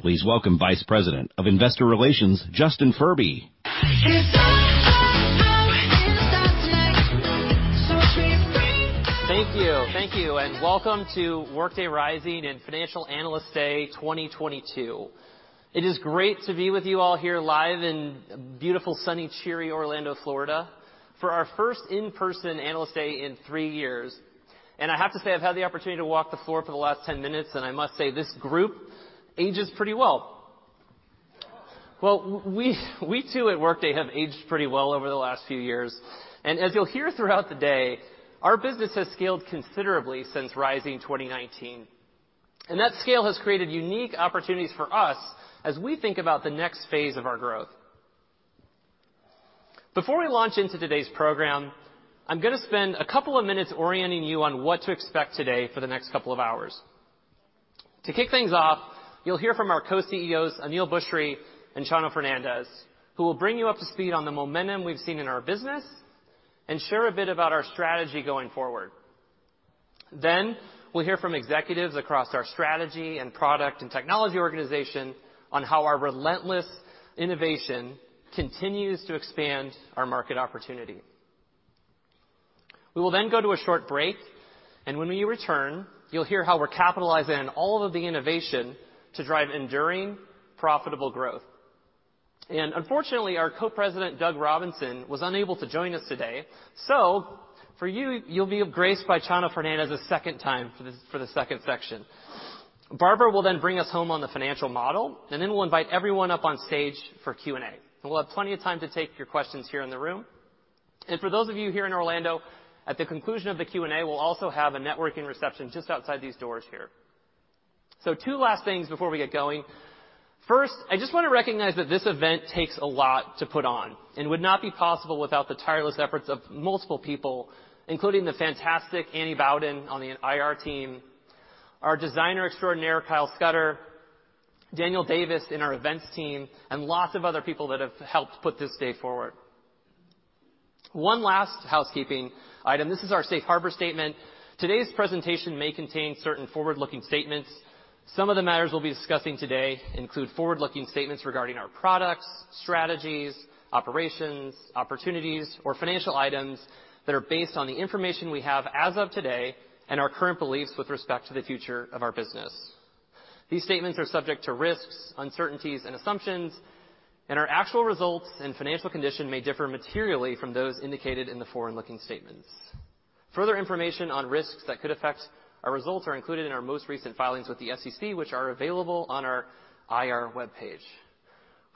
Please welcome Vice President of Investor Relations, Justin Furby. Thank you. Thank you, and welcome to Workday Rising and Financial Analyst Day 2022. It is great to be with you all here live in beautiful, sunny, cheery Orlando, Florida for our first in-person Analyst Day in three years. I have to say, I've had the opportunity to walk the floor for the last 10 minutes, and I must say, this group ages pretty well. Well, we too at Workday have aged pretty well over the last few years. As you'll hear throughout the day, our business has scaled considerably since Rising 2019. That scale has created unique opportunities for us as we think about the next phase of our growth. Before we launch into today's program, I'm gonna spend a couple of minutes orienting you on what to expect today for the next couple of hours. To kick things off, you'll hear from our Co-CEOs, Aneel Bhusri and Chano Fernandez, who will bring you up to speed on the momentum we've seen in our business and share a bit about our strategy going forward. We'll hear from executives across our strategy and product and technology organization on how our relentless innovation continues to expand our market opportunity. We will then go to a short break, and when we return, you'll hear how we're capitalizing on all of the innovation to drive enduring, profitable growth. Unfortunately, our Co-President, Doug Robinson, was unable to join us today. For you'll be graced by Chano Fernandez a second time for the second section. Barbara will then bring us home on the financial model, and then we'll invite everyone up on stage for Q and A. We'll have plenty of time to take your questions here in the room. For those of you here in Orlando, at the conclusion of the Q and A, we'll also have a networking reception just outside these doors here. Two last things before we get going. First, I just wanna recognize that this event takes a lot to put on and would not be possible without the tireless efforts of multiple people, including the fantastic Annie Bowden on the IR team, our designer extraordinaire, Kyle Scudder, Daniel Davis in our events team, and lots of other people that have helped put this day forward. One last housekeeping item. This is our safe harbor statement. Today's presentation may contain certain forward-looking statements. Some of the matters we'll be discussing today include forward-looking statements regarding our products, strategies, operations, opportunities, or financial items that are based on the information we have as of today and our current beliefs with respect to the future of our business. These statements are subject to risks, uncertainties and assumptions, and our actual results and financial condition may differ materially from those indicated in the forward-looking statements. Further information on risks that could affect our results are included in our most recent filings with the SEC, which are available on our IR webpage.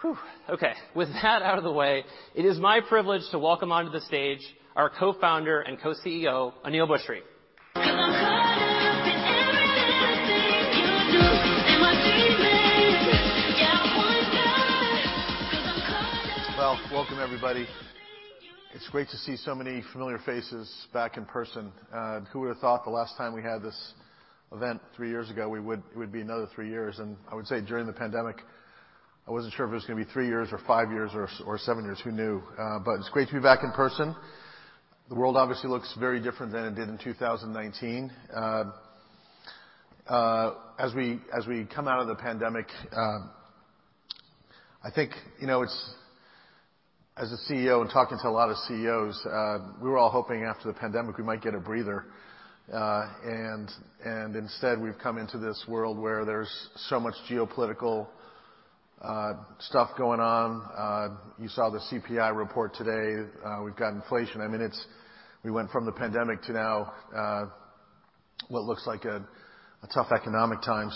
Phew, okay. With that out of the way, it is my privilege to welcome onto the stage our co-founder and co-CEO, Aneel Bhusri. Well, welcome everybody. It's great to see so many familiar faces back in person. Who would've thought the last time we had this event three years ago, it would be another three years. I would say during the pandemic, I wasn't sure if it was gonna be three years or five years or seven years. Who knew? It's great to be back in person. The world obviously looks very different than it did in 2019. As we come out of the pandemic, I think, you know, it's as a CEO and talking to a lot of CEOs, we were all hoping after the pandemic, we might get a breather. And instead, we've come into this world where there's so much geopolitical stuff going on. You saw the CPI report today. We've got inflation. I mean, we went from the pandemic to now, what looks like a tough economic time.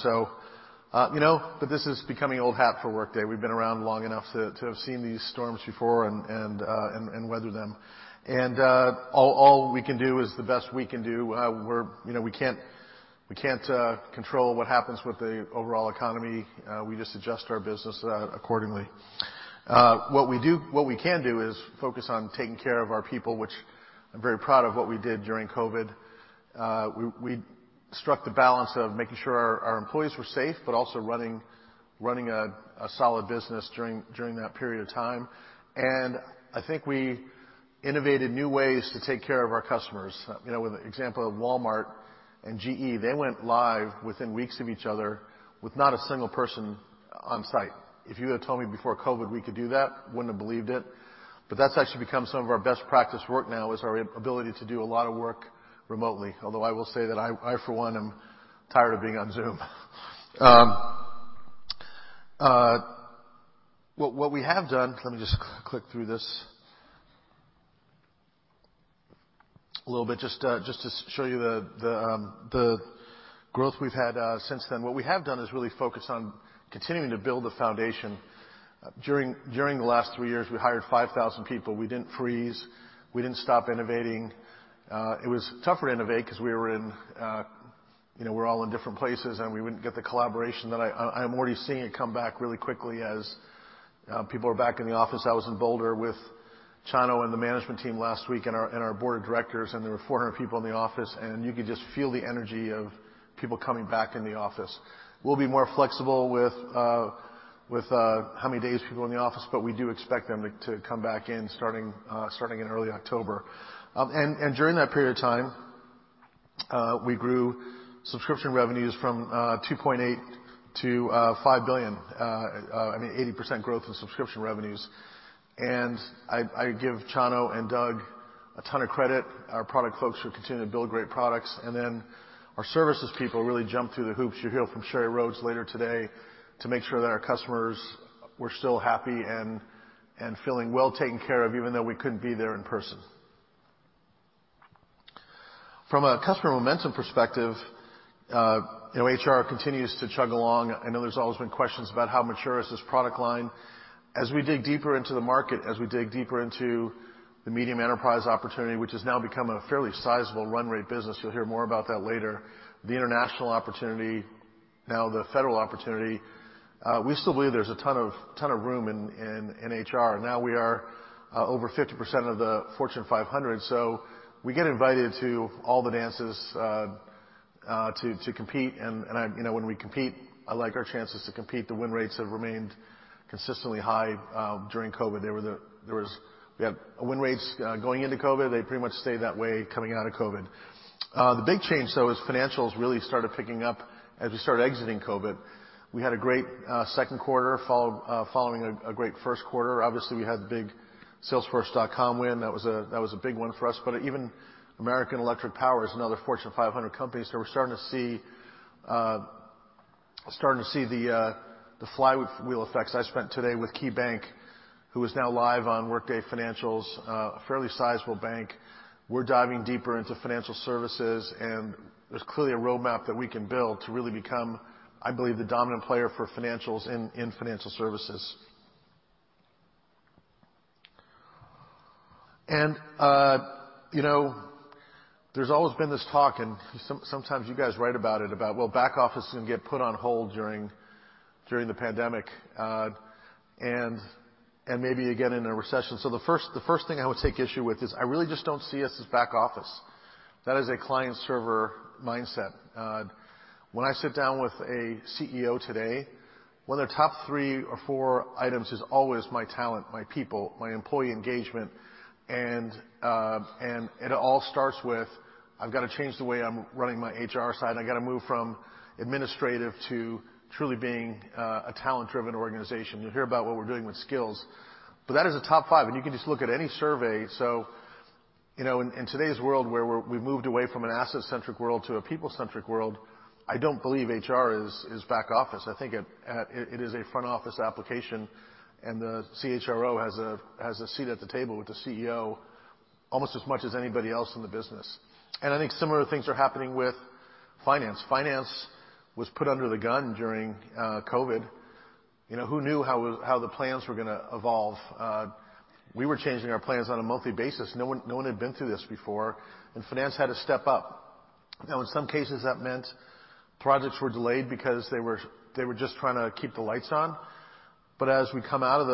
You know, but this is becoming old hat for Workday. We've been around long enough to have seen these storms before and weather them. All we can do is the best we can do. You know, we can't control what happens with the overall economy. We just adjust our business accordingly. What we can do is focus on taking care of our people, which I'm very proud of what we did during COVID. We struck the balance of making sure our employees were safe but also running a solid business during that period of time. I think we innovated new ways to take care of our customers. You know, with the example of Walmart and GE, they went live within weeks of each other with not a single person on site. If you had told me before COVID we could do that, wouldn't have believed it. But that's actually become some of our best practice work now, is our ability to do a lot of work remotely. Although I will say that I, for one, am tired of being on Zoom. What we have done. Let me just click through this a little bit just to show you the growth we've had since then. What we have done is really focus on continuing to build the foundation. During the last three years, we hired 5,000 people. We didn't freeze. We didn't stop innovating. It was tough to innovate 'cause we were in, you know, we're all in different places, and we wouldn't get the collaboration I'm already seeing it come back really quickly as people are back in the office. I was in Boulder with Chano and the management team last week and our board of directors, and there were 400 people in the office, and you could just feel the energy of people coming back in the office. We'll be more flexible with how many days people are in the office, but we do expect them to come back in starting in early October. During that period of time, we grew subscription revenues from $2.8 billion to $5 billion. I mean, 80% growth in subscription revenues. I give Chano and Doug a ton of credit, our product folks who continue to build great products, and then our services people really jump through the hoops. You'll hear from Sheri Rhodes later today to make sure that our customers were still happy and feeling well taken care of, even though we couldn't be there in person. From a customer momentum perspective, you know, HR continues to chug along. I know there's always been questions about how mature is this product line. As we dig deeper into the market, as we dig deeper into the medium enterprise opportunity, which has now become a fairly sizable run rate business, you'll hear more about that later. The international opportunity, now the federal opportunity, we still believe there's a ton of room in HR. Now we are over 50% of the Fortune 500, so we get invited to all the dances to compete. I mean, you know, when we compete, I like our chances to compete. The win rates have remained consistently high during COVID. We had win rates going into COVID. They pretty much stayed that way coming out of COVID. The big change though is financials really started picking up as we started exiting COVID. We had a great second quarter following a great first quarter. Obviously, we had the big Salesforce win. That was a big one for us. Even American Electric Power is another Fortune 500 company. We're starting to see the flywheel effects. I spent today with KeyBank, who is now live on Workday Financials, a fairly sizable bank. We're diving deeper into financial services, and there's clearly a roadmap that we can build to really become, I believe, the dominant player for financials in financial services. You know, there's always been this talk, and sometimes you guys write about it, about, well, back office is gonna get put on hold during the pandemic, and maybe again in a recession. The first thing I would take issue with is I really just don't see us as back office. That is a client-server mindset. When I sit down with a CEO today, one of their top three or four items is always my talent, my people, my employee engagement, and it all starts with, "I've got to change the way I'm running my HR side. I've got to move from administrative to truly being a talent-driven organization." You'll hear about what we're doing with skills. But that is a top five, and you can just look at any survey. You know, in today's world, where we've moved away from an asset-centric world to a people-centric world, I don't believe HR is back office. I think it is a front office application, and the CHRO has a seat at the table with the CEO almost as much as anybody else in the business. I think similar things are happening with finance. Finance was put under the gun during COVID. You know, who knew how the plans were gonna evolve? We were changing our plans on a monthly basis. No one had been through this before, and finance had to step up. Now, in some cases, that meant projects were delayed because they were just trying to keep the lights on. As we come out of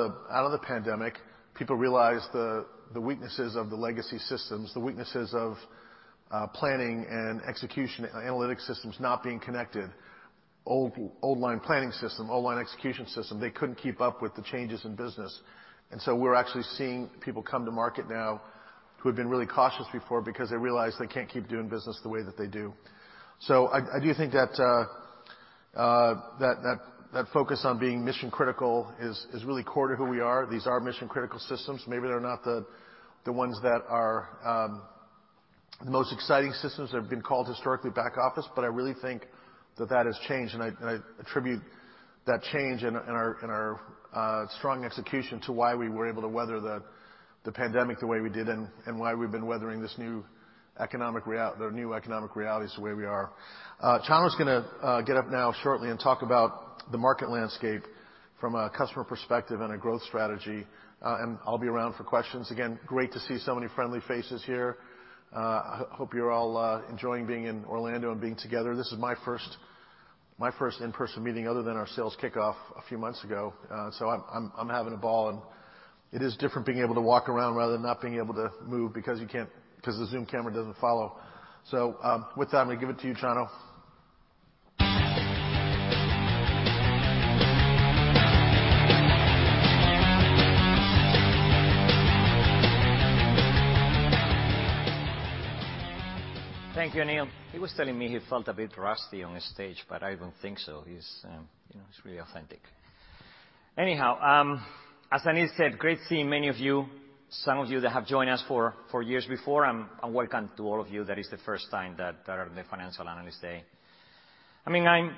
the pandemic, people realize the weaknesses of the legacy systems, the weaknesses of planning and execution, analytic systems not being connected. Old line planning system, old line execution system, they couldn't keep up with the changes in business. We're actually seeing people come to market now who have been really cautious before because they realize they can't keep doing business the way that they do. I do think that focus on being mission-critical is really core to who we are. These are mission-critical systems. Maybe they're not the ones that are the most exciting systems that have been called historically back office, but I really think that has changed. I attribute that change and our strong execution to why we were able to weather the pandemic the way we did and why we've been weathering this new economic realities the way we are. Chano's gonna get up now shortly and talk about the market landscape from a customer perspective and a growth strategy. I'll be around for questions. Again, great to see so many friendly faces here. I hope you're all enjoying being in Orlando and being together. This is my first in-person meeting other than our sales kickoff a few months ago. I'm having a ball. It is different being able to walk around rather than not being able to move because the Zoom camera doesn't follow. With that, I'm gonna give it to you, Chano. Thank you, Aneel. He was telling me he felt a bit rusty on the stage, but I don't think so. He's, you know, he's really authentic. Anyhow, as Aneel said, great seeing many of you, some of you that have joined us for years before. Welcome to all of you, that is the first time that are in the Financial Analyst Day. I mean, I'm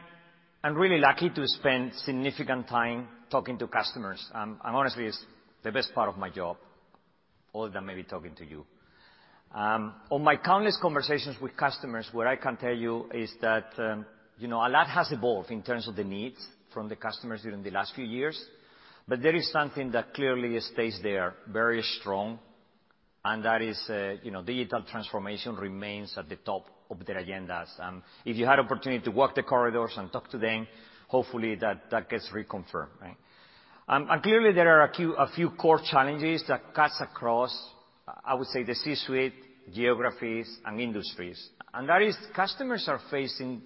really lucky to spend significant time talking to customers. Honestly, it's the best part of my job, other than maybe talking to you. On my countless conversations with customers, what I can tell you is that, you know, a lot has evolved in terms of the needs from the customers during the last few years, but there is something that clearly stays there very strong, and that is, you know, digital transformation remains at the top of their agendas. If you had opportunity to walk the corridors and talk to them, hopefully that gets reconfirmed, right? Clearly there are a few core challenges that cuts across, I would say the C-suite, geographies and industries. That is customers are facing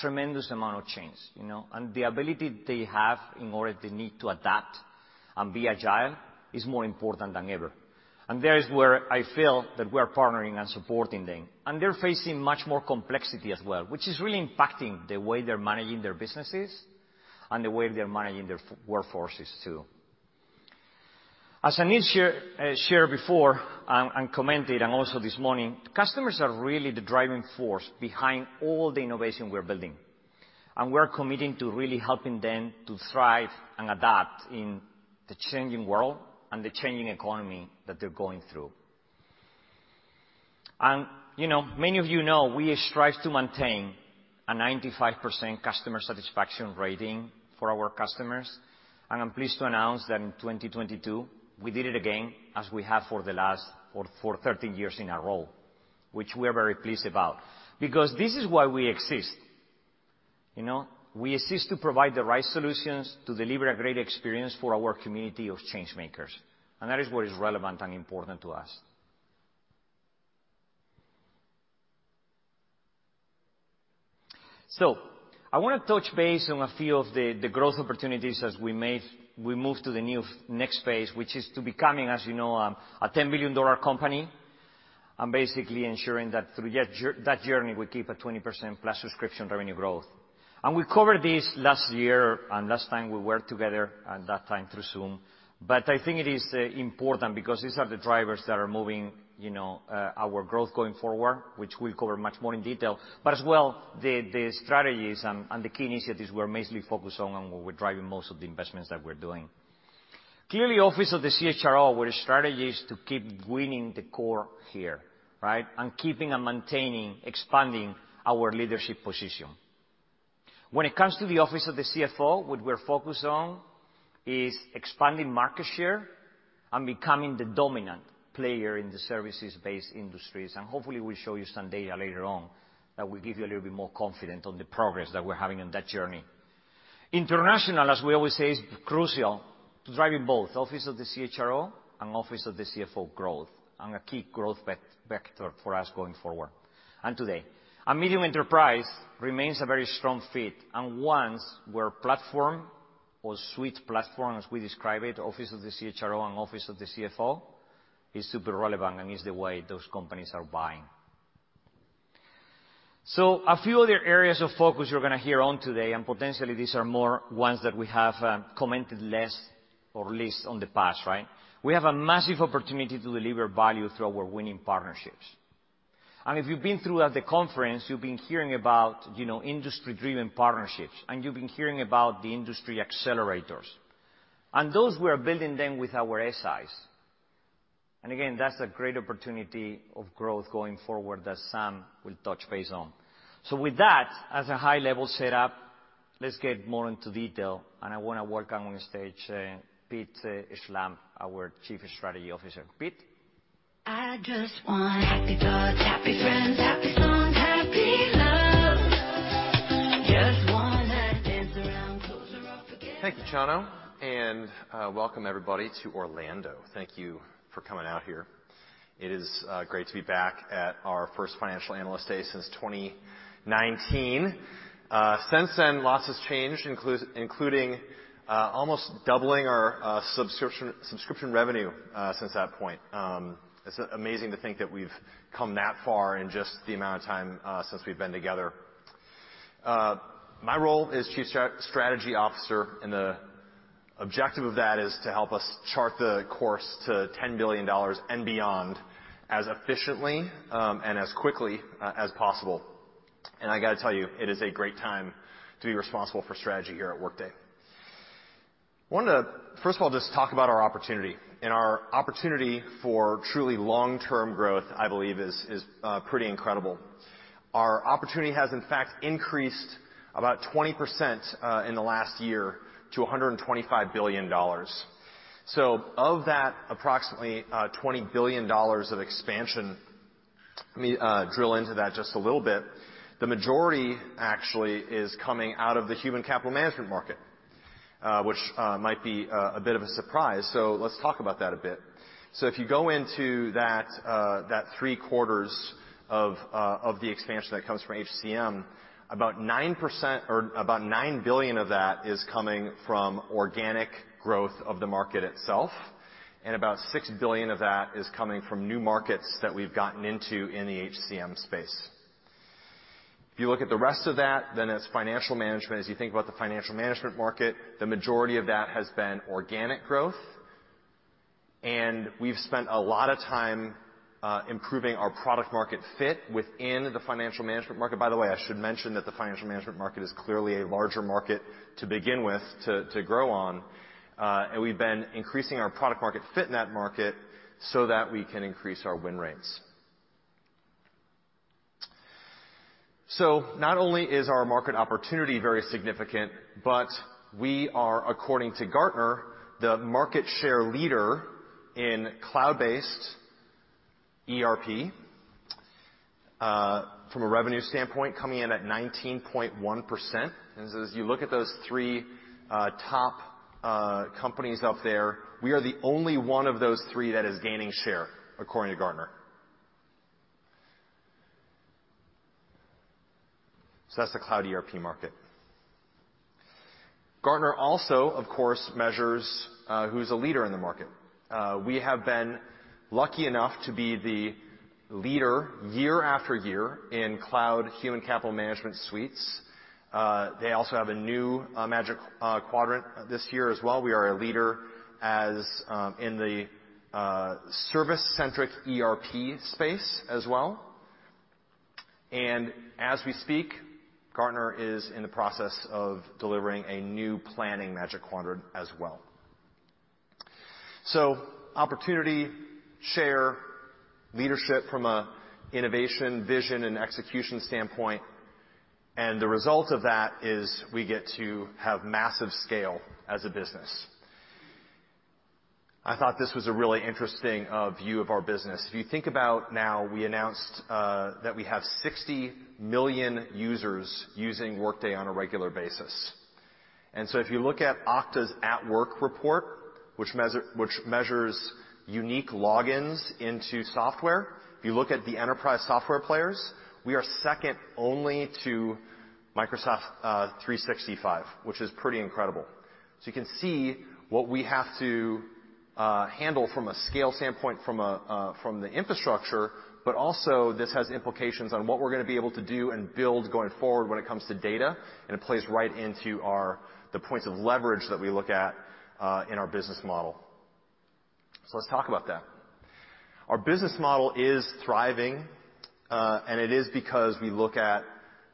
tremendous amount of change, you know, and the ability they have in order the need to adapt and be agile is more important than ever. There is where I feel that we are partnering and supporting them. They're facing much more complexity as well, which is really impacting the way they're managing their businesses and the way they're managing their workforces too. As Aneel shared before, and commented and also this morning, customers are really the driving force behind all the innovation we're building, and we're committing to really helping them to thrive and adapt in the changing world and the changing economy that they're going through. You know, many of you know we strive to maintain a 95% customer satisfaction rating for our customers. I'm pleased to announce that in 2022 we did it again, as we have for the last 13 years in a row, which we are very pleased about, because this is why we exist. You know? We exist to provide the right solutions to deliver a great experience for our community of change-makers, and that is what is relevant and important to us. I wanna touch base on a few of the growth opportunities as we move to the new next phase, which is to becoming, as you know, a $10 billion company, and basically ensuring that through that journey, we keep a 20%+ subscription revenue growth. We covered this last year and last time we were together, at that time through Zoom, but I think it is important because these are the drivers that are moving, you know, our growth going forward, which we'll cover much more in detail. As well, the strategies and the key initiatives we're mainly focused on and where we're driving most of the investments that we're doing. Clearly, Office of the CHRO, where the strategy is to keep winning the core here, right? Keeping and maintaining, expanding our leadership position. When it comes to the Office of the CFO, what we're focused on is expanding market share and becoming the dominant player in the services-based industries. Hopefully, we'll show you some data later on that will give you a little bit more confidence on the progress that we're having on that journey. International, as we always say, is crucial to driving both Office of the CHRO and Office of the CFO growth and a key growth vector for us going forward. Today, a medium enterprise remains a very strong fit, and once where platform or suite platform, as we describe it, office of the CHRO and office of the CFO, is super relevant and is the way those companies are buying. A few other areas of focus you're gonna hear on today, and potentially these are more ones that we have commented less on the past, right? We have a massive opportunity to deliver value through our winning partnerships. If you've been through at the conference, you've been hearing about, you know, industry-driven partnerships, and you've been hearing about the Industry Accelerators. Those we are building them with our SIs. Again, that's a great opportunity of growth going forward that Sam will touch base on. With that as a high-level setup, let's get more into detail, and I wanna welcome on stage, Pete Schlampp, our Chief Strategy Officer. Pete. I just want happy thoughts, happy friends, happy songs, happy love. Just wanna dance around, clothes are off, forget about. Thank you, Chano, and welcome everybody to Orlando. Thank you for coming out here. It is great to be back at our first Financial Analyst Day since 2019. Since then, lots has changed, including almost doubling our subscription revenue since that point. It's amazing to think that we've come that far in just the amount of time since we've been together. My role is Chief Strategy Officer, and the objective of that is to help us chart the course to $10 billion and beyond as efficiently and as quickly as possible. I gotta tell you, it is a great time to be responsible for strategy here at Workday. I wanted to, first of all, just talk about our opportunity, and our opportunity for truly long-term growth, I believe is pretty incredible. Our opportunity has in fact increased about 20%, in the last year to $125 billion. Of that, approximately, $20 billion of expansion, let me drill into that just a little bit. The majority actually is coming out of the human capital management market, which might be a bit of a surprise. Let's talk about that a bit. If you go into that three-quarters of the expansion that comes from HCM, about 9% or about $9 billion of that is coming from organic growth of the market itself, and about $6 billion of that is coming from new markets that we've gotten into in the HCM space. If you look at the rest of that, then it's financial management. As you think about the financial management market, the majority of that has been organic growth, and we've spent a lot of time improving our product market fit within the financial management market. By the way, I should mention that the financial management market is clearly a larger market to begin with, to grow on. We've been increasing our product market fit in that market so that we can increase our win rates. Not only is our market opportunity very significant, but we are, according to Gartner, the market share leader in cloud-based ERP from a revenue standpoint, coming in at 19.1%. As you look at those three top companies up there, we are the only one of those three that is gaining share according to Gartner. That's the cloud ERP market. Gartner also, of course, measures who's a leader in the market. We have been lucky enough to be the leader year after year in cloud human capital management suites. They also have a new Magic Quadrant this year as well. We are a leader in the service centric ERP space as well. As we speak, Gartner is in the process of delivering a new planning Magic Quadrant as well. Opportunity, share, leadership from a innovation, vision, and execution standpoint. The result of that is we get to have massive scale as a business. I thought this was a really interesting view of our business. If you think about now, we announced that we have 60 million users using Workday on a regular basis. If you look at Okta's At Work report, which measures unique logins into software, if you look at the enterprise software players, we are second only to Microsoft 365, which is pretty incredible. You can see what we have to handle from a scale standpoint from the infrastructure, but also this has implications on what we're gonna be able to do and build going forward when it comes to data, and it plays right into the points of leverage that we look at in our business model. Let's talk about that. Our business model is thriving, and it is because we look at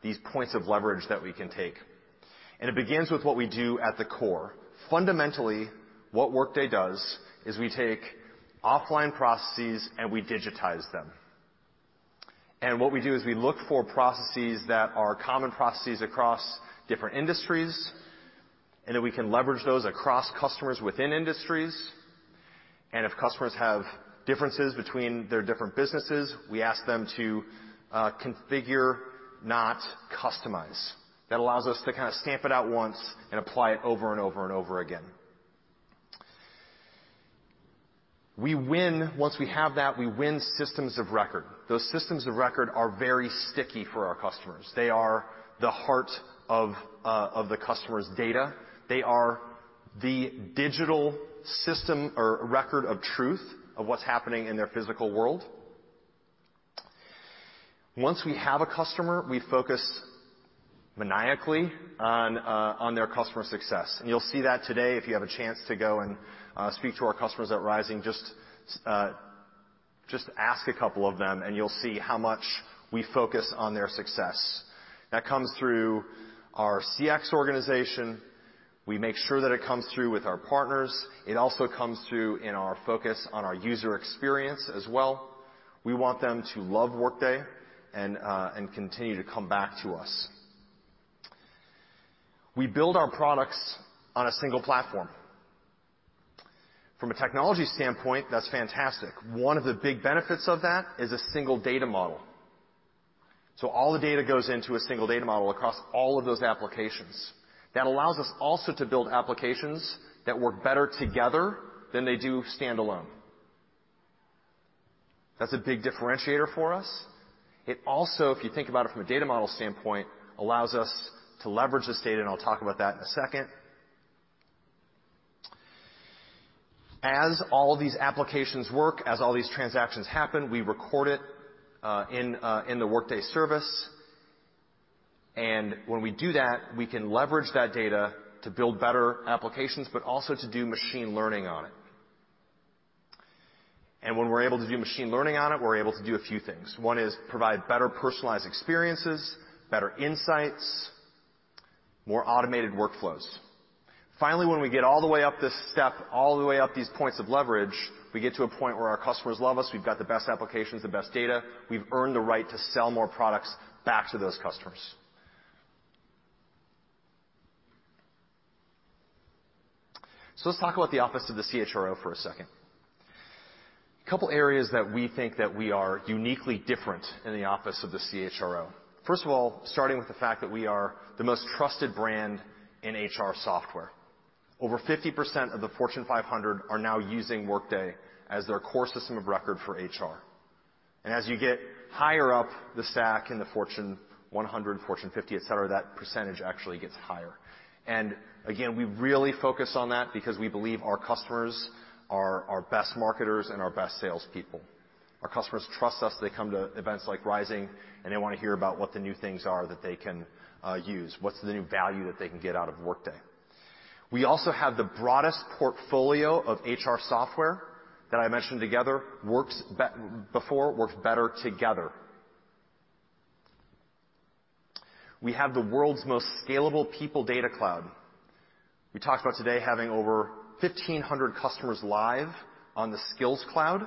these points of leverage that we can take. It begins with what we do at the core. Fundamentally, what Workday does is we take offline processes, and we digitize them. What we do is we look for processes that are common processes across different industries, and then we can leverage those across customers within industries. If customers have differences between their different businesses, we ask them to configure, not customize. That allows us to kind of stamp it out once and apply it over and over and over again. We win. Once we have that, we win systems of record. Those systems of record are very sticky for our customers. They are the heart of the customer's data. They are the digital system or record of truth of what's happening in their physical world. Once we have a customer, we focus maniacally on their customer success. You'll see that today if you have a chance to go and speak to our customers at Rising. Just ask a couple of them, and you'll see how much we focus on their success. That comes through our CX organization. We make sure that it comes through with our partners. It also comes through in our focus on our user experience as well. We want them to love Workday and continue to come back to us. We build our products on a single platform. From a technology standpoint, that's fantastic. One of the big benefits of that is a single data model. So all the data goes into a single data model across all of those applications. That allows us also to build applications that work better together than they do standalone. That's a big differentiator for us. It also, if you think about it from a data model standpoint, allows us to leverage this data, and I'll talk about that in a second. As all of these applications work, as all these transactions happen, we record it in the Workday service. When we do that, we can leverage that data to build better applications, but also to do machine learning on it. When we're able to do machine learning on it, we're able to do a few things. One is provide better personalized experiences, better insights, more automated workflows. Finally, when we get all the way up this step, all the way up these points of leverage, we get to a point where our customers love us. We've got the best applications, the best data. We've earned the right to sell more products back to those customers. Let's talk about the office of the CHRO for a second. A couple areas that we think that we are uniquely different in the office of the CHRO. First of all, starting with the fact that we are the most trusted brand in HR software. Over 50% of the Fortune 500 are now using Workday as their core system of record for HR. As you get higher up the stack in the Fortune 100, Fortune 50, et cetera, that percentage actually gets higher. Again, we really focus on that because we believe our customers are our best marketers and our best salespeople. Our customers trust us. They come to events like Workday Rising, and they wanna hear about what the new things are that they can use, what's the new value that they can get out of Workday. We also have the broadest portfolio of HR software that I mentioned together. Workday works better together. We have the world's most scalable people data cloud. We talked about today having over 1,500 customers live on the Skills Cloud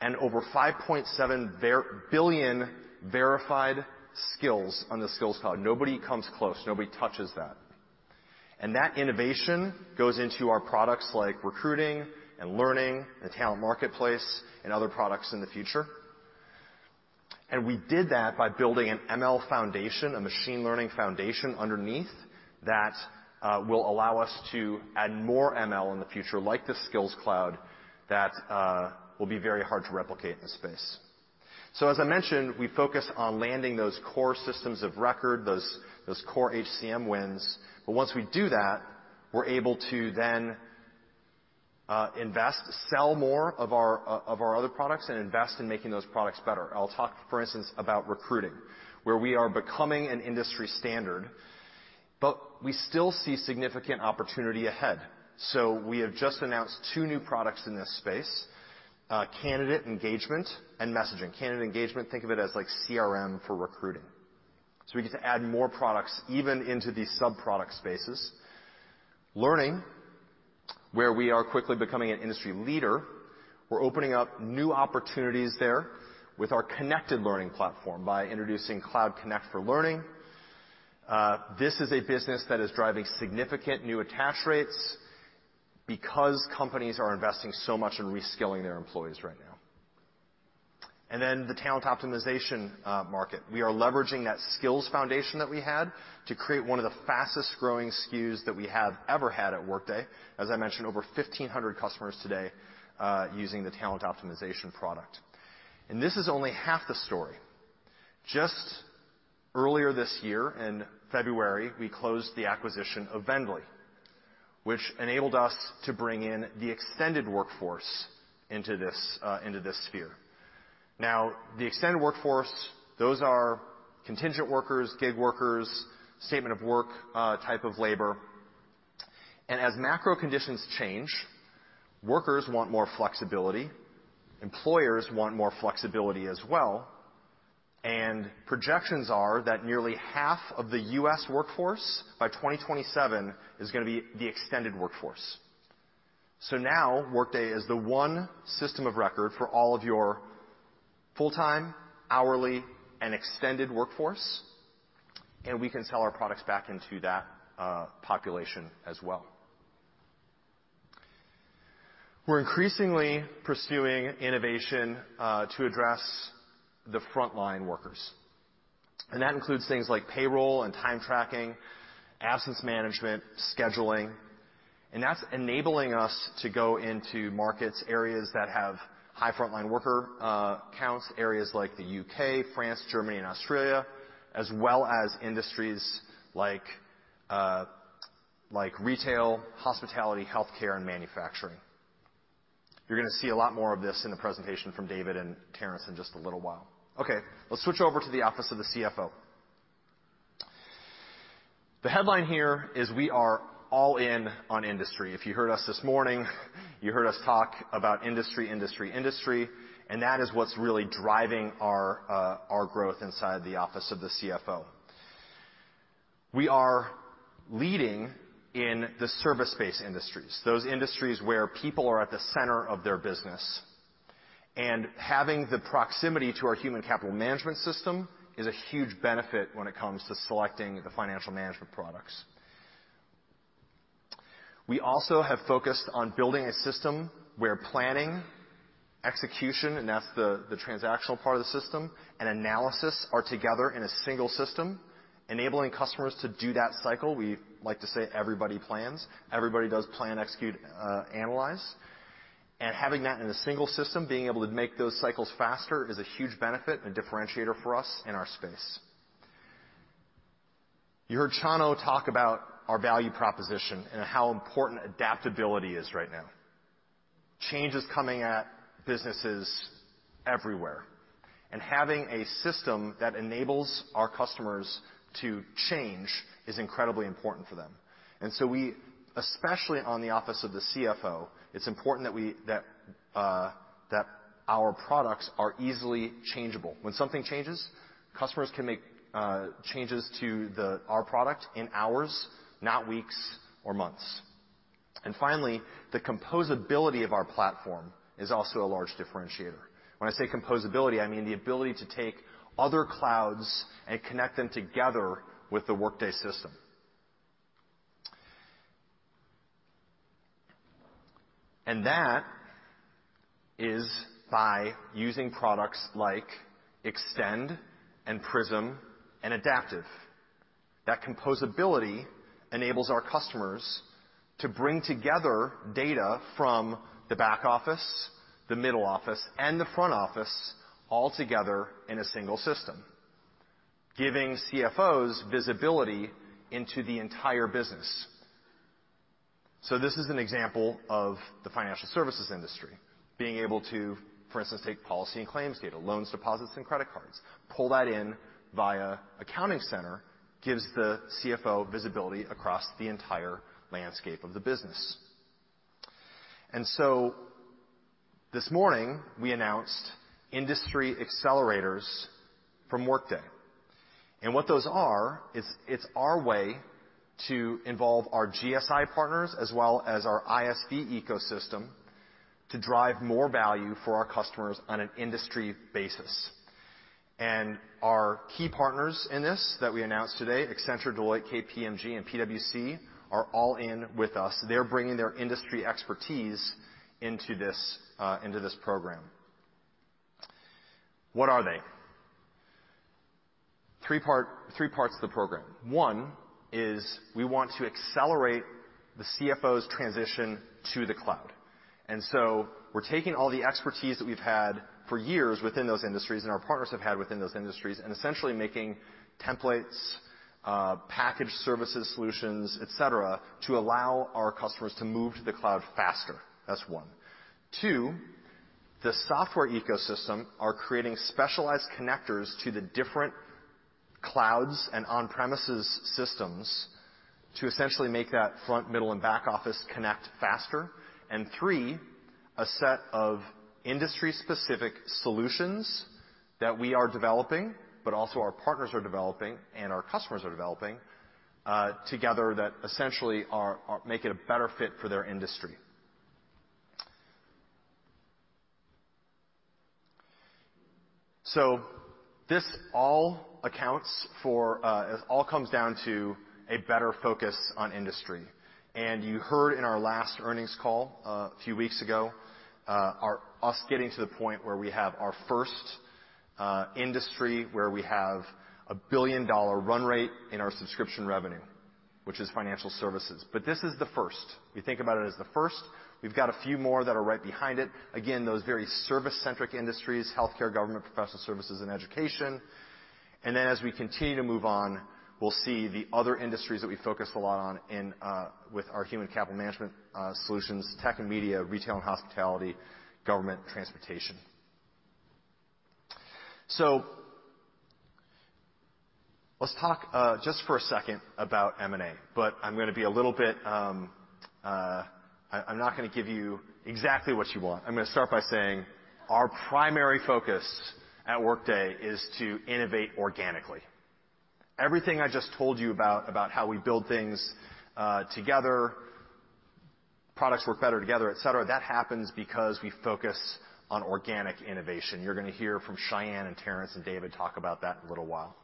and over 5.7 billion verified skills on the Skills Cloud. Nobody comes close. Nobody touches that. That innovation goes into our products like recruiting and learning and talent marketplace and other products in the future. We did that by building an ML foundation, a machine learning foundation underneath that will allow us to add more ML in the future, like the Skills Cloud that will be very hard to replicate in the space. As I mentioned, we focus on landing those core systems of record, those core HCM wins. Once we do that, we're able to then invest, sell more of our other products and invest in making those products better. I'll talk, for instance, about recruiting, where we are becoming an industry standard, but we still see significant opportunity ahead. We have just announced two new products in this space, candidate engagement and messaging. Candidate engagement, think of it as like CRM for recruiting. We get to add more products even into these sub-product spaces. Learning, where we are quickly becoming an industry leader. We're opening up new opportunities there with our connected learning platform by introducing Cloud Connect for Learning. This is a business that is driving significant new attach rates because companies are investing so much in reskilling their employees right now. The talent optimization market. We are leveraging that skills foundation that we had to create one of the fastest-growing SKUs that we have ever had at Workday. As I mentioned, over 1,500 customers today using the talent optimization product. This is only half the story. Just earlier this year, in February, we closed the acquisition of VNDLY, which enabled us to bring in the extended workforce into this sphere. Now, the extended workforce, those are contingent workers, gig workers, statement of work type of labor. As macro conditions change, workers want more flexibility. Employers want more flexibility as well. Projections are that nearly half of the U.S. workforce by 2027 is gonna be the extended workforce. Now Workday is the one system of record for all of your full-time, hourly, and extended workforce, and we can sell our products back into that population as well. We're increasingly pursuing innovation to address the frontline workers, and that includes things like payroll and time tracking, absence management, scheduling, and that's enabling us to go into markets, areas that have high frontline worker counts, areas like the U.K., France, Germany, and Australia, as well as industries like retail, hospitality, healthcare, and manufacturing. You're gonna see a lot more of this in the presentation from David and Terrance in just a little while. Okay. Let's switch over to the office of the CFO. The headline here is we are all in on industry. If you heard us this morning, you heard us talk about industry, industry, and that is what's really driving our growth inside the office of the CFO. We are leading in the service-based industries, those industries where people are at the center of their business. Having the proximity to our human capital management system is a huge benefit when it comes to selecting the financial management products. We also have focused on building a system where planning, execution, and that's the transactional part of the system, and analysis are together in a single system, enabling customers to do that cycle. We like to say everybody plans. Everybody does plan, execute, analyze. Having that in a single system, being able to make those cycles faster, is a huge benefit and differentiator for us in our space. You heard Chano talk about our value proposition and how important adaptability is right now. Change is coming at businesses everywhere, and having a system that enables our customers to change is incredibly important for them. We especially, on the office of the CFO, it's important that we, that our products are easily changeable. When something changes, customers can make changes to our product in hours, not weeks or months. Finally, the composability of our platform is also a large differentiator. When I say composability, I mean the ability to take other clouds and connect them together with the Workday system. That is by using products like Extend and Prism and Adaptive. That composability enables our customers to bring together data from the back office, the middle office, and the front office all together in a single system, giving CFOs visibility into the entire business. This is an example of the financial services industry being able to, for instance, take policy and claims data, loans, deposits, and credit cards, pull that in via Accounting Center, gives the CFO visibility across the entire landscape of the business. This morning, we announced Industry Accelerators from Workday. What those are is it's our way to involve our GSI partners as well as our ISV ecosystem to drive more value for our customers on an industry basis. Our key partners in this that we announced today, Accenture, Deloitte, KPMG, and PwC, are all in with us. They're bringing their industry expertise into this, into this program. What are they? Three parts of the program. One is we want to accelerate the CFO's transition to the cloud. We're taking all the expertise that we've had for years within those industries and our partners have had within those industries, and essentially making templates, package services solutions, et cetera, to allow our customers to move to the cloud faster. That's one. Two, the software ecosystem are creating specialized connectors to the different clouds and on-premises systems to essentially make that front, middle, and back office connect faster. Three, a set of industry-specific solutions that we are developing, but also our partners are developing and our customers are developing, together that essentially make it a better fit for their industry. This all accounts for. It all comes down to a better focus on industry. You heard in our last earnings call a few weeks ago, us getting to the point where we have our first industry, where we have a billion-dollar run rate in our subscription revenue, which is financial services. This is the first. We think about it as the first. We've got a few more that are right behind it. Again, those very service-centric industries, healthcare, government, professional services, and education. Then as we continue to move on, we'll see the other industries that we focus a lot on in with our human capital management solutions, tech and media, retail and hospitality, government, transportation. Let's talk just for a second about M&A, but I'm gonna be a little bit, I'm not gonna give you exactly what you want. I'm gonna start by saying our primary focus at Workday is to innovate organically. Everything I just told you about how we build things together, products work better together, et cetera, that happens because we focus on organic innovation. You're gonna hear from Sayan and Terrance and David talk about that in a little while.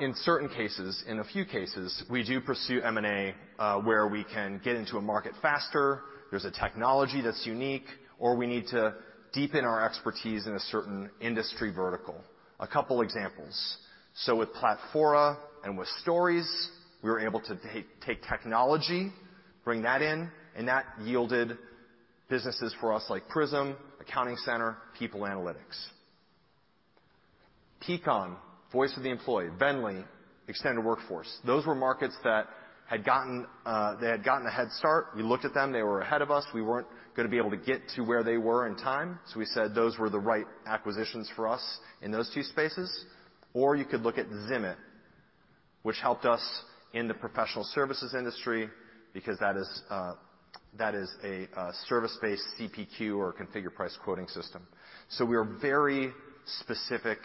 In certain cases, in a few cases, we do pursue M&A, where we can get into a market faster, there's a technology that's unique, or we need to deepen our expertise in a certain industry vertical. A couple examples. With Platfora and with Stories.bi, we were able to take technology, bring that in, and that yielded businesses for us like Prism, Accounting Center, People Analytics. Peakon Employee Voice, VNDLY, Extended Workforce. Those were markets that had gotten a head start. We looked at them, they were ahead of us. We weren't gonna be able to get to where they were in time, so we said those were the right acquisitions for us in those two spaces. You could look at Zimit, which helped us in the professional services industry because that is a service-based CPQ or configure price quoting system. We are very specific.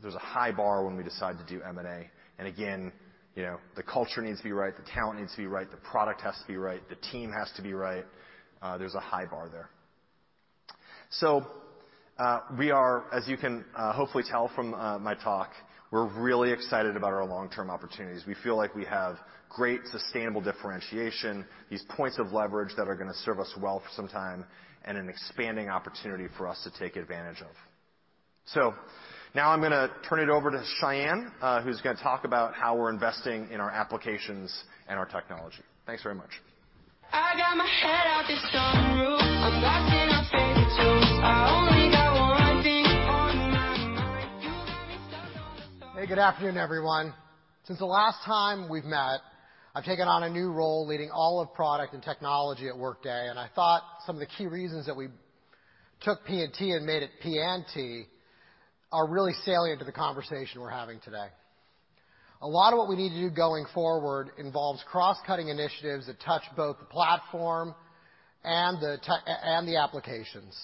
There's a high bar when we decide to do M&A. Again, you know, the culture needs to be right, the talent needs to be right, the product has to be right, the team has to be right. There's a high bar there. We are, as you can hopefully tell from my talk, we're really excited about our long-term opportunities. We feel like we have great sustainable differentiation, these points of leverage that are gonna serve us well for some time, and an expanding opportunity for us to take advantage of. Now I'm gonna turn it over to Sayan, who's gonna talk about how we're investing in our applications and our technology. Thanks very much. I got my head out the sunroof. I'm blasting my favorite tunes. I only got one thing on my mind. You got me stuck on a summer night. Hey, good afternoon, everyone. Since the last time we've met, I've taken on a new role leading all of product and technology at Workday, and I thought some of the key reasons that we took P&T and made it P&T are really salient to the conversation we're having today. A lot of what we need to do going forward involves cross-cutting initiatives that touch both the platform and the applications.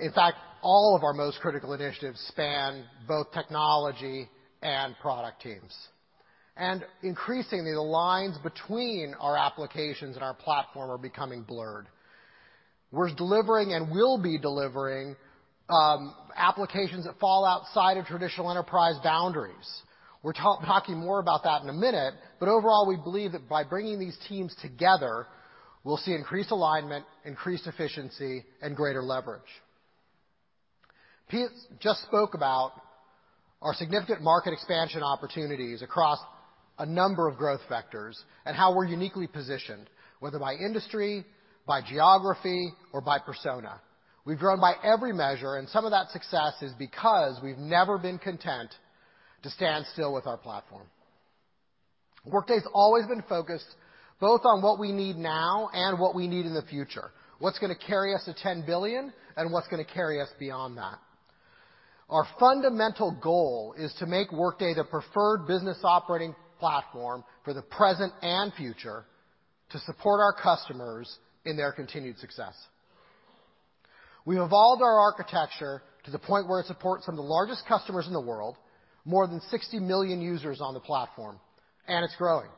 In fact, all of our most critical initiatives span both technology and product teams. Increasingly, the lines between our applications and our platform are becoming blurred. We're delivering and will be delivering applications that fall outside of traditional enterprise boundaries. We're talking more about that in a minute, but overall, we believe that by bringing these teams together, we'll see increased alignment, increased efficiency, and greater leverage. Pete just spoke about our significant market expansion opportunities across a number of growth vectors and how we're uniquely positioned, whether by industry, by geography, or by persona. We've grown by every measure, and some of that success is because we've never been content to stand still with our platform. Workday's always been focused both on what we need now and what we need in the future. What's gonna carry us to 10 billion, and what's gonna carry us beyond that? Our fundamental goal is to make Workday the preferred business operating platform for the present and future to support our customers in their continued success. We've evolved our architecture to the point where it supports some of the largest customers in the world, more than 60 million users on the platform, and it's growing.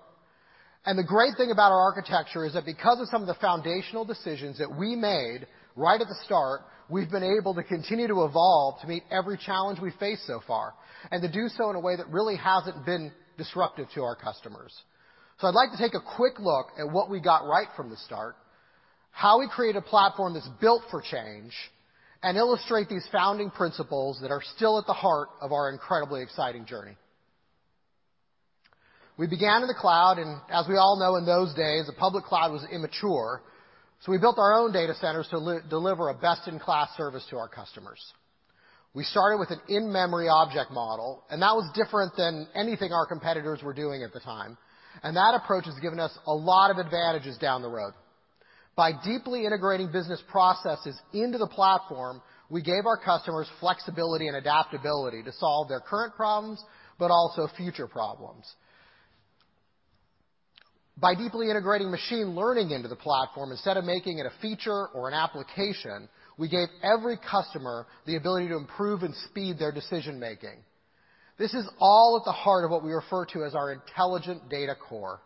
The great thing about our architecture is that because of some of the foundational decisions that we made right at the start, we've been able to continue to evolve to meet every challenge we face so far, and to do so in a way that really hasn't been disruptive to our customers. I'd like to take a quick look at what we got right from the start. How we create a platform that's built for change and illustrate these founding principles that are still at the heart of our incredibly exciting journey. We began in the cloud, and as we all know, in those days, the public cloud was immature. We built our own data centers to deliver a best-in-class service to our customers. We started with an in-memory object model, and that was different than anything our competitors were doing at the time. That approach has given us a lot of advantages down the road. By deeply integrating business processes into the platform, we gave our customers flexibility and adaptability to solve their current problems, but also future problems. By deeply integrating machine learning into the platform instead of making it a feature or an application, we gave every customer the ability to improve and speed their decision-making. This is all at the heart of what we refer to as our intelligent data core.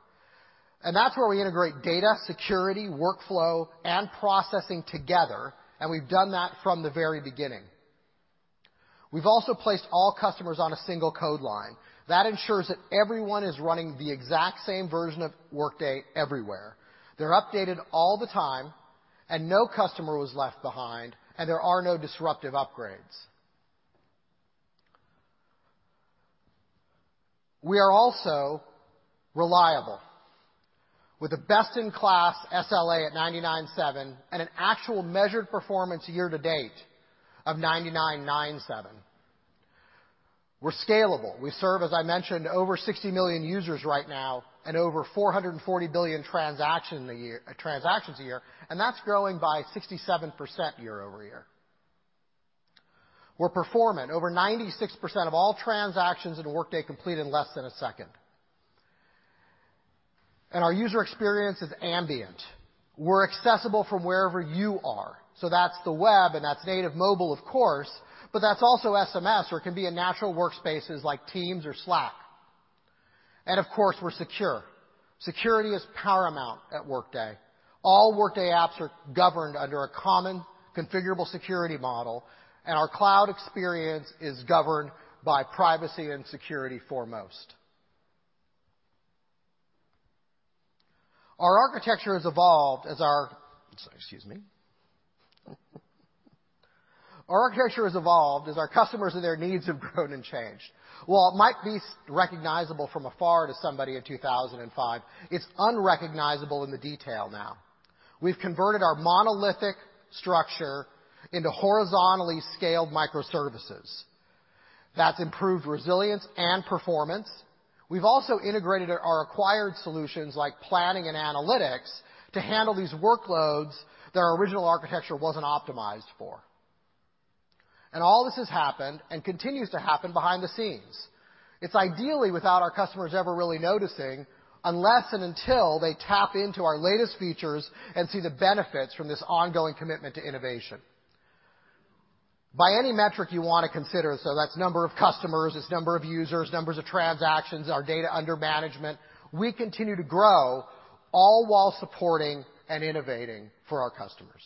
That's where we integrate data security, workflow, and processing together, and we've done that from the very beginning. We've also placed all customers on a single code line. That ensures that everyone is running the exact same version of Workday everywhere. They're updated all the time, and no customer was left behind, and there are no disruptive upgrades. We are also reliable with a best-in-class SLA at 99.7% and an actual measured performance year-to-date of 99.997%. We're scalable. We serve, as I mentioned, over 60 million users right now and over 440 billion transactions a year, and that's growing by 67% year over year. We're performing. Over 96% of all transactions at Workday complete in less than a second. Our user experience is ambient. We're accessible from wherever you are. That's the web and that's native mobile, of course, but that's also SMS or can be in natural workspaces like Teams or Slack. Of course, we're secure. Security is paramount at Workday. All Workday apps are governed under a common configurable security model, and our cloud experience is governed by privacy and security foremost. Our architecture has evolved as our customers and their needs have grown and changed. While it might be recognizable from afar to somebody in 2005, it's unrecognizable in the detail now. We've converted our monolithic structure into horizontally scaled microservices. That's improved resilience and performance. We've also integrated our acquired solutions like planning and analytics to handle these workloads that our original architecture wasn't optimized for. All this has happened and continues to happen behind the scenes. It's ideally without our customers ever really noticing unless and until they tap into our latest features and see the benefits from this ongoing commitment to innovation. By any metric you wanna consider, so that's number of customers, it's number of users, numbers of transactions, our data under management, we continue to grow all while supporting and innovating for our customers.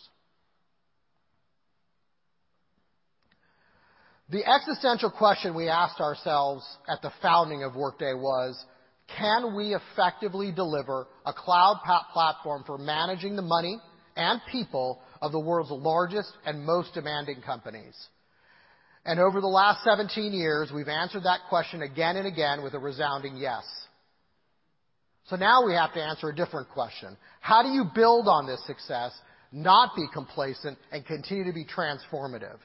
The existential question we asked ourselves at the founding of Workday was, can we effectively deliver a cloud platform for managing the money and people of the world's largest and most demanding companies? Over the last 17 years, we've answered that question again and again with a resounding yes. Now we have to answer a different question: how do you build on this success, not be complacent, and continue to be transformative?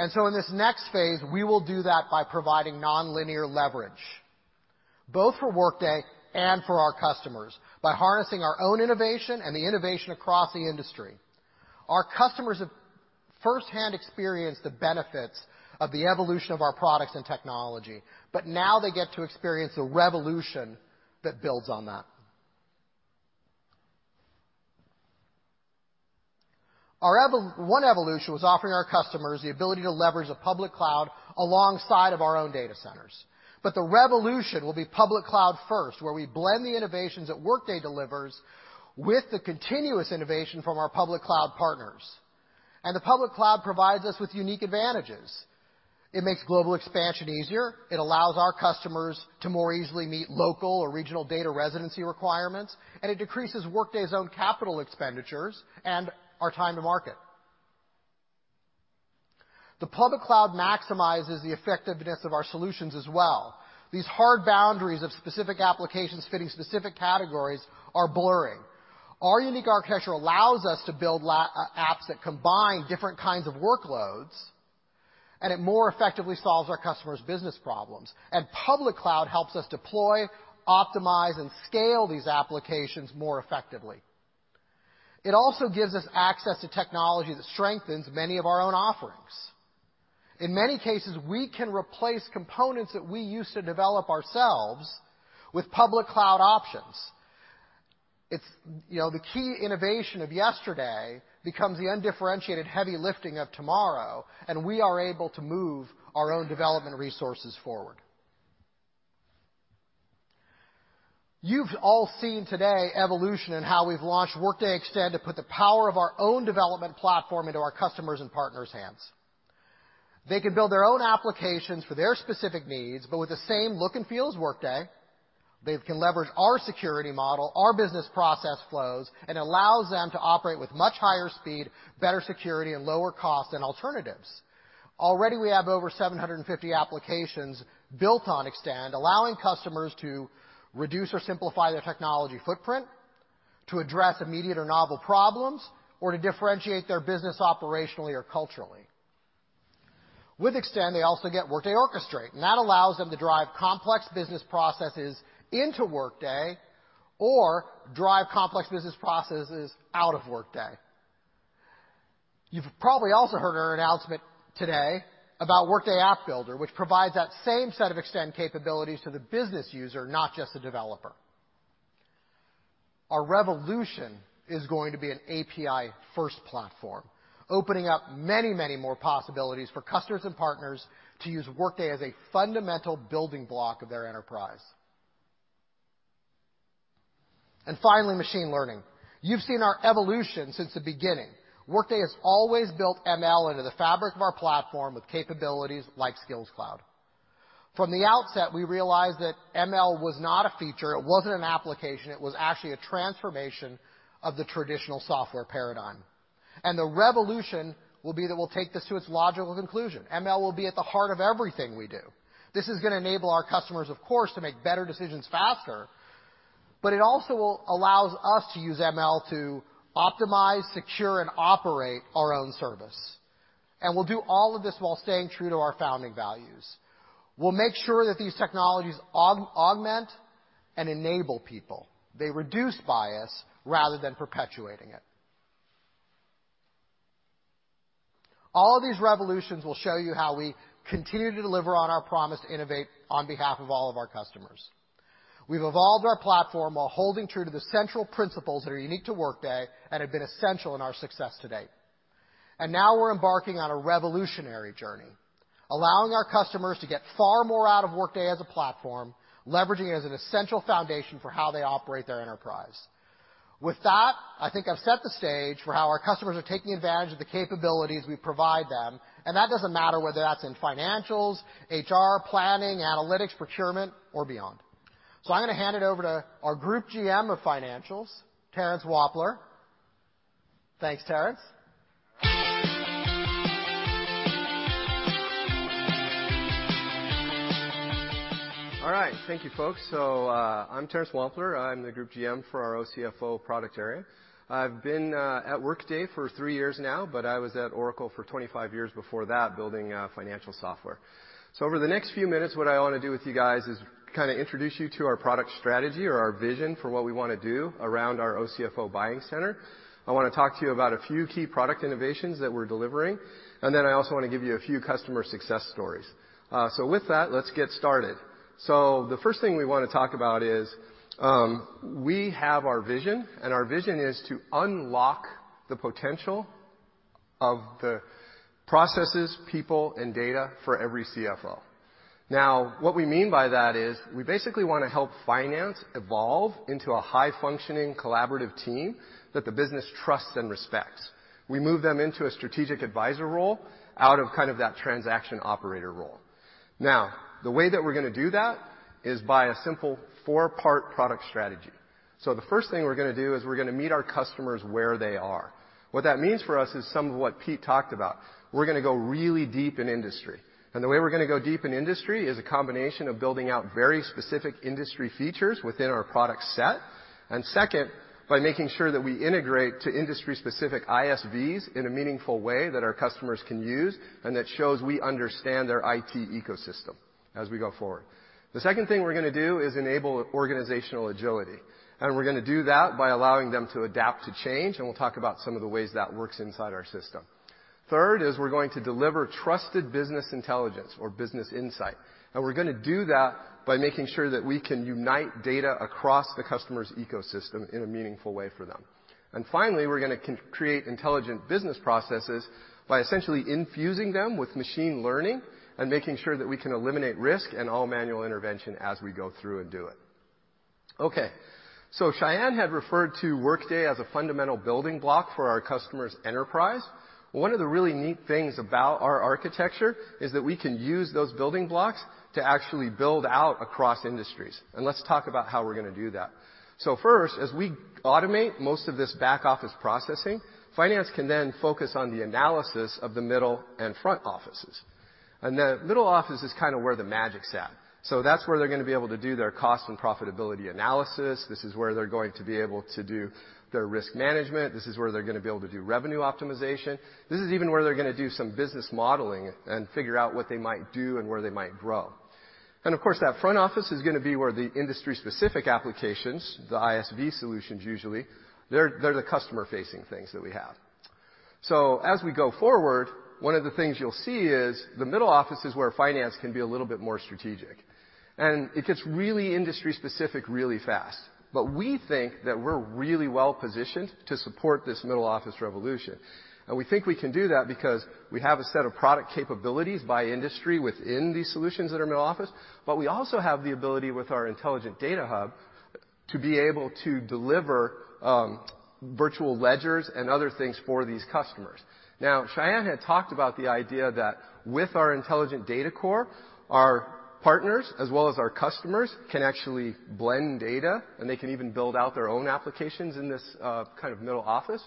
In this next phase, we will do that by providing nonlinear leverage, both for Workday and for our customers, by harnessing our own innovation and the innovation across the industry. Our customers have firsthand experienced the benefits of the evolution of our products and technology, but now they get to experience a revolution that builds on that. One evolution was offering our customers the ability to leverage a public cloud alongside of our own data centers. The revolution will be public cloud first, where we blend the innovations that Workday delivers with the continuous innovation from our public cloud partners. The public cloud provides us with unique advantages. It makes global expansion easier, it allows our customers to more easily meet local or regional data residency requirements, and it decreases Workday's own capital expenditures and our time to market. The public cloud maximizes the effectiveness of our solutions as well. These hard boundaries of specific applications fitting specific categories are blurring. Our unique architecture allows us to build apps that combine different kinds of workloads, and it more effectively solves our customers' business problems. Public cloud helps us deploy, optimize, and scale these applications more effectively. It also gives us access to technology that strengthens many of our own offerings. In many cases, we can replace components that we use to develop ourselves with public cloud options. It's, you know, the key innovation of yesterday becomes the undifferentiated heavy lifting of tomorrow, and we are able to move our own development resources forward. You've all seen today evolution in how we've launched Workday Extend to put the power of our own development platform into our customers' and partners' hands. They can build their own applications for their specific needs, but with the same look and feel as Workday. They can leverage our security model, our business process flows, and allows them to operate with much higher speed, better security, and lower cost than alternatives. Already, we have over 750 applications built on Extend, allowing customers to reduce or simplify their technology footprint to address immediate or novel problems, or to differentiate their business operationally or culturally. With Extend, they also get Workday Orchestrate, and that allows them to drive complex business processes into Workday or drive complex business processes out of Workday. You've probably also heard our announcement today about Workday App Builder, which provides that same set of extend capabilities to the business user, not just the developer. Our revolution is going to be an API-first platform, opening up many, many more possibilities for customers and partners to use Workday as a fundamental building block of their enterprise. Finally, machine learning. You've seen our evolution since the beginning. Workday has always built ML into the fabric of our platform with capabilities like Skills Cloud. From the outset, we realized that ML was not a feature, it wasn't an application, it was actually a transformation of the traditional software paradigm. The revolution will be that we'll take this to its logical conclusion. ML will be at the heart of everything we do. This is gonna enable our customers, of course, to make better decisions faster, but it also allows us to use ML to optimize, secure, and operate our own service. We'll do all of this while staying true to our founding values. We'll make sure that these technologies augment and enable people. They reduce bias rather than perpetuating it. All of these revolutions will show you how we continue to deliver on our promise to innovate on behalf of all of our customers. We've evolved our platform while holding true to the central principles that are unique to Workday and have been essential in our success to date. Now we're embarking on a revolutionary journey, allowing our customers to get far more out of Workday as a platform, leveraging it as an essential foundation for how they operate their enterprise. With that, I think I've set the stage for how our customers are taking advantage of the capabilities we provide them, and that doesn't matter whether that's in Financials, HR, planning, analytics, procurement, or beyond. I'm gonna hand it over to our group GM of Financials, Terrance Wampler. Thanks, Terrance. Allright. Thank you, folks. I'm Terrance Wampler. I'm the Group GM for our oCFO product area. I've been at Workday for three years now, but I was at Oracle for 25 years before that, building financial software. Over the next few minutes, what I wanna do with you guys is kinda introduce you to our product strategy or our vision for what we wanna do around our oCFO buying center. I wanna talk to you about a few key product innovations that we're delivering, and then I also wanna give you a few customer success stories. With that, let's get started. The first thing we wanna talk about is, we have our vision, and our vision is to unlock the potential of the processes, people, and data for every CFO. Now, what we mean by that is, we basically wanna help finance evolve into a high-functioning collaborative team that the business trusts and respects. We move them into a strategic advisor role out of kind of that transaction operator role. Now, the way that we're gonna do that is by a simple four-part product strategy. The first thing we're gonna do is we're gonna meet our customers where they are. What that means for us is some of what Pete talked about. We're gonna go really deep in industry. The way we're gonna go deep in industry is a combination of building out very specific industry features within our product set, and second, by making sure that we integrate to industry-specific ISVs in a meaningful way that our customers can use, and that shows we understand their IT ecosystem as we go forward. The second thing we're gonna do is enable organizational agility, and we're gonna do that by allowing them to adapt to change, and we'll talk about some of the ways that works inside our system. Third is we're going to deliver trusted business intelligence or business insight, and we're gonna do that by making sure that we can unite data across the customer's ecosystem in a meaningful way for them. Finally, we're gonna create intelligent business processes by essentially infusing them with machine learning and making sure that we can eliminate risk and all manual intervention as we go through and do it. Okay. Sayan had referred to Workday as a fundamental building block for our customers' enterprise. One of the really neat things about our architecture is that we can use those building blocks to actually build out across industries, and let's talk about how we're gonna do that. First, as we automate most of this back office processing, finance can then focus on the analysis of the middle and front offices. The middle office is kind of where the magic's at. That's where they're gonna be able to do their cost and profitability analysis. This is where they're going to be able to do their risk management. This is where they're gonna be able to do revenue optimization. This is even where they're gonna do some business modeling and figure out what they might do and where they might grow. Of course, that front office is gonna be where the industry-specific applications, the ISV solutions usually, they're the customer-facing things that we have. As we go forward, one of the things you'll see is the middle office is where finance can be a little bit more strategic. It gets really industry-specific really fast. We think that we're really well positioned to support this middle office revolution. We think we can do that because we have a set of product capabilities by industry within these solutions that are middle office, but we also have the ability with our intelligent data hub to be able to deliver, virtual ledgers and other things for these customers. Now, Sayan had talked about the idea that with our intelligent data core, our partners, as well as our customers, can actually blend data, and they can even build out their own applications in this kind of middle office.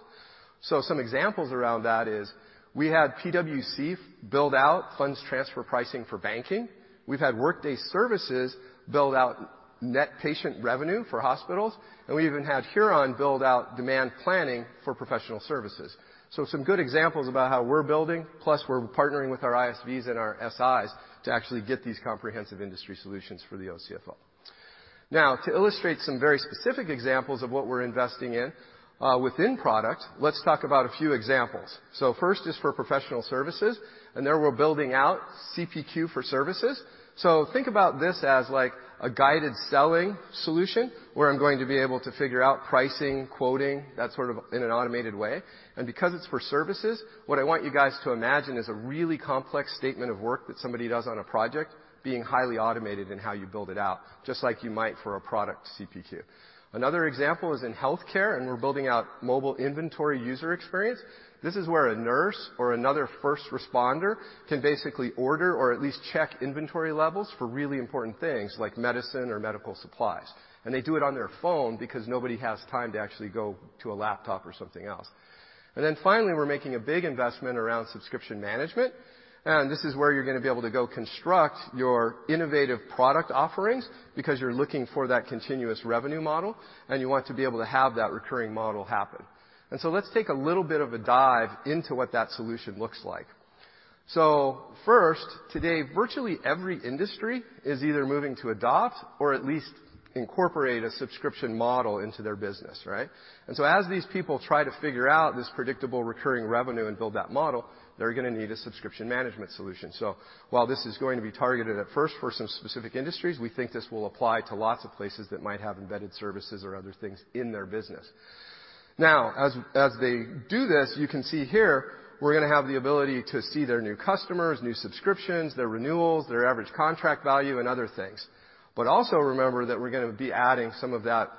Some examples around that is we had PwC build out funds transfer pricing for banking. We've had Workday Services build out net patient revenue for hospitals, and we even had Huron build out demand planning for professional services. Some good examples about how we're building, plus we're partnering with our ISVs and our SIs to actually get these comprehensive industry solutions for the oCFO. Now, to illustrate some very specific examples of what we're investing in, within product, let's talk about a few examples. First is for professional services, and there we're building out CPQ for services. Think about this as like a guided selling solution, where I'm going to be able to figure out pricing, quoting, that sort of in an automated way. Because it's for services, what I want you guys to imagine is a really complex statement of work that somebody does on a project being highly automated in how you build it out, just like you might for a product CPQ. Another example is in healthcare, and we're building out mobile inventory user experience. This is where a nurse or another first responder can basically order or at least check inventory levels for really important things like medicine or medical supplies. They do it on their phone because nobody has time to actually go to a laptop or something else. Finally, we're making a big investment around subscription management. This is where you're gonna be able to go construct your innovative product offerings because you're looking for that continuous revenue model, and you want to be able to have that recurring model happen. Let's take a little bit of a dive into what that solution looks like. First, today, virtually every industry is either moving to adopt or at least incorporate a subscription model into their business, right? As these people try to figure out this predictable recurring revenue and build that model, they're gonna need a subscription management solution. While this is going to be targeted at first for some specific industries, we think this will apply to lots of places that might have embedded services or other things in their business. Now, as they do this, you can see here we're gonna have the ability to see their new customers, new subscriptions, their renewals, their average contract value, and other things. Also remember that we're gonna be adding some of that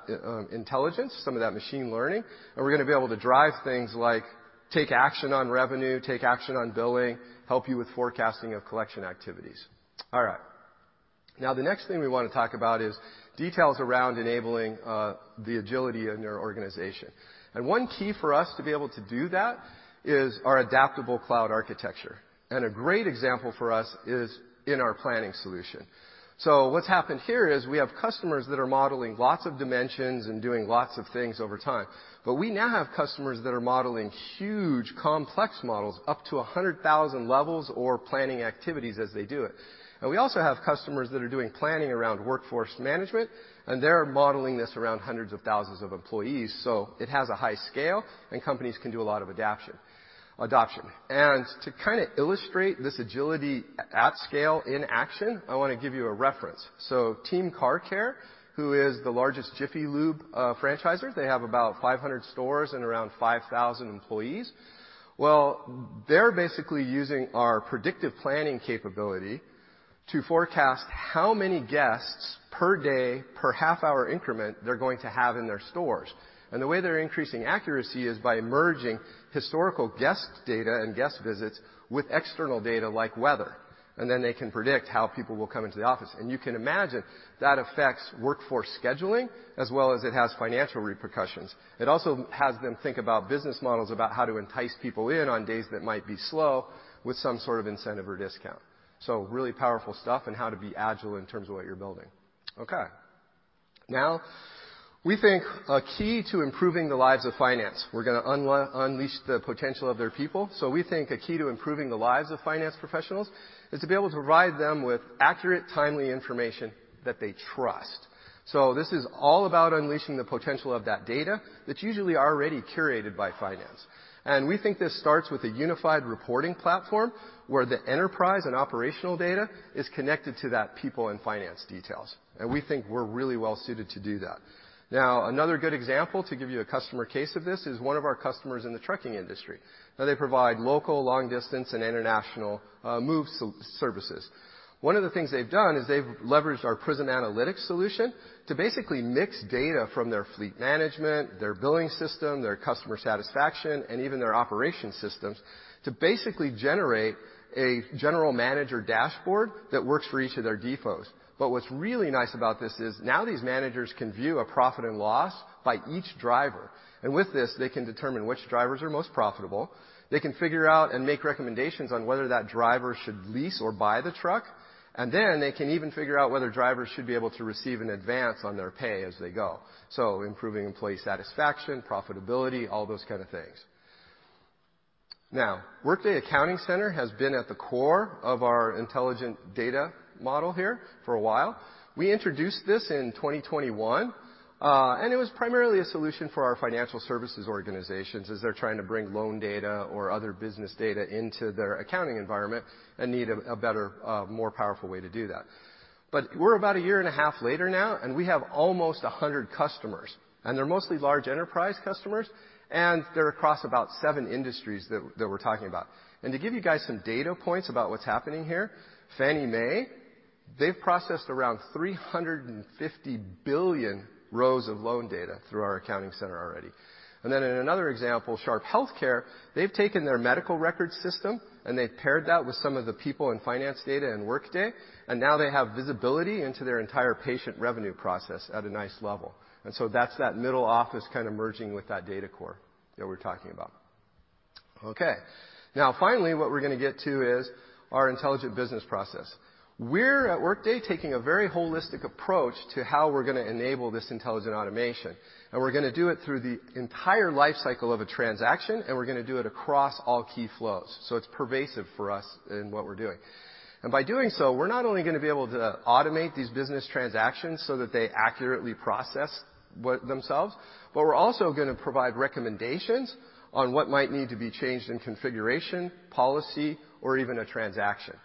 intelligence, some of that machine learning, and we're gonna be able to drive things like take action on revenue, take action on billing, help you with forecasting of collection activities. All right. Now, the next thing we wanna talk about is details around enabling the agility in your organization. One key for us to be able to do that is our adaptable cloud architecture. A great example for us is in our planning solution. What's happened here is we have customers that are modeling lots of dimensions and doing lots of things over time, but we now have customers that are modeling huge, complex models up to 100,000 levels or planning activities as they do it. We also have customers that are doing planning around workforce management, and they're modeling this around hundreds of thousands of employees, so it has a high scale, and companies can do a lot of adoption. To kinda illustrate this agility at scale in action, I wanna give you a reference. Team Car Care, who is the largest Jiffy Lube franchisor, they have about 500 stores and around 5,000 employees. Well, they're basically using our predictive planning capability to forecast how many guests per day, per half hour increment they're going to have in their stores. The way they're increasing accuracy is by merging historical guest data and guest visits with external data like weather, and then they can predict how people will come into the office. You can imagine that affects workforce scheduling as well as it has financial repercussions. It also has them think about business models, about how to entice people in on days that might be slow, with some sort of incentive or discount. Really powerful stuff and how to be agile in terms of what you're building. Okay. We think a key to improving the lives of finance professionals is to be able to provide them with accurate, timely information that they trust. This is all about unleashing the potential of that data that's usually already curated by finance. We think this starts with a unified reporting platform, where the enterprise and operational data is connected to that people and finance details. We think we're really well suited to do that. Now, another good example to give you a customer case of this is one of our customers in the trucking industry. Now they provide local, long distance, and international moving services. One of the things they've done is they've leveraged our Prism Analytics solution to basically mix data from their fleet management, their billing system, their customer satisfaction, and even their operations systems to basically generate a general manager dashboard that works for each of their depots. What's really nice about this is now these managers can view a profit and loss by each driver, and with this, they can determine which drivers are most profitable. They can figure out and make recommendations on whether that driver should lease or buy the truck. They can even figure out whether drivers should be able to receive an advance on their pay as they go. Improving employee satisfaction, profitability, all those kind of things. Workday Accounting Center has been at the core of our intelligent data model here for a while. We introduced this in 2021, and it was primarily a solution for our financial services organizations, as they're trying to bring loan data or other business data into their accounting environment and need a better, more powerful way to do that. We're about a year and a half later now, and we have almost 100 customers, and they're mostly large enterprise customers, and they're across about seven industries that we're talking about. To give you guys some data points about what's happening here, Fannie Mae. They've processed around 350 billion rows of loan data through our Accounting Center already. In another example, Sharp HealthCare, they've taken their medical record system, and they've paired that with some of the people and finance data in Workday, and now they have visibility into their entire patient revenue process at a nice level. That's that middle office kinda merging with that data core that we're talking about. Okay. Now finally, what we're gonna get to is our intelligent business process. We're at Workday taking a very holistic approach to how we're gonna enable this intelligent automation, and we're gonna do it through the entire life cycle of a transaction, and we're gonna do it across all key flows. It's pervasive for us in what we're doing. By doing so, we're not only gonna be able to automate these business transactions so that they accurately process themselves, but we're also gonna provide recommendations on what might need to be changed in configuration, policy, or even a transaction.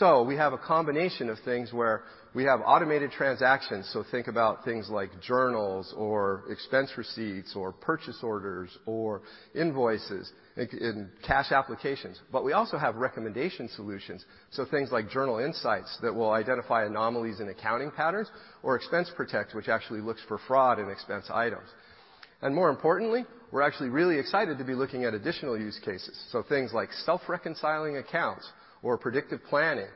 We have a combination of things where we have automated transactions. Think about things like journals or expense receipts or purchase orders or invoices in cash applications. We also have recommendation solutions, so things like Journal Insights that will identify anomalies in accounting patterns or Expense Protect, which actually looks for fraud in expense items. More importantly, we're actually really excited to be looking at additional use cases. Things like self-reconciling accounts or predictive planning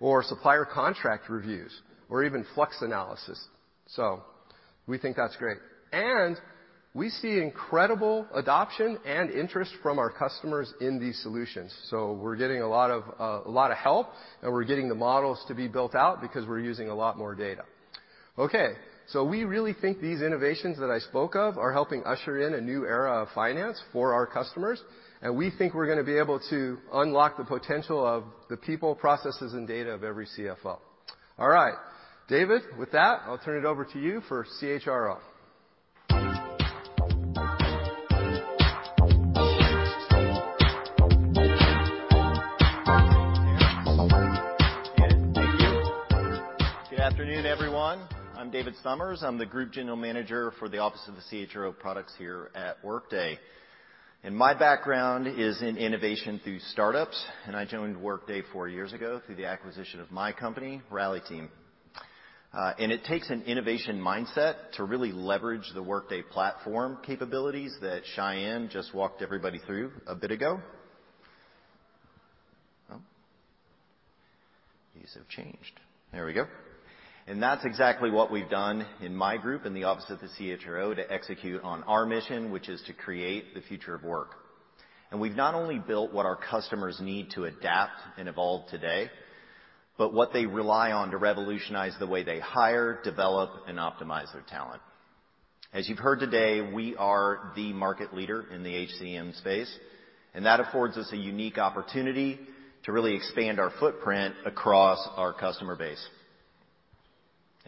or supplier contract reviews or even flux analysis. We think that's great. We see incredible adoption and interest from our customers in these solutions. We're getting a lot of help, and we're getting the models to be built out because we're using a lot more data. Okay, we really think these innovations that I spoke of are helping usher in a new era of finance for our customers, and we think we're gonna be able to unlock the potential of the people, processes, and data of every CFO. All right, David, with that, I'll turn it over to you for CHRO. Good afternoon, everyone. I'm David Somers. I'm the Group General Manager for the Office of the CHRO products here at Workday. My background is in innovation through startups, and I joined Workday four years ago through the acquisition of my company, Rally Team. It takes an innovation mindset to really leverage the Workday platform capabilities that Sayan just walked everybody through a bit ago. That's exactly what we've done in my group in the Office of the CHRO to execute on our mission, which is to create the future of work. We've not only built what our customers need to adapt and evolve today, but what they rely on to revolutionize the way they hire, develop, and optimize their talent. As you've heard today, we are the market leader in the HCM space, and that affords us a unique opportunity to really expand our footprint across our customer base.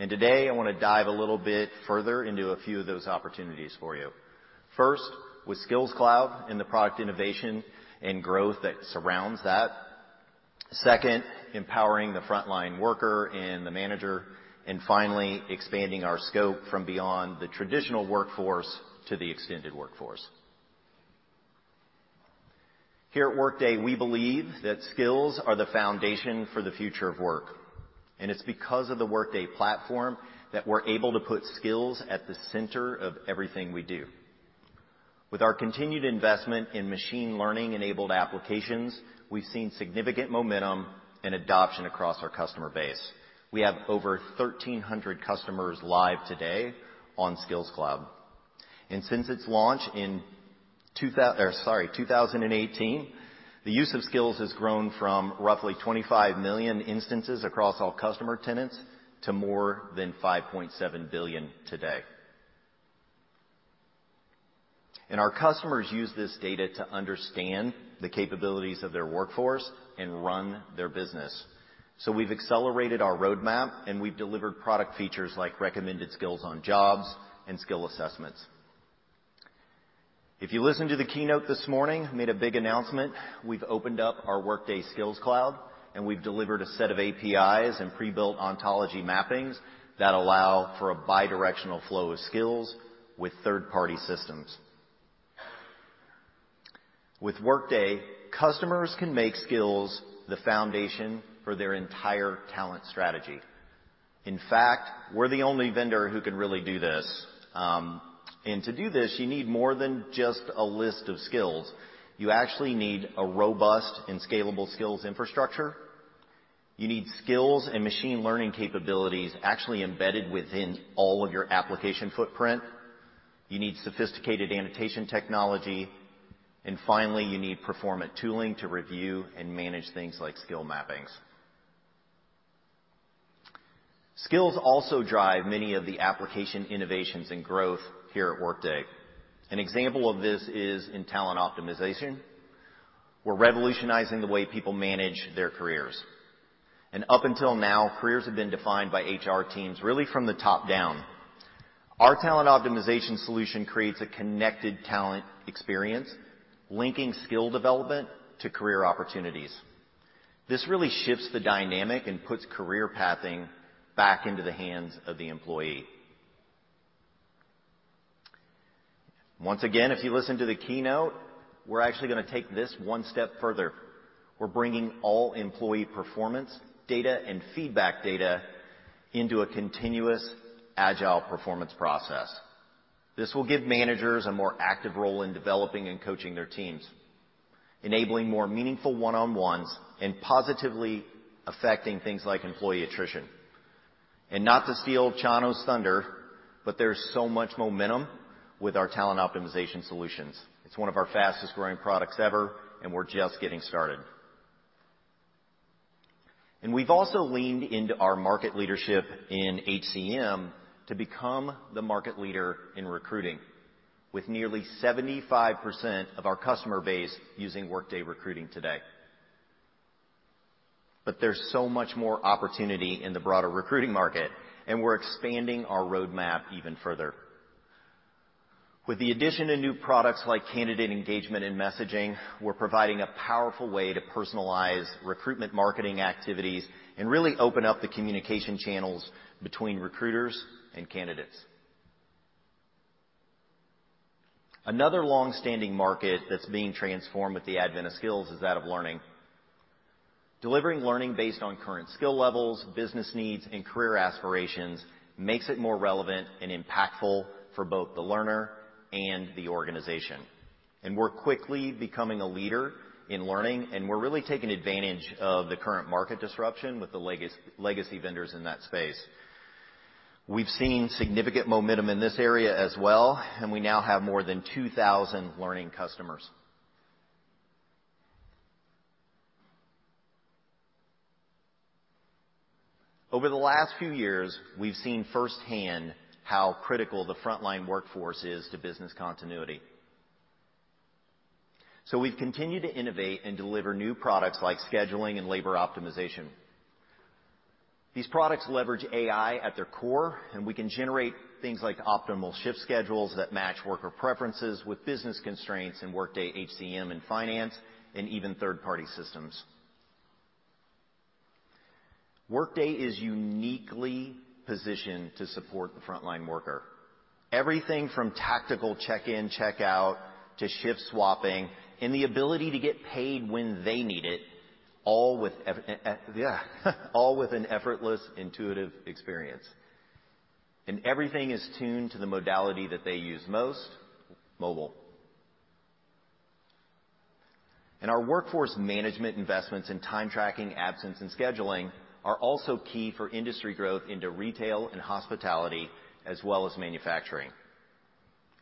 Today, I wanna dive a little bit further into a few of those opportunities for you. First, with Skills Cloud and the product innovation and growth that surrounds that. Second, empowering the frontline worker and the manager. Finally, expanding our scope from beyond the traditional workforce to the extended workforce. Here at Workday, we believe that skills are the foundation for the future of work, and it's because of the Workday platform that we're able to put skills at the center of everything we do. With our continued investment in machine learning-enabled applications, we've seen significant momentum and adoption across our customer base. We have over 1,300 customers live today on Skills Cloud. Since its launch in 2018, the use of skills has grown from roughly 25 million instances across all customer tenants to more than 5.7 billion today. Our customers use this data to understand the capabilities of their workforce and run their business. We've accelerated our roadmap, and we've delivered product features like recommended skills on jobs and skill assessments. If you listened to the keynote this morning, made a big announcement, we've opened up our Workday Skills Cloud, and we've delivered a set of APIs and pre-built ontology mappings that allow for a bi-directional flow of skills with third-party systems. With Workday, customers can make skills the foundation for their entire talent strategy. In fact, we're the only vendor who can really do this. To do this, you need more than just a list of skills. You actually need a robust and scalable skills infrastructure. You need skills and machine learning capabilities actually embedded within all of your application footprint. You need sophisticated annotation technology. Finally, you need performant tooling to review and manage things like skill mappings. Skills also drive many of the application innovations and growth here at Workday. An example of this is in talent optimization. We're revolutionizing the way people manage their careers. Up until now, careers have been defined by HR teams, really from the top down. Our talent optimization solution creates a connected talent experience, linking skill development to career opportunities. This really shifts the dynamic and puts career pathing back into the hands of the employee. Once again, if you listen to the keynote, we're actually gonna take this one step further. We're bringing all employee performance data and feedback data into a continuous agile performance process. This will give managers a more active role in developing and coaching their teams, enabling more meaningful one-on-ones and positively affecting things like employee attrition. Not to steal Chano's thunder, but there's so much momentum with our talent optimization solutions. It's one of our fastest-growing products ever, and we're just getting started. We've also leaned into our market leadership in HCM to become the market leader in recruiting, with nearly 75% of our customer base using Workday Recruiting today. There's so much more opportunity in the broader recruiting market, and we're expanding our roadmap even further. With the addition to new products like candidate engagement and messaging, we're providing a powerful way to personalize recruitment marketing activities and really open up the communication channels between recruiters and candidates. Another long-standing market that's being transformed with the advent of skills is that of learning. Delivering learning based on current skill levels, business needs, and career aspirations makes it more relevant and impactful for both the learner and the organization. We're quickly becoming a leader in learning, and we're really taking advantage of the current market disruption with the legacy vendors in that space. We've seen significant momentum in this area as well, and we now have more than 2,000 learning customers. Over the last few years, we've seen firsthand how critical the frontline workforce is to business continuity. We've continued to innovate and deliver new products like scheduling and labor optimization. These products leverage AI at their core, and we can generate things like optimal shift schedules that match worker preferences with business constraints in Workday HCM and Finance and even third-party systems. Workday is uniquely positioned to support the frontline worker. Everything from tactical check-in, check-out, to shift swapping, and the ability to get paid when they need it, all with an effortless, intuitive experience. Everything is tuned to the modality that they use most, mobile. Our workforce management investments in time tracking, absence, and scheduling are also key for industry growth into retail and hospitality, as well as manufacturing.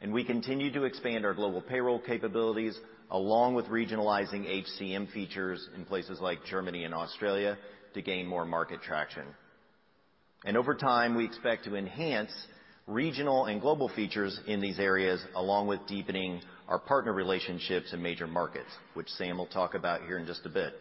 We continue to expand our global payroll capabilities along with regionalizing HCM features in places like Germany and Australia to gain more market traction. Over time, we expect to enhance regional and global features in these areas, along with deepening our partner relationships in major markets, which Sam will talk about here in just a bit.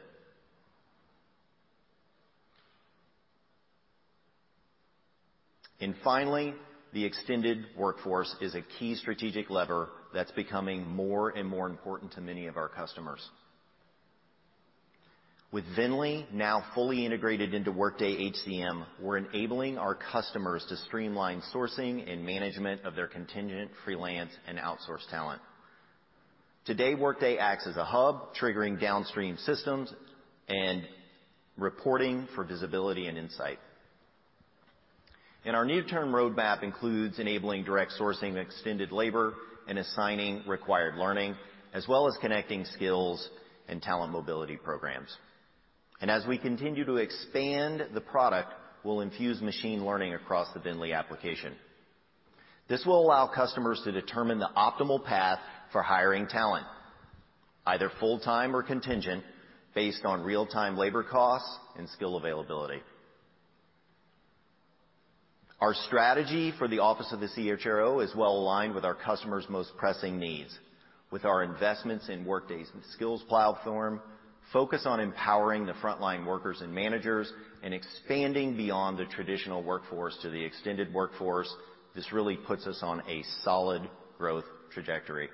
Finally, the extended workforce is a key strategic lever that's becoming more and more important to many of our customers. With VNDLY now fully integrated into Workday HCM, we're enabling our customers to streamline sourcing and management of their contingent, freelance, and outsourced talent. Today, Workday acts as a hub, triggering downstream systems and reporting for visibility and insight. Our near-term roadmap includes enabling direct sourcing of extended labor and assigning required learning, as well as connecting skills and talent mobility programs. As we continue to expand the product, we'll infuse machine learning across the VNDLY application. This will allow customers to determine the optimal path for hiring talent, either full-time or contingent, based on real-time labor costs and skill availability. Our strategy for the Office of the CHRO is well aligned with our customers' most pressing needs. With our investments in Workday's skills platform, focus on empowering the frontline workers and managers and expanding beyond the traditional workforce to the extended workforce, this really puts us on a solid growth trajectory.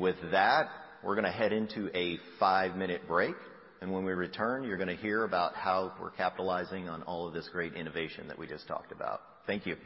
With that, we're gonna head into a five-minute break, and when we return, you're gonna hear about how we're capitalizing on all of this great innovation that we just talked about. Thank you.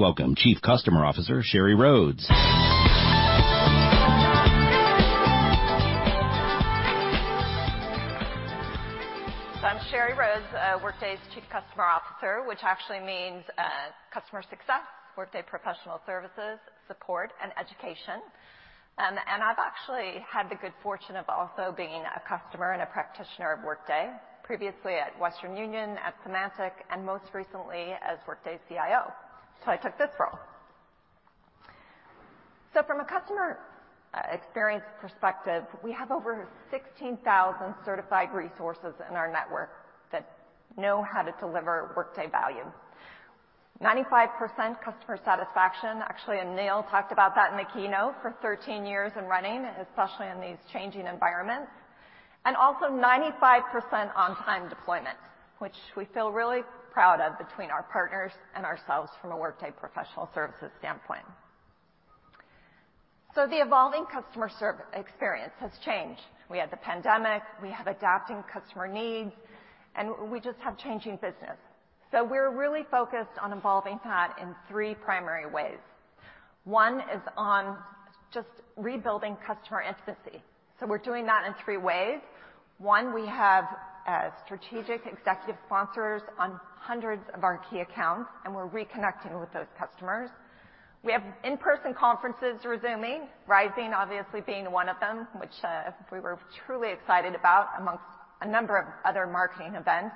Colors that won't wash out. I've been dreaming. Of colors that won't wash out. I'll be leaving. Colors that won't wash out. Of colors that won't wash out. I've been dreaming. Of colors that won't wash out. I'll be leaving. I've been dreaming. Colors that won't wash out. I'll be leaving. Colors that won't wash out. Yeah. Please welcome Chief Customer Officer, Sheri Rhodes. I'm Sheri Rhodes, Workday's Chief Customer Officer, which actually means customer success, Workday Professional Services, support, and education. I've actually had the good fortune of also being a customer and a practitioner of Workday, previously at Western Union, at Symantec, and most recently as Workday CIO. I took this role. From a customer experience perspective, we have over 16,000 certified resources in our network that know how to deliver Workday value. 95% customer satisfaction. Actually, Aneel talked about that in the keynote for 13 years and running, especially in these changing environments. Also 95% on-time deployment, which we feel really proud of between our partners and ourselves from a Workday Professional Services standpoint. The evolving customer experience has changed. We had the pandemic, we have adapting customer needs, and we just have changing business. We're really focused on evolving that in three primary ways. One is on just rebuilding customer intimacy, so we're doing that in three ways. One, we have strategic executive sponsors on hundreds of our key accounts, and we're reconnecting with those customers. We have in-person conferences resuming, Workday Rising obviously being one of them, which we were truly excited about, among a number of other marketing events.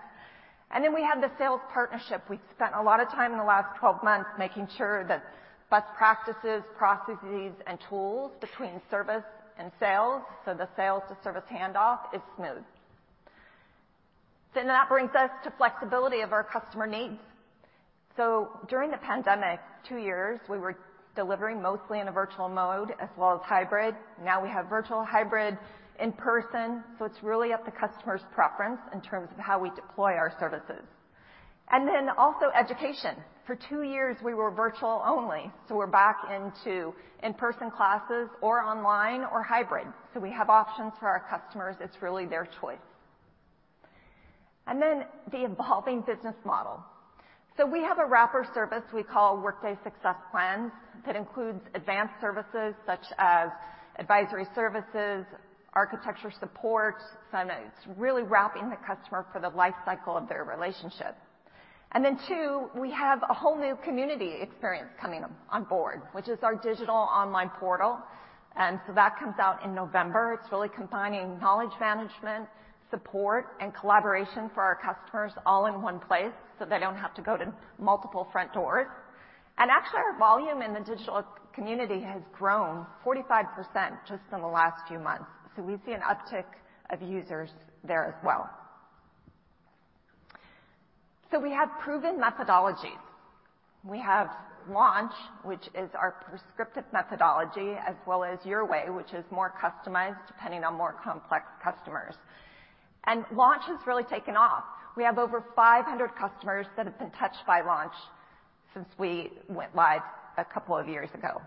We have the sales partnership. We've spent a lot of time in the last 12 months making sure that best practices, processes, and tools between service and sales, so the sales to service handoff is smooth. That brings us to flexibility of our customer needs. During the pandemic, two years, we were delivering mostly in a virtual mode as well as hybrid. Now we have virtual hybrid in person, so it's really up to customer's preference in terms of how we deploy our services. Then also education. For two years, we were virtual only, so we're back into in-person classes or online or hybrid. We have options for our customers. It's really their choice. Then the evolving business model. We have a wrapper service we call Workday Success Plans that includes advanced services such as advisory services, architecture support. It's really wrapping the customer for the life cycle of their relationship. Then too, we have a whole new community experience coming on board, which is our digital online portal. That comes out in November. It's really combining knowledge management, support, and collaboration for our customers all in one place, so they don't have to go to multiple front doors. Actually, our volume in the digital community has grown 45% just in the last few months. We see an uptick of users there as well. We have proven methodologies. We have Launch, which is our prescriptive methodology, as well as Your Way, which is more customized depending on more complex customers. Launch has really taken off. We have over 500 customers that have been touched by Launch since we went live a couple of years ago,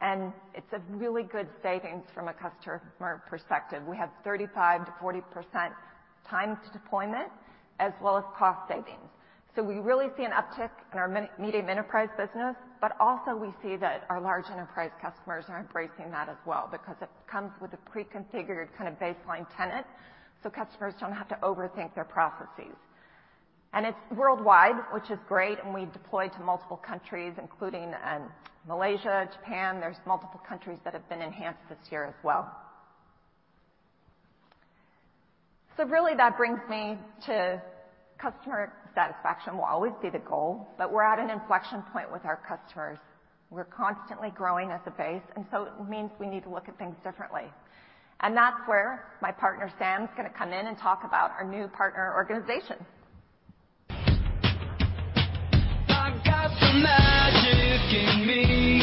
and it's a really good savings from a customer perspective. We have 35%-40% time to deployment as well as cost savings. We really see an uptick in our medium enterprise business. Also we see that our large enterprise customers are embracing that as well because it comes with a pre-configured kind of baseline tenant, so customers don't have to overthink their processes. It's worldwide, which is great. We deploy to multiple countries, including Malaysia, Japan. There are multiple countries that have been enhanced this year as well. Really, that brings me to customer satisfaction will always be the goal. We're at an inflection point with our customers. We're constantly growing as a base, and so it means we need to look at things differently. That's where my partner, Sam, is gonna come in and talk about our new partner organization. I got some magic in me.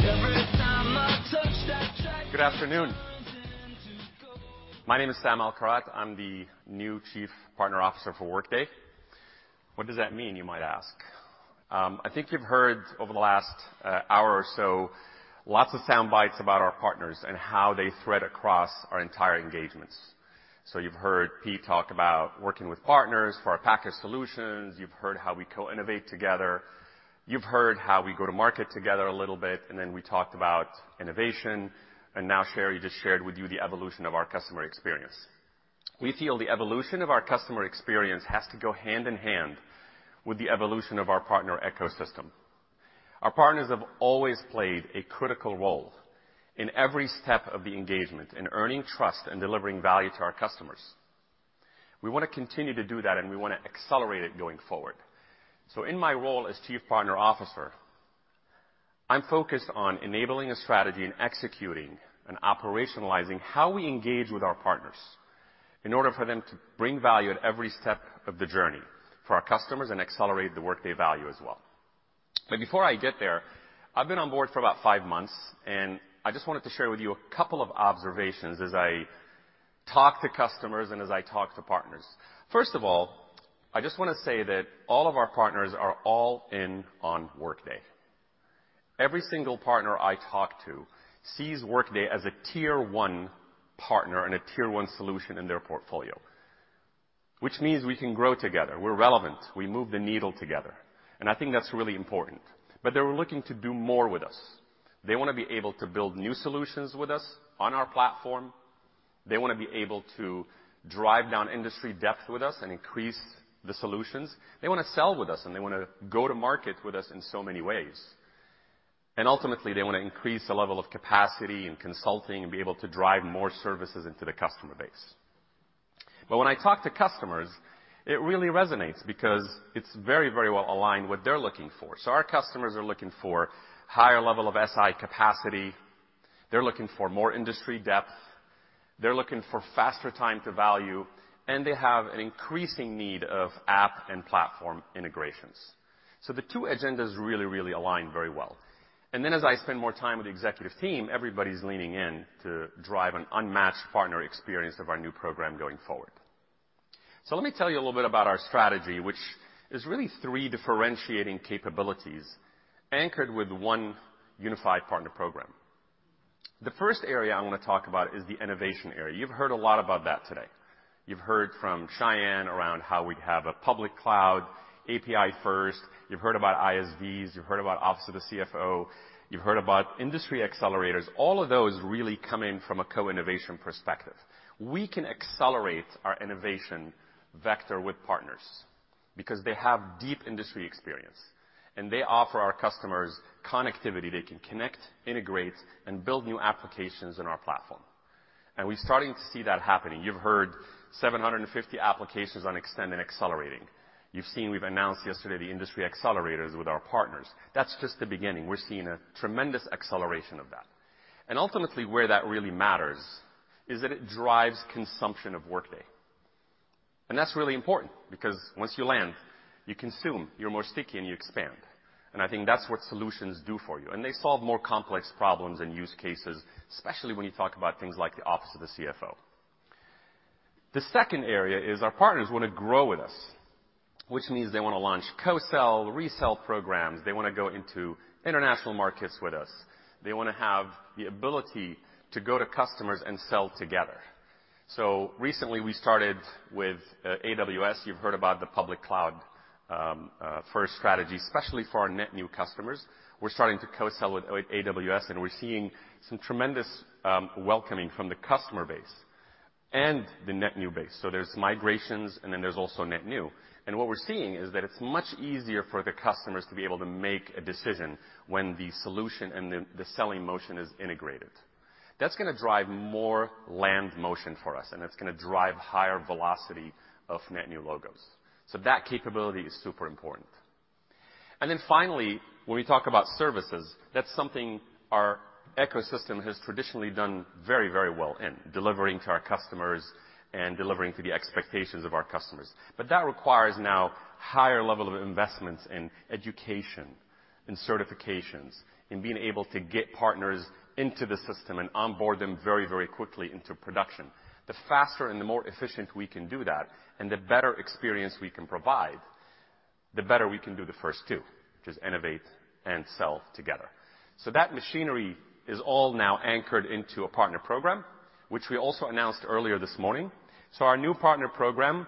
Every time I touch that track. Good afternoon. My name is Sam Alkharrat. I'm the new Chief Partner Officer for Workday. What does that mean, you might ask? I think you've heard over the last, hour or so lots of sound bites about our partners and how they thread across our entire engagements. You've heard Pete talk about working with partners for our package solutions. You've heard how we co-innovate together. You've heard how we go to market together a little bit, and then we talked about innovation. Now Sheri just shared with you the evolution of our customer experience. We feel the evolution of our customer experience has to go hand-in-hand with the evolution of our partner ecosystem. Our partners have always played a critical role in every step of the engagement in earning trust and delivering value to our customers. We wanna continue to do that, and we wanna accelerate it going forward. In my role as Chief Partner Officer, I'm focused on enabling a strategy and executing and operationalizing how we engage with our partners in order for them to bring value at every step of the journey for our customers and accelerate the Workday value as well. Before I get there, I've been on board for about five months, and I just wanted to share with you a couple of observations as I talk to customers and as I talk to partners. First of all, I just wanna say that all of our partners are all in on Workday. Every single partner I talk to sees Workday as a tier one partner and a tier one solution in their portfolio, which means we can grow together. We're relevant. We move the needle together, and I think that's really important. They were looking to do more with us. They wanna be able to build new solutions with us on our platform. They wanna be able to drive down industry depth with us and increase the solutions. They wanna sell with us, and they wanna go to market with us in so many ways. Ultimately, they wanna increase the level of capacity and consulting and be able to drive more services into the customer base. When I talk to customers, it really resonates because it's very, very well aligned what they're looking for. Our customers are looking for higher level of SI capacity. They're looking for more industry depth. They're looking for faster time to value, and they have an increasing need of app and platform integrations. The two agendas really, really align very well. As I spend more time with the executive team, everybody's leaning in to drive an unmatched partner experience of our new program going forward. let me tell you a little bit about our strategy, which is really three differentiating capabilities anchored with one unified partner program. The first area I wanna talk about is the innovation area. You've heard a lot about that today. You've heard from Sayan around how we have a public cloud, API first. You've heard about ISVs. You've heard about office of the CFO. You've heard about industry accelerators. All of those really come in from a co-innovation perspective. We can accelerate our innovation vector with partners because they have deep industry experience, and they offer our customers connectivity. They can connect, integrate, and build new applications in our platform. we're starting to see that happening. You've heard 750 applications on Extend & Accelerating. You've seen we've announced yesterday the Industry Accelerators with our partners. That's just the beginning. We're seeing a tremendous acceleration of that. Ultimately, where that really matters is that it drives consumption of Workday. That's really important because once you land, you consume, you're more sticky, and you expand. I think that's what solutions do for you. They solve more complex problems and use cases, especially when you talk about things like the office of the CFO. The second area is our partners wanna grow with us, which means they wanna launch co-sell, resell programs. They wanna go into international markets with us. They wanna have the ability to go to customers and sell together. Recently we started with AWS. You've heard about the public cloud first strategy, especially for our net new customers. We're starting to co-sell with AWS, and we're seeing some tremendous welcoming from the customer base. The net new base. There's migrations, and then there's also net new. What we're seeing is that it's much easier for the customers to be able to make a decision when the solution and the selling motion is integrated. That's gonna drive more land motion for us, and it's gonna drive higher velocity of net new logos. That capability is super important. Finally, when we talk about services, that's something our ecosystem has traditionally done very, very well in delivering to our customers and delivering to the expectations of our customers. That requires now higher level of investments in education, in certifications, in being able to get partners into the system and onboard them very, very quickly into production. The faster and the more efficient we can do that, and the better experience we can provide, the better we can do the first two, which is innovate and sell together. That machinery is all now anchored into a partner program, which we also announced earlier this morning. Our new partner program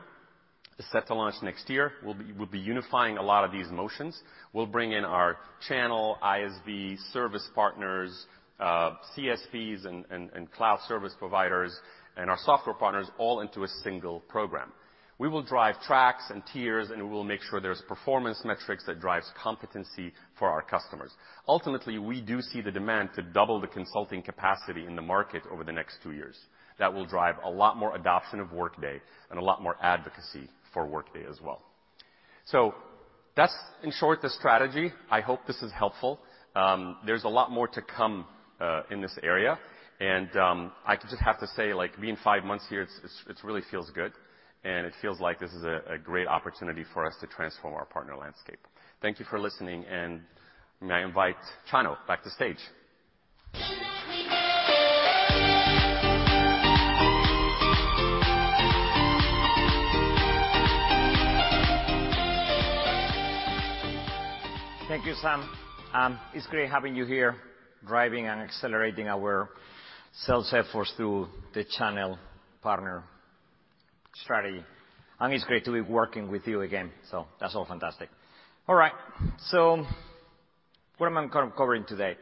is set to launch next year. We'll be unifying a lot of these motions. We'll bring in our channel ISV service partners, CSPs and cloud service providers, and our software partners all into a single program. We will drive tracks and tiers, and we will make sure there's performance metrics that drives competency for our customers. Ultimately, we do see the demand to double the consulting capacity in the market over the next two years. That will drive a lot more adoption of Workday and a lot more advocacy for Workday as well. That's, in short, the strategy. I hope this is helpful. There's a lot more to come in this area. I just have to say, like, being five months here, it really feels good, and it feels like this is a great opportunity for us to transform our partner landscape. Thank you for listening, and may I invite Chano back to stage. Thank you, Sam. It's great having you here driving and accelerating our sales efforts through the channel partner strategy. It's great to be working with you again, so that's all fantastic. All right, what am I kind of covering today?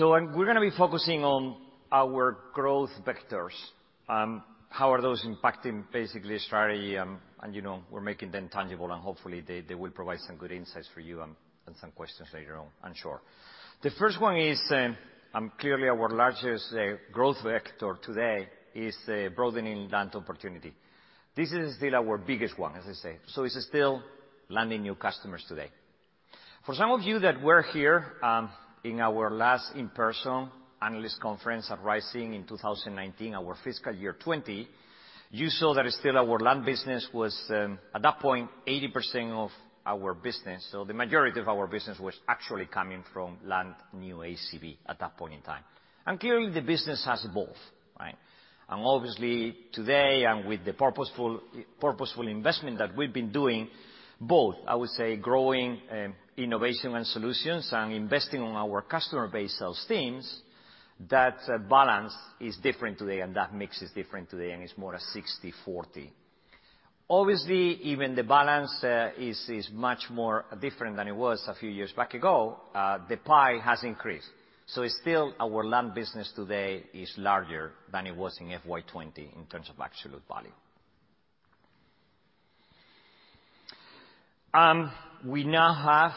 We're gonna be focusing on our growth vectors, how are those impacting basically strategy, and, you know, we're making them tangible, and hopefully they will provide some good insights for you, and some questions later on, I'm sure. The first one is clearly our largest growth vector today is the broadening land opportunity. This is still our biggest one, as I say, so it's still landing new customers today. For some of you that were here in our last in-person analyst conference Rising in 2019, our fiscal year 2020, you saw that still our land business was at that point 80% of our business. The majority of our business was actually coming from land new ACV at that point in time. Clearly the business has evolved, right? Obviously, today and with the purposeful investment that we've been doing, both, I would say growing innovation and solutions and investing on our customer base sales teams, that balance is different today and that mix is different today, and it's more a 60/40. Even the balance is much more different than it was a few years back ago. The pie has increased. It's still our land business today is larger than it was in FY 2020 in terms of absolute value. We now have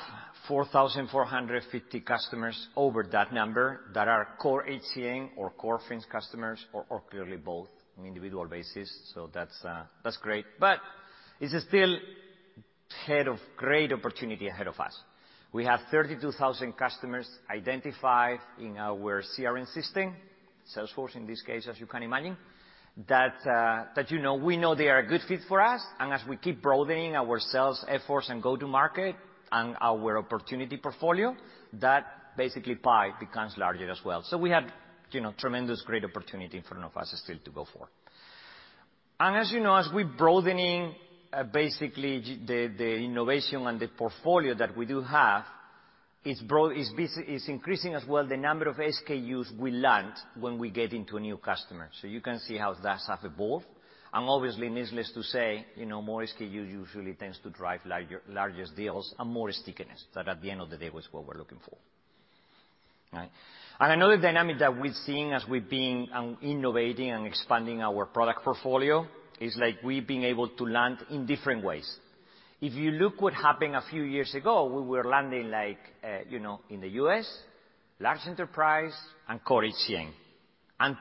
4,450 customers over that number that are core HCM or core FINS customers or clearly both on individual basis. That's great, but it's still a great opportunity ahead of us. We have 32,000 customers identified in our CRM system, Salesforce in this case, as you can imagine, you know, we know they are a good fit for us. As we keep broadening our sales efforts and go to market and our opportunity portfolio, that basically pipe becomes larger as well. We have, you know, tremendous great opportunity in front of us still to go forward. As you know, as we're broadening basically the innovation and the portfolio that we do have, it's increasing as well the number of SKUs we land when we get into a new customer. You can see how that's evolved. Obviously, needless to say, you know, more SKU usually tends to drive larger deals and more stickiness. That at the end of the day was what we're looking for. Right. Another dynamic that we're seeing as we've been innovating and expanding our product portfolio is like we've been able to land in different ways. If you look what happened a few years ago, we were landing like in the U.S., large enterprise and core HCM.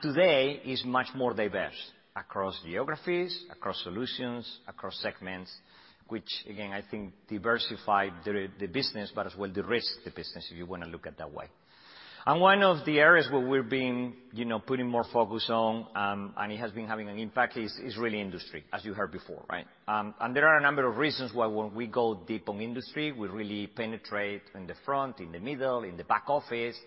Today is much more diverse across geographies, across solutions, across segments, which again, I think diversify the business, but as well derisk the business, if you wanna look at that way. One of the areas where we've been putting more focus on and it has been having an impact is really industry, as you heard before, right? There are a number of reasons why when we go deep on industry, we really penetrate in the front, in the middle, in the back office.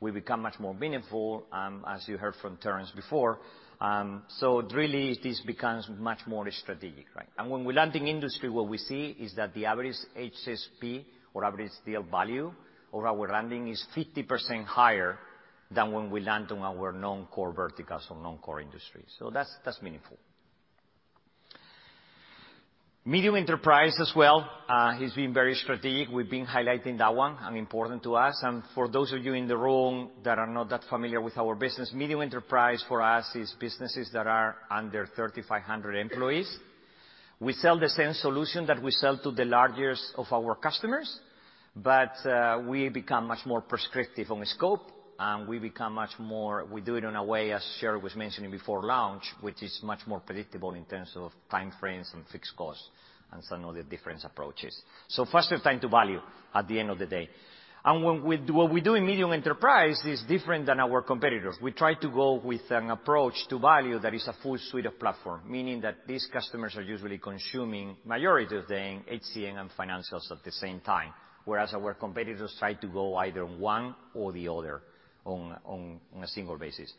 We become much more meaningful, as you heard from Terrance before. Really this becomes much more strategic, right? When we land in industry, what we see is that the average HSP or average deal value or our landing is 50% higher than when we land on our non-core verticals or non-core industry. That's meaningful. Medium Enterprise as well has been very strategic. We've been highlighting that one, and important to us. For those of you in the room that are not that familiar with our business, Medium Enterprise for us is businesses that are under 3,500 employees. We sell the same solution that we sell to the largest of our customers, but we become much more prescriptive on the scope, and we become much more. We do it in a way, as Sheri was mentioning before Launch, which is much more predictable in terms of time frames and fixed costs and some of the different approaches. Faster time to value at the end of the day. What we do in Medium Enterprise is different than our competitors. We try to go with an approach to value that is a full suite of platform. Meaning that these customers are usually consuming majority of the HCM and financials at the same time, whereas our competitors try to go either one or the other on a single basis.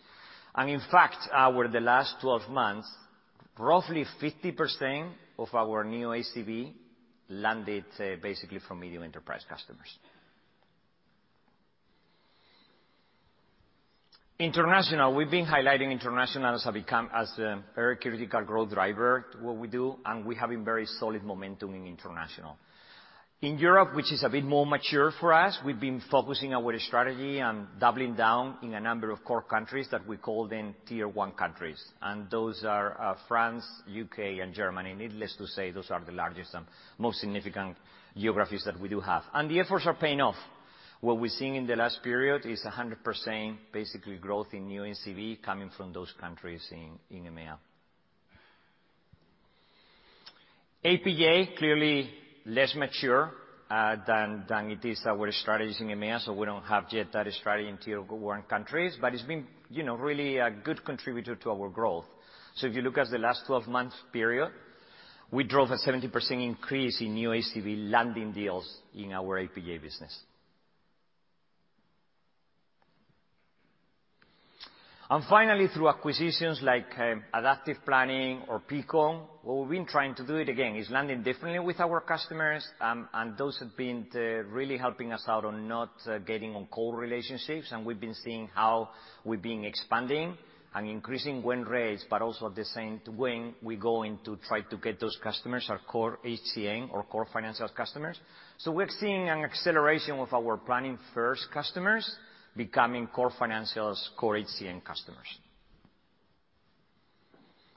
In fact, over the last 12 months, roughly 50% of our new ACV landed basically from medium enterprise customers. International. We've been highlighting international as a very critical growth driver to what we do, and we're having very solid momentum in international. In Europe, which is a bit more mature for us, we've been focusing our strategy on doubling down in a number of core countries that we call them tier one countries, and those are, France, U.K., and Germany. Needless to say, those are the largest and most significant geographies that we do have. The efforts are paying off. What we're seeing in the last period is 100% basically growth in new ACV coming from those countries in EMEA. APJ, clearly less mature than our strategies in EMEA, so we don't have yet that strategy in tier one countries. But it's been, you know, really a good contributor to our growth. If you look at the last 12-month period, we drove a 70% increase in new ACV landing deals in our APJ business. Finally, through acquisitions like Adaptive Planning or Peakon, what we've been trying to do is landing differently with our customers, and those have been really helping us out on not getting on core relationships, and we've been seeing how we've been expanding and increasing win rates, but also at the same win, we're going to try to get those customers our core HCM, our core financials customers. We're seeing an acceleration with our Planning first customers becoming core financials, core HCM customers.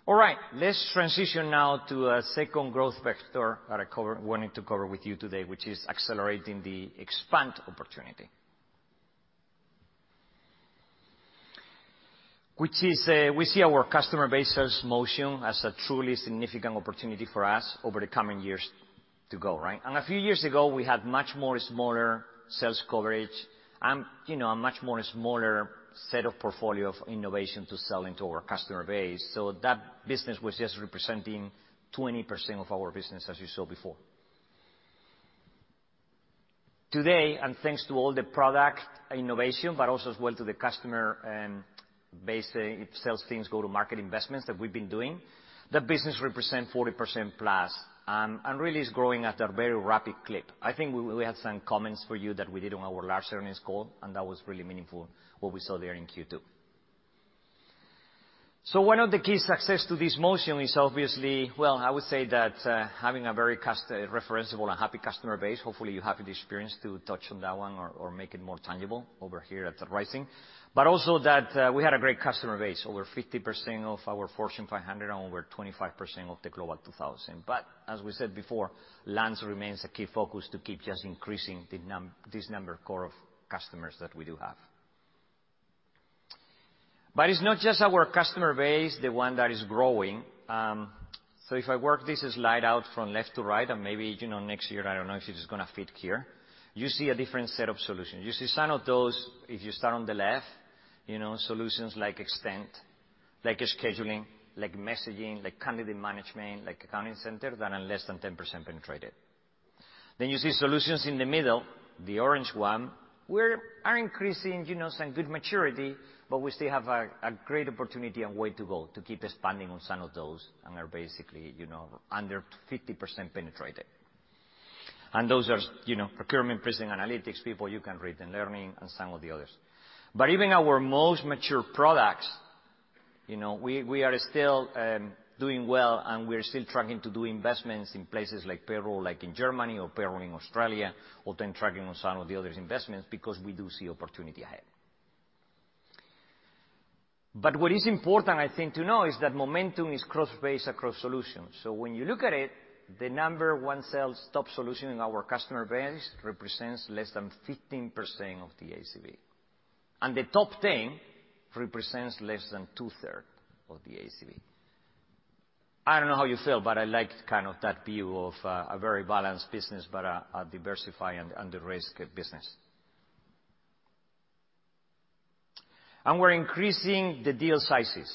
All right. Let's transition now to a second growth factor that I wanted to cover with you today, which is accelerating the expand opportunity. We see our customer base sales motion as a truly significant opportunity for us over the coming years to go, right? A few years ago, we had much more smaller sales coverage and, you know, a much more smaller set of portfolio of innovation to sell into our customer base, so that business was just representing 20% of our business, as you saw before. Today, and thanks to all the product innovation, but also as well to the customer base sales teams go-to-market investments that we've been doing, the business represent 40%+ and really is growing at a very rapid clip. I think we had some comments for you that we did on our last earnings call, and that was really meaningful what we saw there in Q2. One of the key success to this motion is obviously, well, I would say that, having a very referenceable and happy customer base. Hopefully, you have the experience to touch on that one or make it more tangible over here at Workday Rising. Also that we had a great customer base, over 50% of our Fortune 500 and over 25% of the Global 2000. As we said before, land remains a key focus to keep just increasing this number of core customers that we do have. It's not just our customer base, the one that is growing. If I work this slide out from left to right, and maybe, you know, next year, I don't know if it is gonna fit here, you see a different set of solutions. You see some of those, if you start on the left, you know, solutions like Extend, like scheduling, like messaging, like candidate management, like Accounting Center that are less than 10% penetrated. Then you see solutions in the middle, the orange one, we are increasing, you know, some good maturity, but we still have a great opportunity and way to go to keep expanding on some of those and are basically, you know, under 50% penetrated. Those are, you know, procurement, pricing, analytics, People Analytics, and learning and some of the others. But even our most mature products, you know, we are still doing well, and we're still tracking to do investments in places like payroll, like in Germany or payroll in Australia or then tracking on some of the others investments because we do see opportunity ahead. What is important, I think, to know is that momentum is cross-based across solutions. When you look at it, the number one sales top solution in our customer base represents less than 15% of the ACV. The top ten represents less than 2/3 of the ACV. I don't know how you feel, but I like kind of that view of a very balanced business, but a diversified and de-risked business. We're increasing the deal sizes,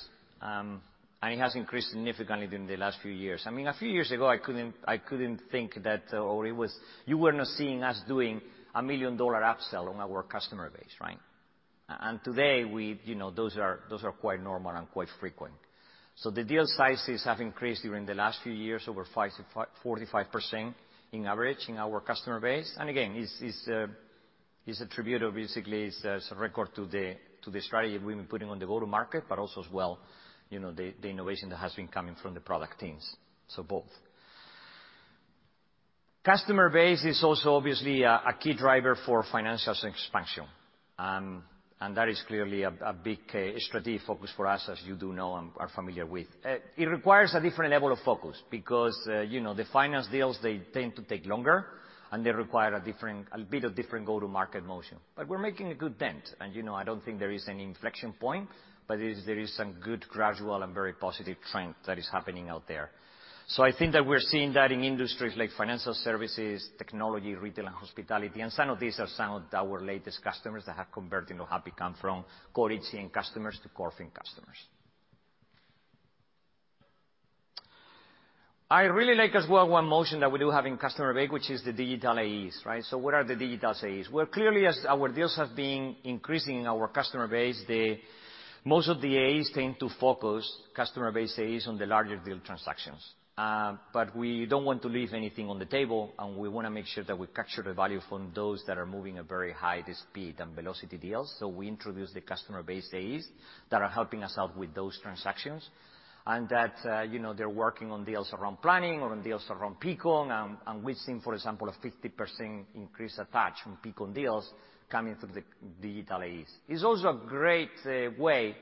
and it has increased significantly during the last few years. I mean, a few years ago, I couldn't think that, or it was you were not seeing us doing a $1 million upsell on our customer base, right? Today, we, you know, those are quite normal and quite frequent. The deal sizes have increased during the last few years, over 5%-45% on average in our customer base. Again, it's attributable, basically, as a result to the strategy that we've been putting on the go-to-market, but also as well, you know, the innovation that has been coming from the product teams. Both. Customer base is also obviously a key driver for financial expansion. That is clearly a big strategic focus for us, as you do know and are familiar with. It requires a different level of focus because, you know, the finance deals, they tend to take longer, and they require a bit different go-to-market motion. We're making a good dent. You know, I don't think there is any inflection point, but there is some good gradual and very positive trend that is happening out there. I think that we're seeing that in industries like financial services, technology, retail, and hospitality. Some of these are some of our latest customers that have converted or have become from core HCM customers to core FINS customers. I really like as well one motion that we do have in our customer base, which is the digital AEs, right? What are the digital AEs? Well, clearly, as our deals have been increasing our customer base, the most of the AEs tend to focus on customer base AEs on the larger deal transactions. We don't want to leave anything on the table, and we wanna make sure that we capture the value from those that are moving at very high speed and velocity deals. We introduced the customer base AEs that are helping us out with those transactions. That, you know, they're working on deals around planning or on deals around Peakon and we've seen, for example, a 50% increase attach from Peakon deals coming through the digital AEs. It's also a great way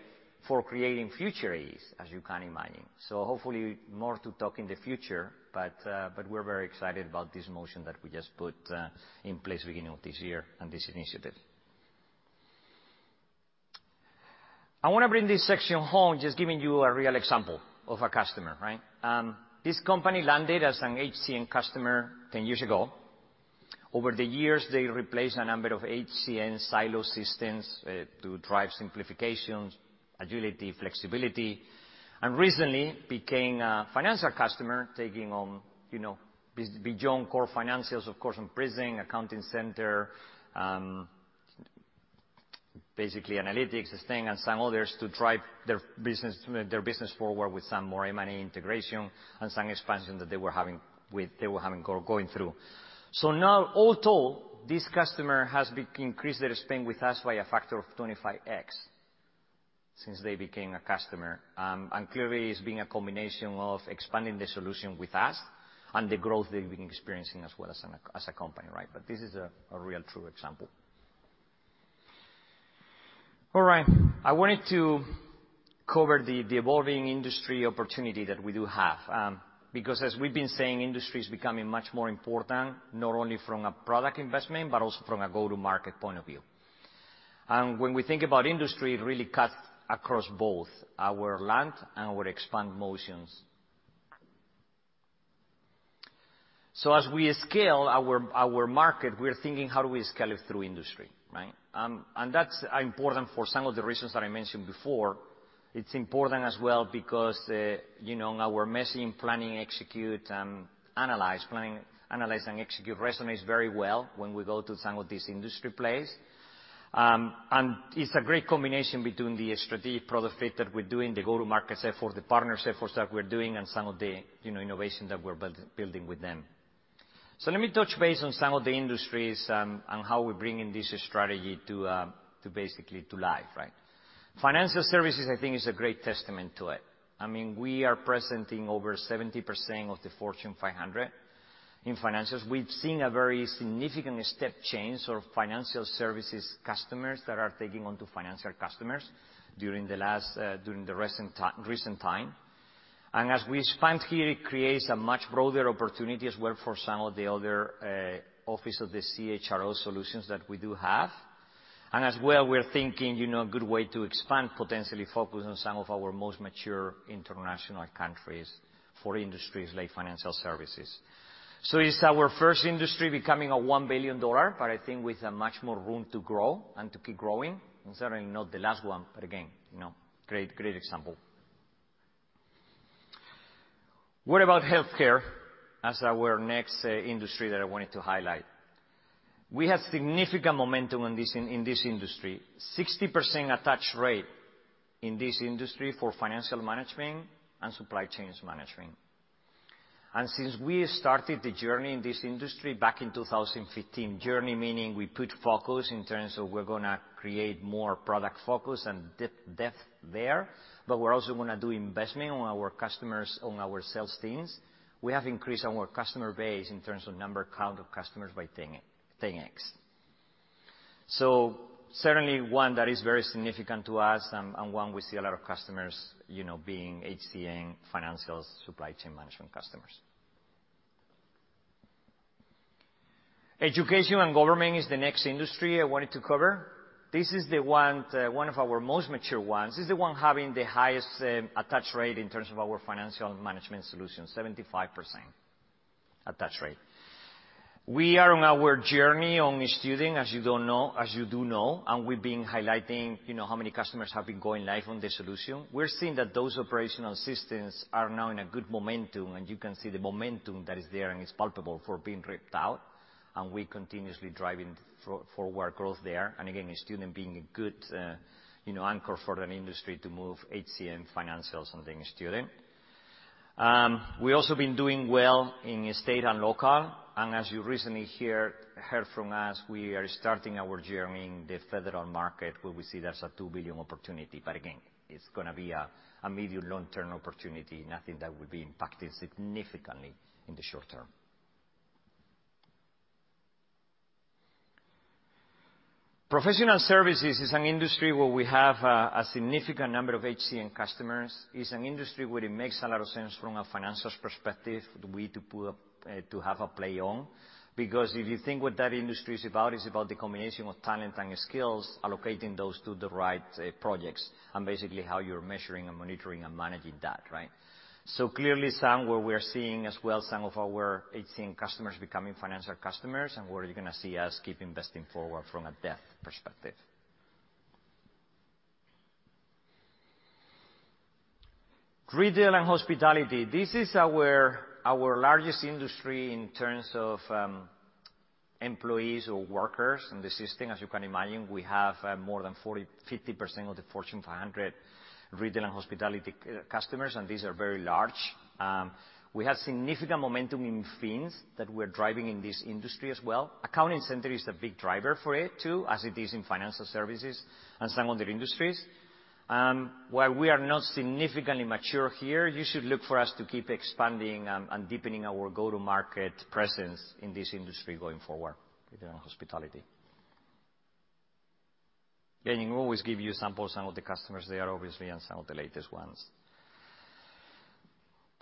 for creating future AEs, as you can imagine. Hopefully more to talk in the future, but we're very excited about this motion that we just put in place beginning of this year and this initiative. I wanna bring this section home just giving you a real example of a customer, right? This company landed as an HCM customer 10 years ago. Over the years, they replaced a number of HCM silo systems to drive simplifications, agility, flexibility, and recently became a financial customer, taking on, you know, beyond core financials, of course, and Pricing, Accounting Center, basically analytics thing and some others to drive their business forward with some more M&A integration and some expansion that they were having with, they were having going through. Now, all told, this customer has increased their spend with us by a factor of 25x since they became a customer. Clearly it's been a combination of expanding the solution with us and the growth they've been experiencing as well as a company, right? This is a real true example. All right. I wanted to cover the evolving industry opportunity that we do have, because as we've been saying, industry is becoming much more important, not only from a product investment, but also from a go-to-market point of view. When we think about industry, it really cuts across both our land and our expand motions. As we scale our market, we're thinking how do we scale it through industry, right? That's important for some of the reasons that I mentioned before. It's important as well because, you know, our messaging, planning, execute and analyze, planning, analyze and execute resonates very well when we go to some of these industry plays. It's a great combination between the strategic product fit that we're doing, the go-to-market effort, the partner efforts that we're doing and some of the, you know, innovation that we're building with them. Let me touch base on some of the industries, and how we're bringing this strategy to life, right? Financial services I think is a great testament to it. I mean, we are penetrating over 70% of the Fortune 500 in Financials. We've seen a very significant step change of financial services customers that are taking on Financials during the recent time. As we expand here, it creates a much broader opportunity as well for some of the other Office of the CHRO solutions that we do have. As well, we're thinking, you know, a good way to expand, potentially focus on some of our most mature international countries for industries like financial services. It's our first industry becoming a $1 billion, but I think with much more room to grow and to keep growing. Certainly not the last one, but again, you know, great example. What about healthcare as our next industry that I wanted to highlight? We have significant momentum in this industry. 60% attach rate in this industry for financial management and supply chain management. Since we started the journey in this industry back in 2015, journey meaning we put focus in terms of we're gonna create more product focus and depth there, but we're also gonna do investment on our customers, on our sales teams. We have increased our customer base in terms of number count of customers by 10x. Certainly one that is very significant to us and one we see a lot of customers, you know, being HCM financials, supply chain management customers. Education and government is the next industry I wanted to cover. This is one of our most mature ones. This is the one having the highest attach rate in terms of our financial management solution, 75% attach rate. We are on our journey on Student, as you do know, and we've been highlighting, you know, how many customers have been going live on the solution. We're seeing that those operational systems are now in a good momentum, and you can see the momentum that is there and it's palpable for being ripped out. We're continuously driving forward growth there. Again, a student being a good anchor for an industry to move HCM financials and being a student. We also been doing well in state and local, and as you recently heard from us, we are starting our journey in the federal market, where we see there's a $2 billion opportunity. But again, it's gonna be a medium, long-term opportunity, nothing that would be impacting significantly in the short term. Professional services is an industry where we have a significant number of HCM customers. It's an industry where it makes a lot of sense from a financials perspective for we to have a play on. Because if you think what that industry is about, it's about the combination of talent and skills, allocating those to the right projects, and basically how you're measuring and monitoring and managing that, right? Clearly somewhere we are seeing as well some of our HCM customers becoming financial customers and where you're gonna see us keep investing forward from a depth perspective. Retail and hospitality. This is our largest industry in terms of employees or workers in the system. As you can imagine, we have more than 40%-50% of the Fortune 500 retail and hospitality customers, and these are very large. We have significant momentum in FINS that we're driving in this industry as well. Accounting Center is a big driver for it too, as it is in financial services and some other industries. While we are not significantly mature here, you should look for us to keep expanding and deepening our go-to-market presence in this industry going forward in hospitality. Again, we always give you examples some of the customers there, obviously, and some of the latest ones.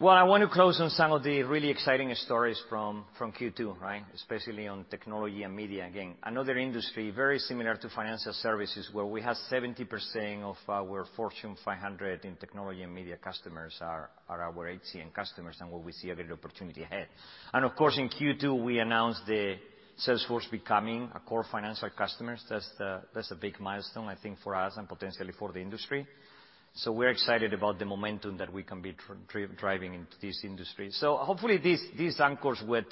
Well, I want to close on some of the really exciting stories from Q2, right? Especially on technology and media. Again, another industry very similar to financial services, where we have 70% of our Fortune 500 in technology and media customers are our HCM customers and where we see a great opportunity ahead. Of course, in Q2, we announced Salesforce becoming a core financial customer. That's a big milestone, I think, for us and potentially for the industry. We're excited about the momentum that we can be trend-driving into this industry. Hopefully this anchors what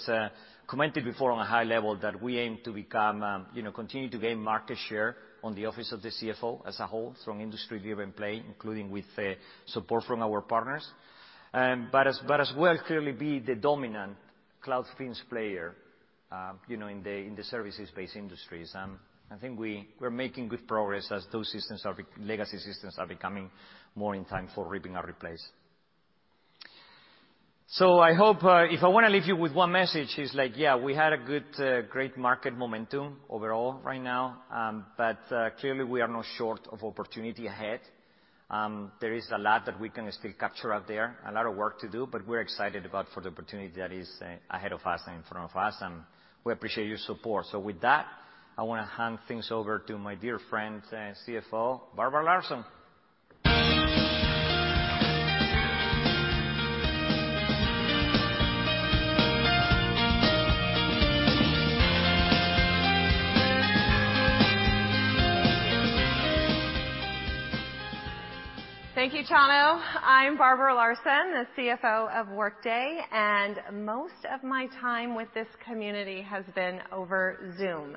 commented before on a high level that we aim to become, you know, continue to gain market share on the office of the CFO as a whole from industry-driven play, including with support from our partners. But as well, clearly be the dominant cloud FINS player, you know, in the services-based industries. I think we're making good progress as those legacy systems are becoming more ripe for rip and replace. I hope if I wanna leave you with one message, it's like, yeah, we had a great market momentum overall right now, but clearly we are not short of opportunity ahead. There is a lot that we can still capture out there, a lot of work to do, but we're excited about for the opportunity that is, ahead of us and in front of us, and we appreciate your support. With that, I wanna hand things over to my dear friend and CFO, Barbara Larson. Thank you, Chano. I'm Barbara Larson, the CFO of Workday, and most of my time with this community has been over Zoom.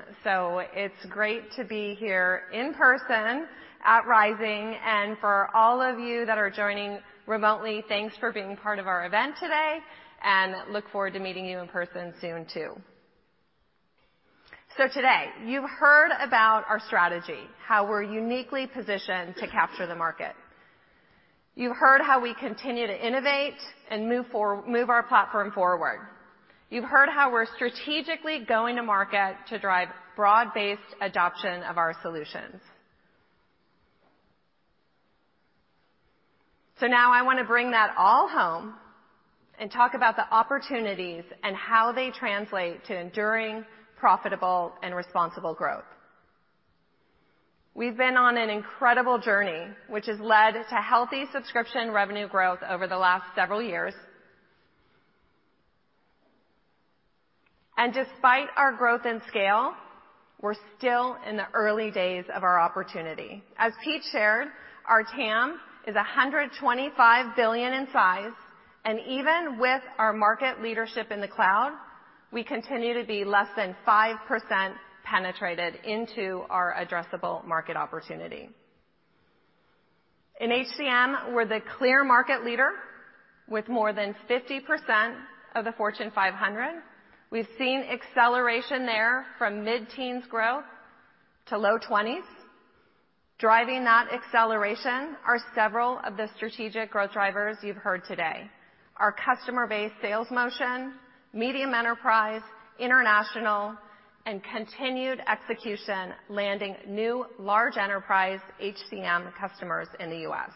It's great to be here in person at Rising. For all of you that are joining remotely, thanks for being part of our event today, and look forward to meeting you in person soon too. Today you've heard about our strategy, how we're uniquely positioned to capture the market. You've heard how we continue to innovate and move our platform forward. You've heard how we're strategically going to market to drive broad-based adoption of our solutions. Now I wanna bring that all home and talk about the opportunities and how they translate to enduring profitable and responsible growth. We've been on an incredible journey, which has led to healthy subscription revenue growth over the last several years. Despite our growth and scale, we're still in the early days of our opportunity. As Pete shared, our TAM is $125 billion in size, and even with our market leadership in the cloud, we continue to be less than 5% penetrated into our addressable market opportunity. In HCM, we're the clear market leader with more than 50% of the Fortune 500. We've seen acceleration there from mid-teens growth to low 20s. Driving that acceleration are several of the strategic growth drivers you've heard today. Our customer base sales motion, medium enterprise, international, and continued execution, landing new large enterprise HCM customers in the U.S..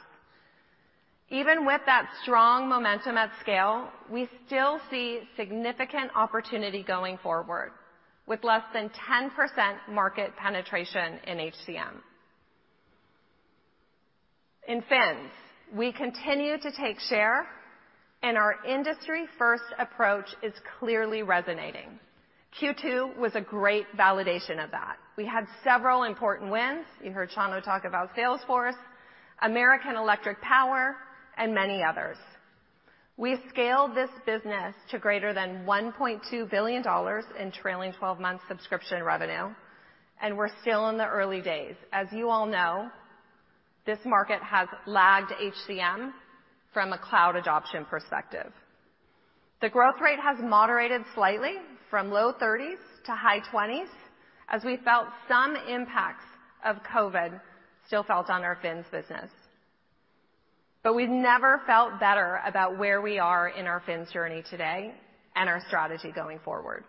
Even with that strong momentum at scale, we still see significant opportunity going forward with less than 10% market penetration in HCM. In FINS, we continue to take share, and our industry-first approach is clearly resonating. Q2 was a great validation of that. We had several important wins. You heard Chano talk about Salesforce, American Electric Power, and many others. We've scaled this business to greater than $1.2 billion in trailing twelve months subscription revenue, and we're still in the early days. As you all know. This market has lagged HCM from a cloud adoption perspective. The growth rate has moderated slightly from low 30s to high 20s as we felt some impacts of COVID still felt on our FINS business. We've never felt better about where we are in our FINS journey today and our strategy going forward.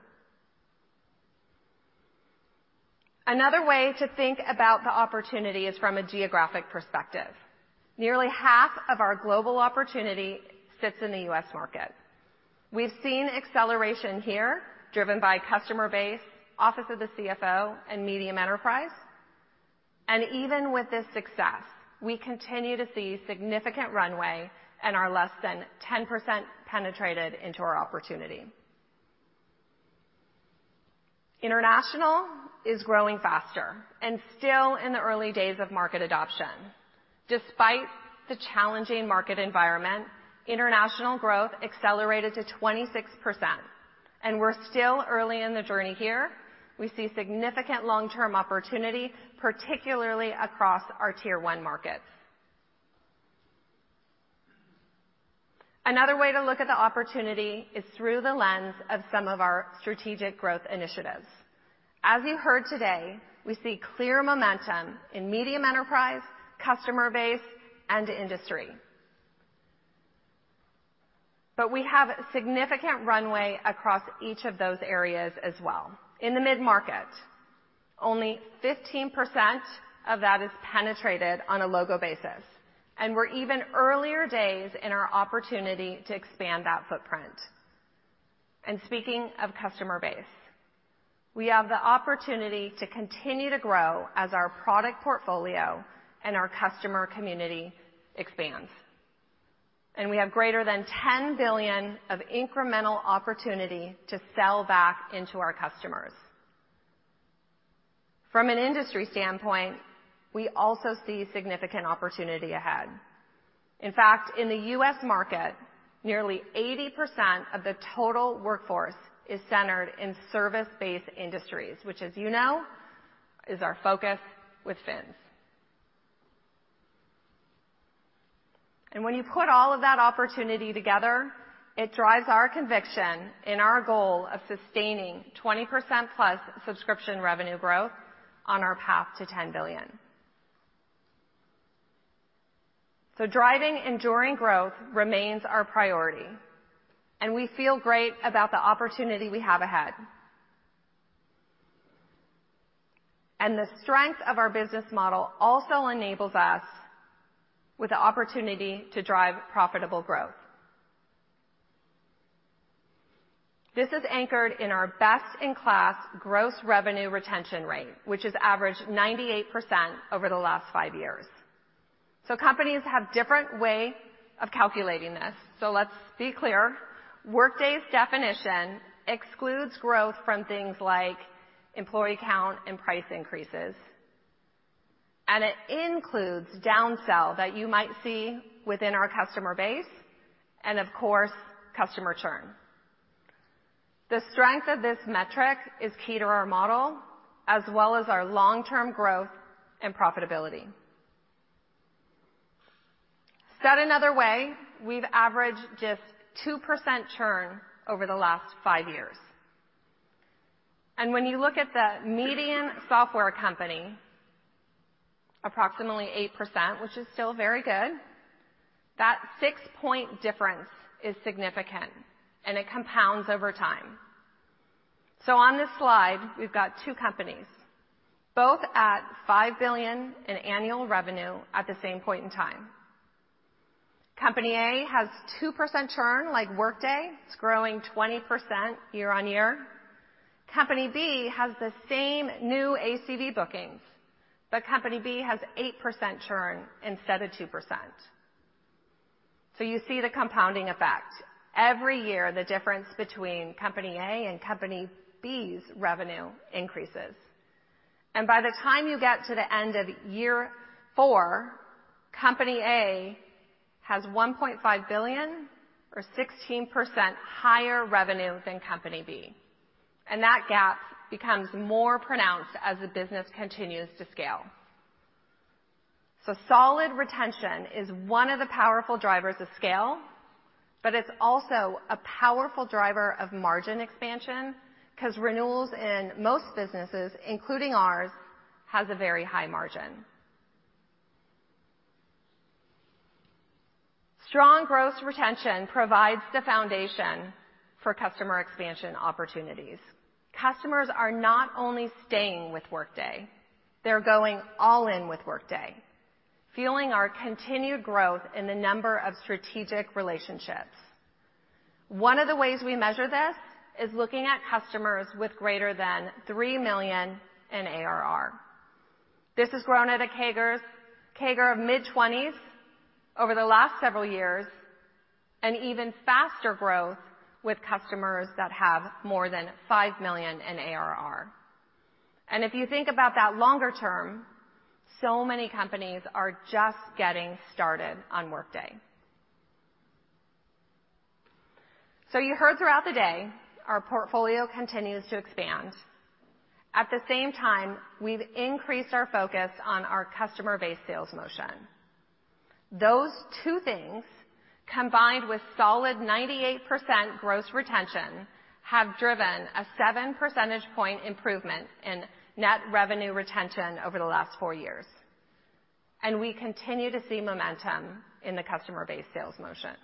Another way to think about the opportunity is from a geographic perspective. Nearly half of our global opportunity sits in the U.S. market. We've seen acceleration here driven by customer base, office of the CFO, and medium enterprise. Even with this success, we continue to see significant runway and are less than 10% penetrated into our opportunity. International is growing faster and still in the early days of market adoption. Despite the challenging market environment, international growth accelerated to 26%, and we're still early in the journey here. We see significant long-term opportunity, particularly across our tier-one markets. Another way to look at the opportunity is through the lens of some of our strategic growth initiatives. As you heard today, we see clear momentum in medium enterprise, customer base, and industry. We have significant runway across each of those areas as well. In the mid-market, only 15% of that is penetrated on a logo basis, and we're even earlier days in our opportunity to expand that footprint. Speaking of customer base, we have the opportunity to continue to grow as our product portfolio and our customer community expands. We have greater than $10 billion of incremental opportunity to sell back into our customers. From an industry standpoint, we also see significant opportunity ahead. In fact, in the U.S. market, nearly 80% of the total workforce is centered in service-based industries, which, as you know, is our focus with FINS. When you put all of that opportunity together, it drives our conviction in our goal of sustaining 20%+ subscription revenue growth on our path to $10 billion. Driving enduring growth remains our priority, and we feel great about the opportunity we have ahead. The strength of our business model also enables us with the opportunity to drive profitable growth. This is anchored in our best-in-class gross revenue retention rate, which has averaged 98% over the last five years. Companies have different way of calculating this. Let's be clear. Workday's definition excludes growth from things like employee count and price increases. It includes down-sell that you might see within our customer base and, of course, customer churn. The strength of this metric is key to our model as well as our long-term growth and profitability. Said another way, we've averaged just 2% churn over the last five years. When you look at the median software company, approximately 8%, which is still very good, that six-point difference is significant, and it compounds over time. On this slide, we've got two companies, both at $5 billion in annual revenue at the same point in time. Company A has 2% churn like Workday. It's growing 20% year-over-year. Company B has the same new ACV bookings, but company B has 8% churn instead of 2%. You see the compounding effect. Every year, the difference between company A and company B's revenue increases. By the time you get to the end of year four, company A has $1.5 billion or 16% higher revenue than company B. That gap becomes more pronounced as the business continues to scale. Solid retention is one of the powerful drivers of scale, but it's also a powerful driver of margin expansion because renewals in most businesses, including ours, has a very high margin. Strong growth retention provides the foundation for customer expansion opportunities. Customers are not only staying with Workday, they're going all in with Workday, fueling our continued growth in the number of strategic relationships. One of the ways we measure this is looking at customers with greater than $3 million in ARR. This has grown at a CAGR of mid-20s% over the last several years, and even faster growth with customers that have more than $5 million in ARR. If you think about that longer term, so many companies are just getting started on Workday. You heard throughout the day, our portfolio continues to expand. At the same time, we've increased our focus on our customer base sales motion. Those two things, combined with solid 98% gross retention, have driven a 7 percentage point improvement in net revenue retention over the last four years. We continue to see momentum in the customer-based sales motion.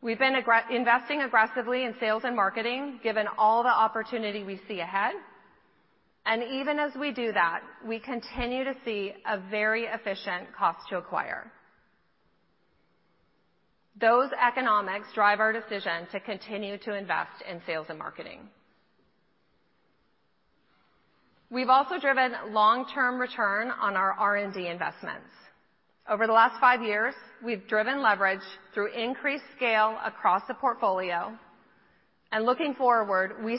We've been investing aggressively in sales and marketing, given all the opportunity we see ahead. Even as we do that, we continue to see a very efficient cost to acquire. Those economics drive our decision to continue to invest in sales and marketing. We've also driven long-term return on our R&D investments. Over the last five years, we've driven leverage through increased scale across the portfolio. Looking forward, we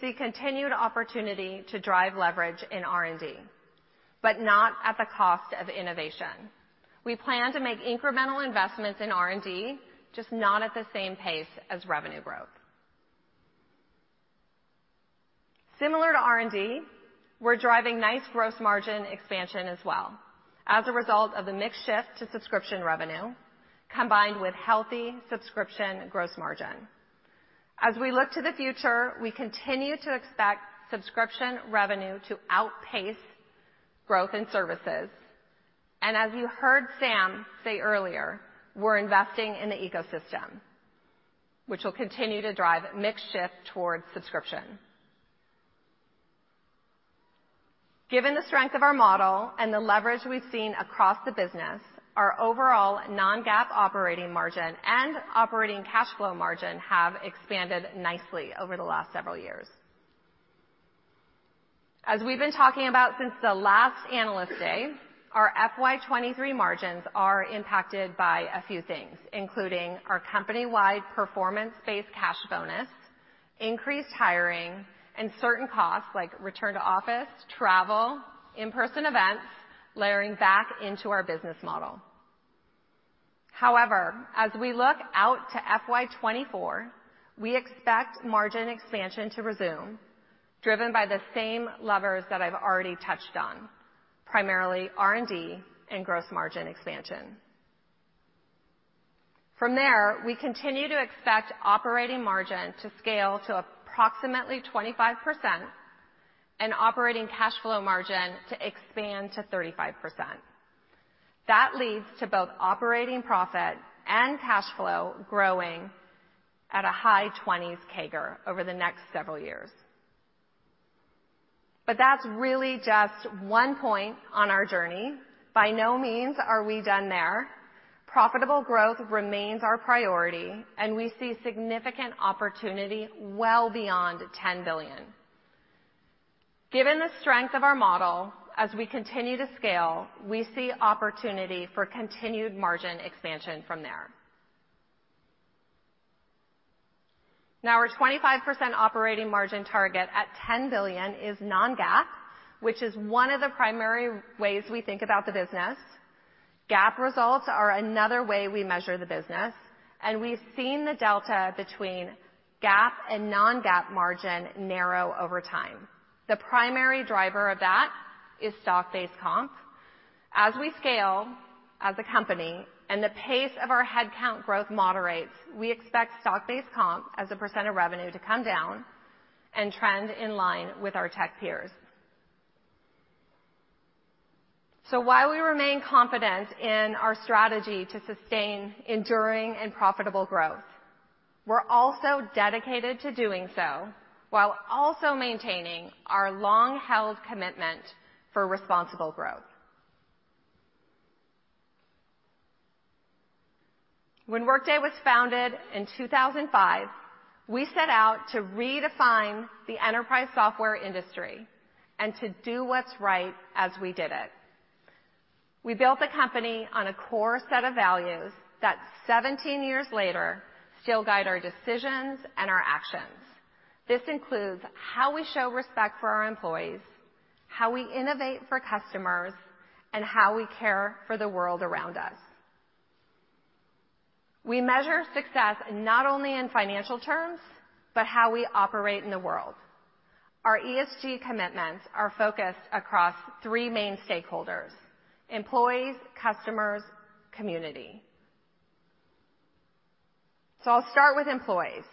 see continued opportunity to drive leverage in R&D, but not at the cost of innovation. We plan to make incremental investments in R&D, just not at the same pace as revenue growth. Similar to R&D, we're driving nice gross margin expansion as well as a result of the mix shift to subscription revenue, combined with healthy subscription gross margin. As we look to the future, we continue to expect subscription revenue to outpace growth in services. As you heard Sam say earlier, we're investing in the ecosystem, which will continue to drive mix shift towards subscription. Given the strength of our model and the leverage we've seen across the business, our overall non-GAAP operating margin and operating cash flow margin have expanded nicely over the last several years. As we've been talking about since the last Analyst Day, our FY 2023 margins are impacted by a few things, including our company-wide performance-based cash bonus, increased hiring, and certain costs like return to office, travel, in-person events, layering back into our business model. However, as we look out to FY 2024, we expect margin expansion to resume, driven by the same levers that I've already touched on, primarily R&D and gross margin expansion. From there, we continue to expect operating margin to scale to approximately 25% and operating cash flow margin to expand to 35%. That leads to both operating profit and cash flow growing at a high 20s CAGR over the next several years. That's really just one point on our journey. By no means, are we done there. Profitable growth remains our priority, and we see significant opportunity well beyond $10 billion. Given the strength of our model as we continue to scale, we see opportunity for continued margin expansion from there. Now, our 25% operating margin target at $10 billion is non-GAAP, which is one of the primary ways we think about the business. GAAP results are another way we measure the business, and we've seen the delta between GAAP and non-GAAP margin narrow over time. The primary driver of that is stock-based comp. As we scale as a company and the pace of our headcount growth moderates, we expect stock-based comp as a percent of revenue to come down and trend in line with our tech peers. While we remain confident in our strategy to sustain enduring and profitable growth, we're also dedicated to doing so while also maintaining our long-held commitment for responsible growth. When Workday was founded in 2005, we set out to redefine the enterprise software industry and to do what's right as we did it. We built the company on a core set of values that 17 years later, still guide our decisions and our actions. This includes how we show respect for our employees, how we innovate for customers, and how we care for the world around us. We measure success not only in financial terms, but how we operate in the world. Our ESG commitments are focused across three main stakeholders: employees, customers, community. I'll start with employees.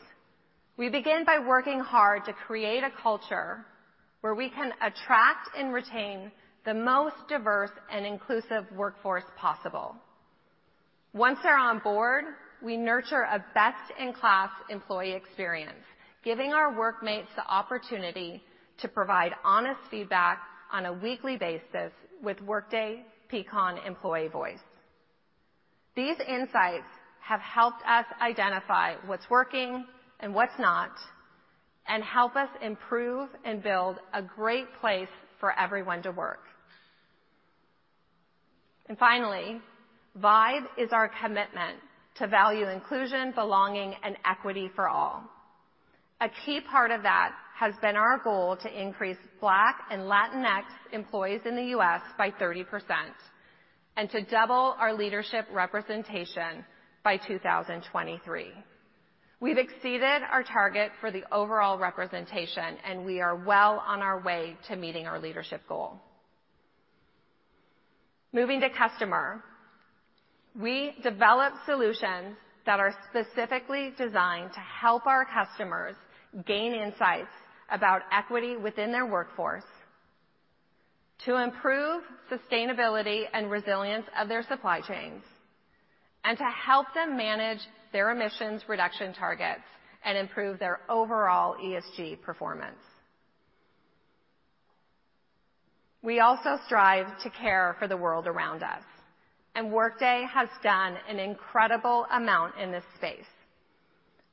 We begin by working hard to create a culture where we can attract and retain the most diverse and inclusive workforce possible. Once they're on board, we nurture a best-in-class employee experience, giving our workmates the opportunity to provide honest feedback on a weekly basis with Workday Peakon Employee Voice. These insights have helped us identify what's working and what's not, and help us improve and build a great place for everyone to work. Finally, VIBE is our commitment to value inclusion, belonging, and equity for all. A key part of that has been our goal to increase Black and Latinx employees in the U.S. by 30% and to double our leadership representation by 2023. We've exceeded our target for the overall representation, and we are well on our way to meeting our leadership goal. Moving to customer. We develop solutions that are specifically designed to help our customers gain insights about equity within their workforce, to improve sustainability and resilience of their supply chains, and to help them manage their emissions reduction targets and improve their overall ESG performance. We also strive to care for the world around us, and Workday has done an incredible amount in this space.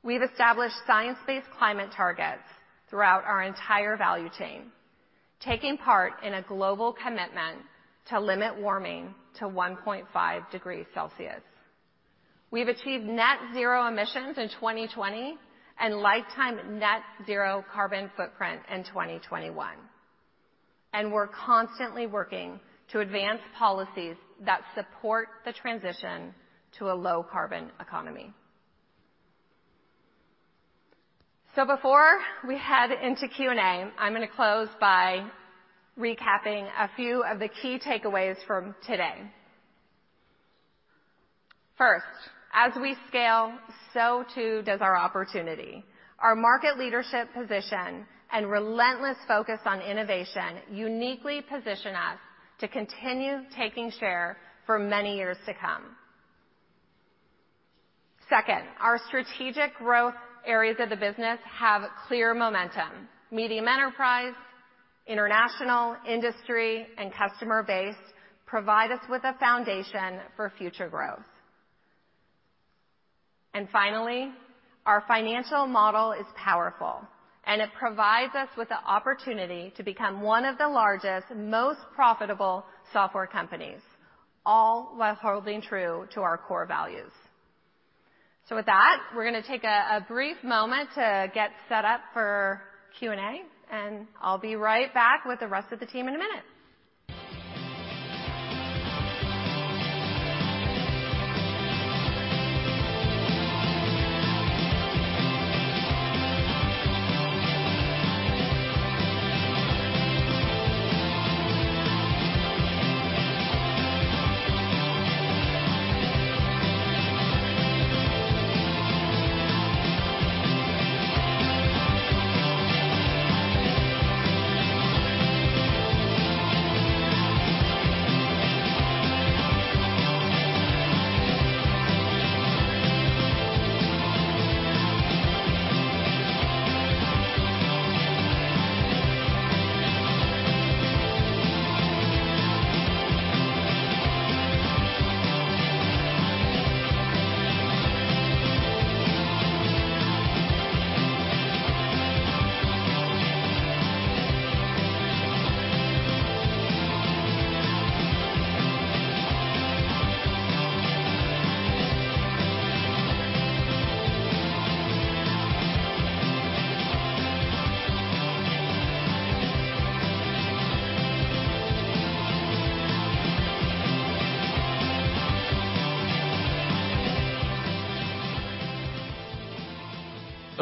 We've established science-based climate targets throughout our entire value chain, taking part in a global commitment to limit warming to 1.5 degrees Celsius. We've achieved net zero emissions in 2020 and lifetime net zero carbon footprint in 2021, and we're constantly working to advance policies that support the transition to a low carbon economy. Before we head into Q andA, I'm gonna close by recapping a few of the key takeaways from today. First, as we scale, so too does our opportunity. Our market leadership position and relentless focus on innovation uniquely position us to continue taking share for many years to come. Second, our strategic growth areas of the business have clear momentum. Medium enterprise, international, industry, and customer base provide us with a foundation for future growth. And finally, our financial model is powerful, and it provides us with the opportunity to become one of the largest, most profitable software companies, all while holding true to our core values. With that, we're gonna take a brief moment to get set up for Q and A, and I'll be right back with the rest of the team in a minute.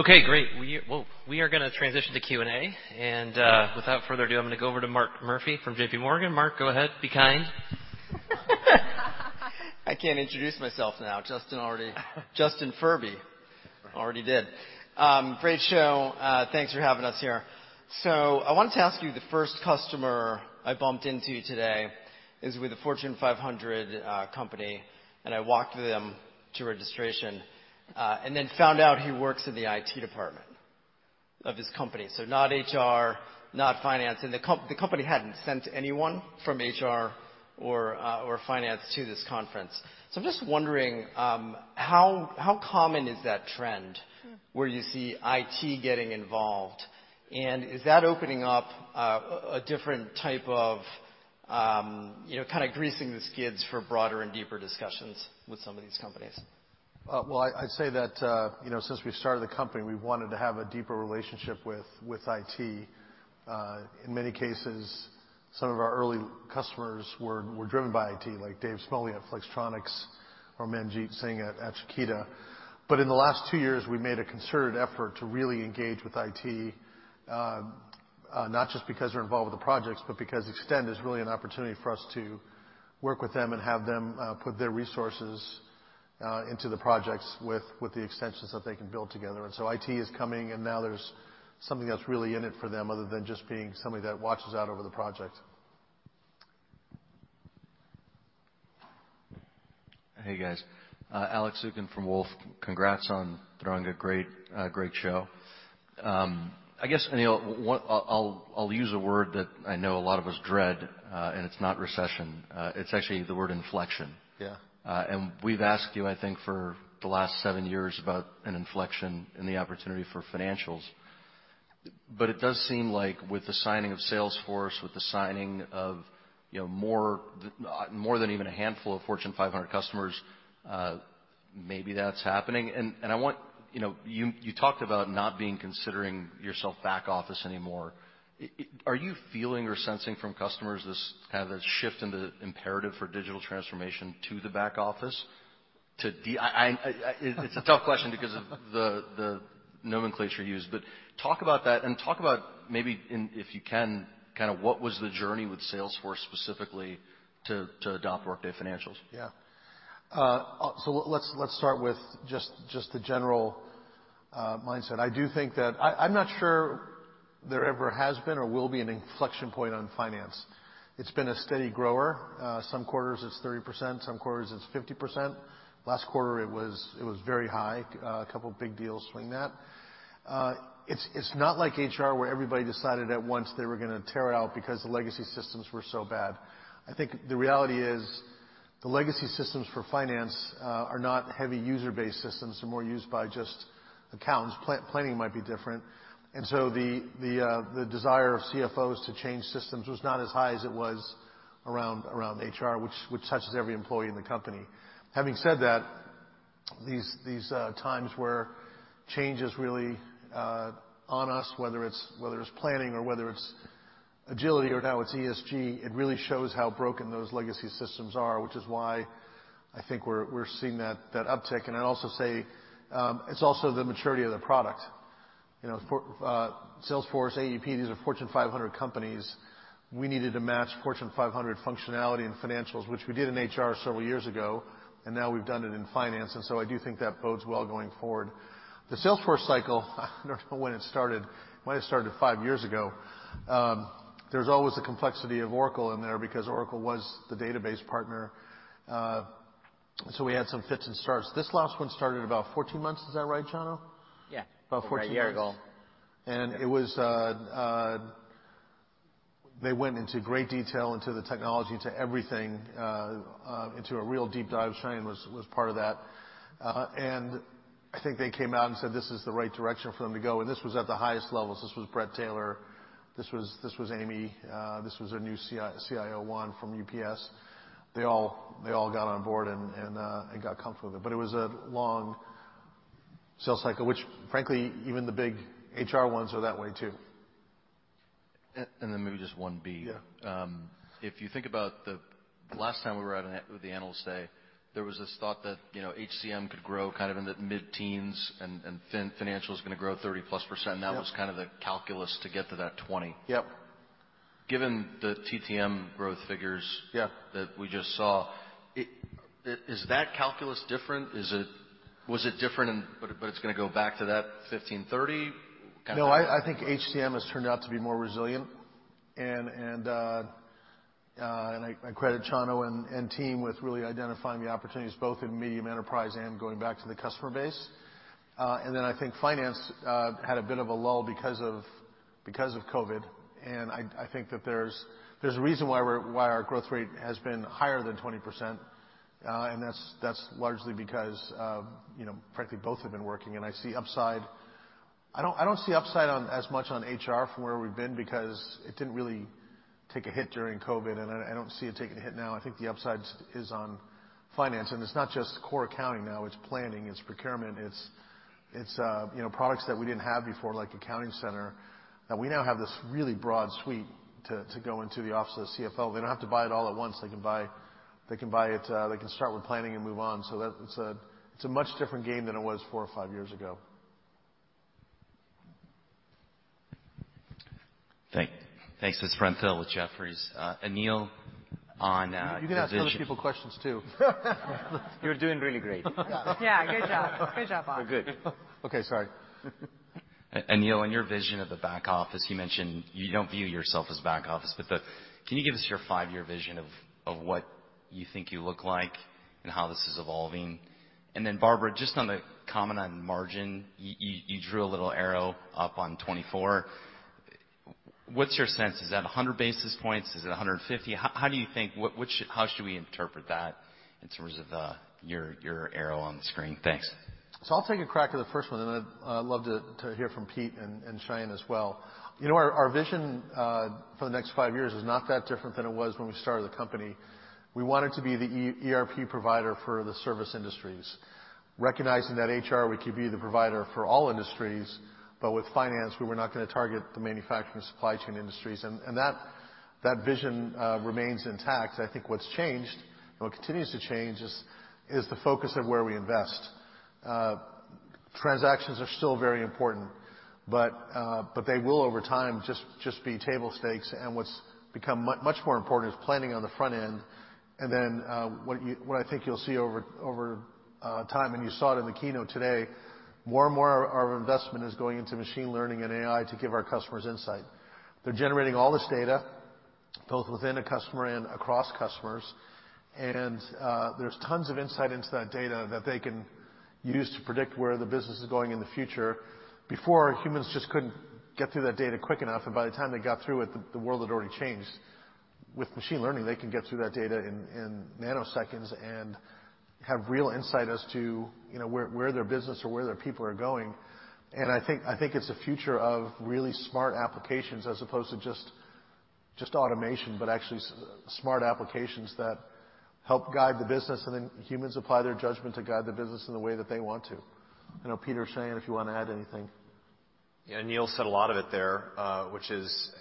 Okay, great. We are gonna transition to Q and A, and without further ado, I'm gonna go over to Mark Murphy from J.P. Morgan. Mark, go ahead. Be kind. I can't introduce myself now. Justin Furby already did. Great show. Thanks for having us here. I wanted to ask you, the first customer I bumped into today is with a Fortune 500 company, and I walked them to registration and then found out he works in the IT department of his company. Not HR, not finance, and the company hadn't sent anyone from HR or or finance to this conference. I'm just wondering how common is that trend where you see IT getting involved? Is that opening up a different type of you know, kinda greasing the skids for broader and deeper discussions with some of these companies? Well, I'd say that, you know, since we started the company, we wanted to have a deeper relationship with IT. In many cases, some of our early customers were driven by IT, like Dave Smalley at Flextronics or Manjit Singh at Takeda. But in the last two years, we made a concerted effort to really engage with IT, not just because they're involved with the projects, but because Extend is really an opportunity for us to work with them and have them put their resources into the projects with the extensions that they can build together. IT is coming, and now there's something that's really in it for them other than just being somebody that watches out over the project. Hey, guys. Alex Zukin from Wolfe. Congrats on throwing a great show. I guess, Aneel, I'll use a word that I know a lot of us dread, and it's not recession. It's actually the word inflection. Yeah. We've asked you, I think, for the last seven years about an inflection in the opportunity for financials. It does seem like with the signing of Salesforce, with the signing of, you know, more than even a handful of Fortune 500 customers, maybe that's happening. I want. You know, you talked about not being considering yourself back-office anymore. Are you feeling or sensing from customers this kind of a shift in the imperative for digital transformation to the back office? It's a tough question because of the nomenclature used. Talk about that and talk about maybe and if you can, kind of what was the journey with Salesforce specifically to adopt Workday Financials? Yeah. So let's start with just the general mindset. I do think that I'm not sure there ever has been or will be an inflection point on finance. It's been a steady grower. Some quarters it's 30%, some quarters it's 50%. Last quarter it was very high. A couple of big deals swing that. It's not like HR, where everybody decided at once they were gonna tear it out because the legacy systems were so bad. I think the reality is the legacy systems for finance are not heavy user-based systems. They're more used by just accountants. Planning might be different. The desire of CFOs to change systems was not as high as it was around HR, which touches every employee in the company. Having said that, these times where change is really on us, whether it's planning or whether it's agility or now it's ESG, it really shows how broken those legacy systems are, which is why I think we're seeing that uptick. I'd also say, it's also the maturity of the product. You know, for Salesforce, AEP, these are Fortune 500 companies. We needed to match Fortune 500 functionality and financials, which we did in HR several years ago, and now we've done it in finance, and so I do think that bodes well going forward. The Salesforce cycle, I don't know when it started. It might have started five years ago. There's always the complexity of Oracle in there because Oracle was the database partner. So we had some fits and starts. This last one started about 14 months. Is that right, Chano? Yeah. About 14 months. A year ago. It was. They went into great detail into the technology, to everything, into a real deep dive. Sayan was part of that. I think they came out and said, this is the right direction for them to go. This was at the highest levels. This was Bret Taylor, this was Amy, this was their new CIO, Juan, from UPS. They all got on board and got comfortable with it. It was a long sales cycle, which frankly, even the big HR ones are that way too. Maybe just one B. Yeah. If you think about the last time we were out at the Analyst Day, there was this thought that, you know, HCM could grow kind of in the mid-teens% and Financials is gonna grow 30+%. Yeah. That was kind of the calculus to get to that 20. Yep. Given the TTM growth figures. Yeah... that we just saw, is that calculus different? Was it different, but it's gonna go back to that 15-30 kind of thing? No, I think HCM has turned out to be more resilient. I credit Chano and team with really identifying the opportunities both in medium enterprise and going back to the customer base. I think finance had a bit of a lull because of COVID. I think that there's a reason why our growth rate has been higher than 20%. That's largely because, you know, frankly, both have been working, and I see upside. I don't see as much upside on HR from where we've been, because it didn't really take a hit during COVID, and I don't see it taking a hit now. I think the upside is on finance. It's not just core accounting now. It's planning, it's procurement. It's you know, products that we didn't have before, like Accounting Center, that we now have this really broad suite to go into the office of the CFO. They don't have to buy it all at once. They can buy it, they can start with planning and move on. It's a much different game than it was four or five years ago. Thanks. This is Brent Thill with Jefferies. Aneel, on your vision- You can ask other people questions too. You're doing really great. Yeah. Yeah. Good job. Good job, Bhusri. You're good. Okay, sorry. Aneel, on your vision of the back office, you mentioned you don't view yourself as back office, but can you give us your five-year vision of what you think you look like and how this is evolving? Barbara, just on the comment on margin, you drew a little arrow up on 24. What's your sense? Is that 100 basis points? Is it 150? How do you think? What, which. How should we interpret that in terms of your arrow on the screen? Thanks. I'll take a crack at the first one, and then I'd love to hear from Pete and Sayan as well. You know, our vision for the next five years is not that different than it was when we started the company. We wanted to be the ERP provider for the service industries, recognizing that HR, we could be the provider for all industries, but with finance, we were not gonna target the manufacturing supply chain industries. That vision remains intact. I think what's changed and what continues to change is the focus of where we invest. Transactions are still very important, but they will, over time, just be table stakes. What's become much more important is planning on the front end. What I think you'll see over time, and you saw it in the keynote today, more and more our investment is going into machine learning and AI to give our customers insight. They're generating all this data, both within a customer and across customers. There's tons of insight into that data that they can use to predict where the business is going in the future. Before, humans just couldn't get through that data quick enough, and by the time they got through it, the world had already changed. With machine learning, they can get through that data in nanoseconds and have real insight as to, you know, where their business or where their people are going. I think it's a future of really smart applications as opposed to just automation, but actually smart applications that help guide the business, and then humans apply their judgment to guide the business in the way that they want to. I know Pete, Sayan, if you wanna add anything. Yeah, Aneel said a lot of it there, which is,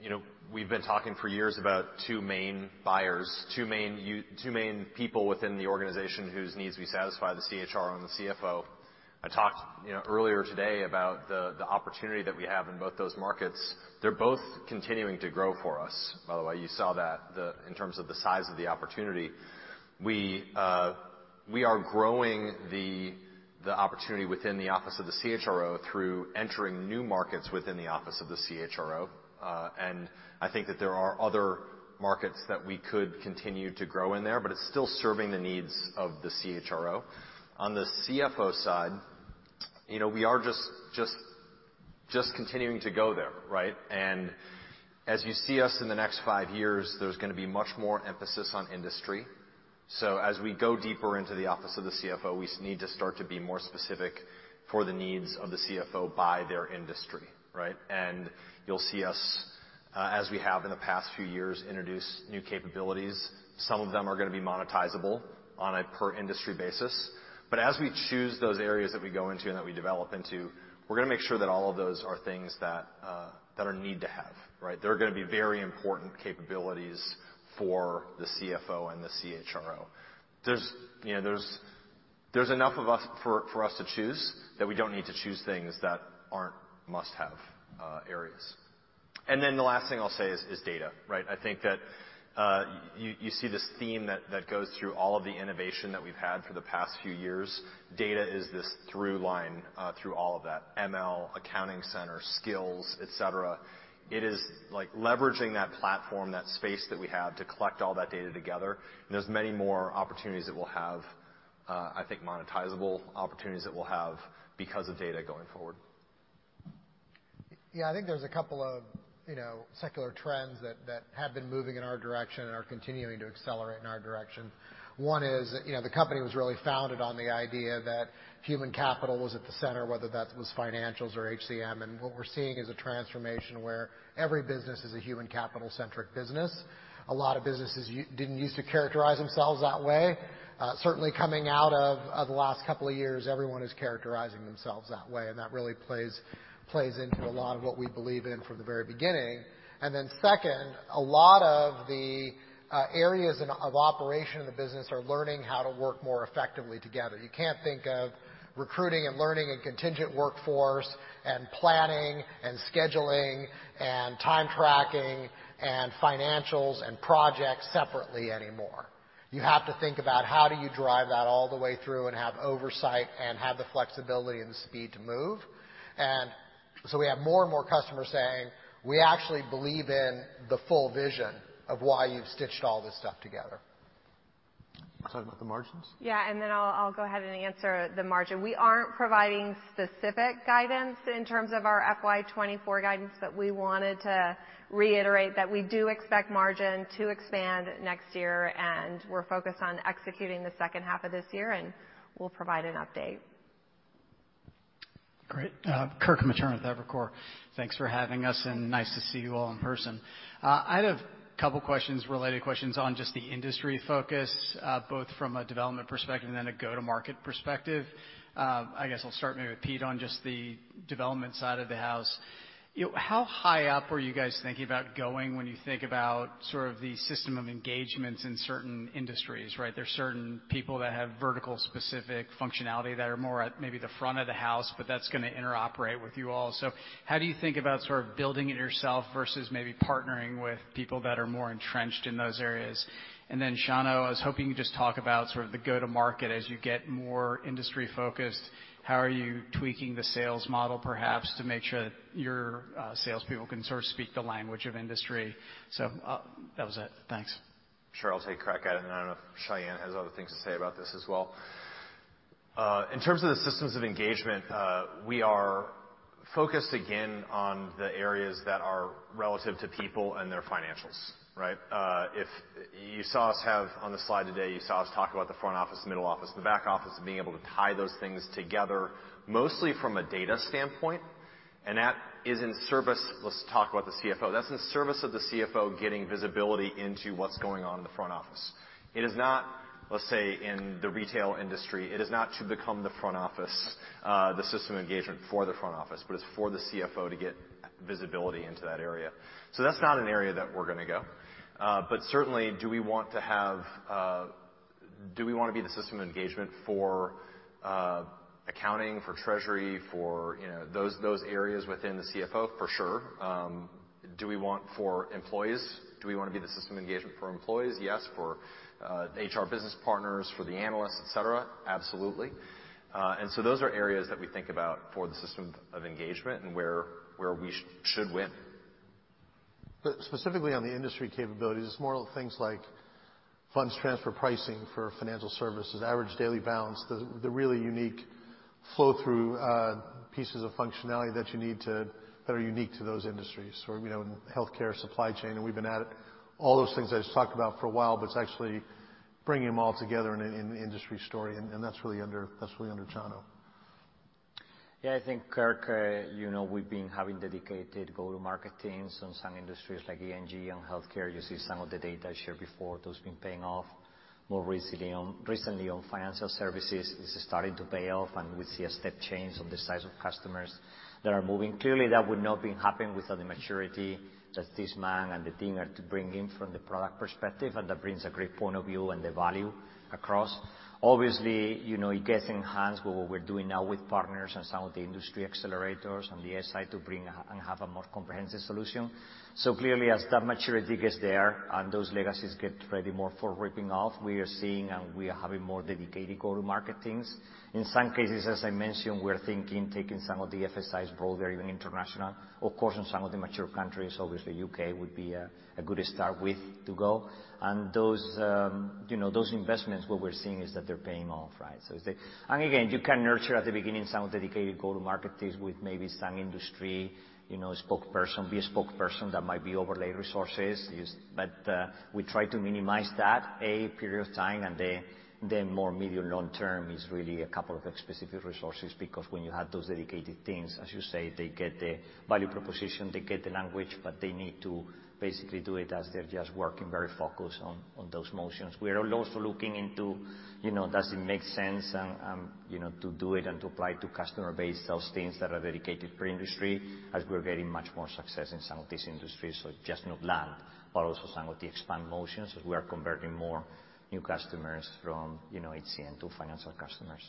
you know, we've been talking for years about two main buyers, two main people within the organization whose needs we satisfy, the CHRO and the CFO. I talked, you know, earlier today about the opportunity that we have in both those markets. They're both continuing to grow for us, by the way. You saw that in terms of the size of the opportunity. We are growing the opportunity within the office of the CHRO through entering new markets within the office of the CHRO. I think that there are other markets that we could continue to grow in there, but it's still serving the needs of the CHRO. On the CFO side, you know, we are just continuing to go there, right? As you see us in the next five years, there's gonna be much more emphasis on industry. As we go deeper into the office of the CFO, we need to start to be more specific for the needs of the CFO by their industry, right? You'll see us, as we have in the past few years, introduce new capabilities. Some of them are gonna be monetizable on a per industry basis. As we choose those areas that we go into and that we develop into, we're gonna make sure that all of those are things that are need to have, right? They're gonna be very important capabilities for the CFO and the CHRO. There's, you know, enough of us for us to choose that we don't need to choose things that aren't must-have areas. The last thing I'll say is data, right? I think that you see this theme that goes through all of the innovation that we've had for the past few years. Data is this through line through all of that, ML, Accounting Center, skills, et cetera. It is like leveraging that platform, that space that we have to collect all that data together. There's many more opportunities that we'll have, I think monetizable opportunities that we'll have because of data going forward. I think there's a couple of, you know, secular trends that have been moving in our direction and are continuing to accelerate in our direction. One is, you know, the company was really founded on the idea that human capital was at the center, whether that was Financials or HCM. What we're seeing is a transformation where every business is a human capital-centric business. A lot of businesses didn't use to characterize themselves that way. Certainly coming out of the last couple of years, everyone is characterizing themselves that way, and that really plays into a lot of what we believe in from the very beginning. Then second, a lot of the areas of operation of the business are learning how to work more effectively together. You can't think of recruiting and learning and contingent workforce and planning and scheduling and time tracking and financials and projects separately anymore. You have to think about how do you drive that all the way through and have oversight and have the flexibility and the speed to move. We have more and more customers saying, "We actually believe in the full vision of why you've stitched all this stuff together. Sorry, about the margins? Yeah. I'll go ahead and answer the margin. We aren't providing specific guidance in terms of our FY 2024 guidance, but we wanted to reiterate that we do expect margin to expand next year, and we're focused on executing the second half of this year, and we'll provide an update. Great. Kirk Materne with Evercore. Thanks for having us, and nice to see you all in person. I have a couple questions, related questions on just the industry focus, both from a development perspective and then a go-to-market perspective. I guess I'll start maybe with Pete on just the development side of the house. You know, how high up are you guys thinking about going when you think about sort of the system of engagements in certain industries, right? There's certain people that have vertical specific functionality that are more at maybe the front of the house, but that's gonna interoperate with you all. So how do you think about sort of building it yourself versus maybe partnering with people that are more entrenched in those areas? Chano, I was hoping you could just talk about sort of the go-to-market as you get more industry focused. How are you tweaking the sales model perhaps to make sure your salespeople can sort of speak the language of industry? That was it. Thanks. Sure. I'll take a crack at it, and I don't know if Sayan has other things to say about this as well. In terms of the systems of engagement, we are focused again on the areas that are relative to people and their financials, right? If you saw what we have on the slide today, you saw us talk about the front office, middle office, the back office, and being able to tie those things together mostly from a data standpoint, and that is in service. Let's talk about the CFO. That's in service of the CFO getting visibility into what's going on in the front office. It is not, let's say, in the retail industry. It is not to become the front office, the system of engagement for the front office, but it's for the CFO to get visibility into that area. That's not an area that we're gonna go. Certainly, do we want to have, do we wanna be the system of engagement for accounting, for treasury, for, you know, those areas within the CFO? For sure. Do we want for employees? Do we wanna be the system of engagement for employees? Yes. For HR business partners, for the analysts, et cetera, absolutely. Those are areas that we think about for the system of engagement and where we should win. Specifically on the industry capabilities, it's more things like funds transfer pricing for financial services, average daily balance, the really unique flow through pieces of functionality that are unique to those industries. You know, in healthcare supply chain, and we've been at it. All those things I just talked about for a while, but it's actually bringing them all together in an industry story, and that's really under Chano. Yeah, I think, Kirk, you know, we've been having dedicated go-to-market teams on some industries like ENG and healthcare. You see some of the data shared before, those been paying off more recently on financial services. It's starting to pay off, and we see a step change on the size of customers that are moving. Clearly, that would not been happening without the maturity that this man and the team are to bring in from the product perspective, and that brings a great point of view and the value across. Obviously, you know, it gets enhanced with what we're doing now with partners and some of the industry accelerators on the SI to bring and have a more comprehensive solution. Clearly as that maturity gets there and those legacies get ready more for rip and replace, we are seeing and we are having more dedicated go-to-market teams. In some cases, as I mentioned, we're thinking of taking some of the FSIs broader, even international. Of course, in some of the mature countries, obviously U.K. would be a good start with which to go. Those, you know, those investments, what we're seeing is that they're paying off, right? It's like. Again, you can nurture at the beginning some dedicated go-to-market teams with maybe some industry, you know, spokesperson that might be overlay resources. We try to minimize that period of time, and then more medium long term is really a couple of specific resources because when you have those dedicated teams, as you say, they get the value proposition, they get the language, but they need to basically do it as they're just working very focused on those motions. We are also looking into, you know, does it make sense to do it and to apply to customer base those things that are dedicated per industry as we're getting much more success in some of these industries. Not just land, but also some of the expand motions as we are converting more new customers from, you know, HCM to financial customers.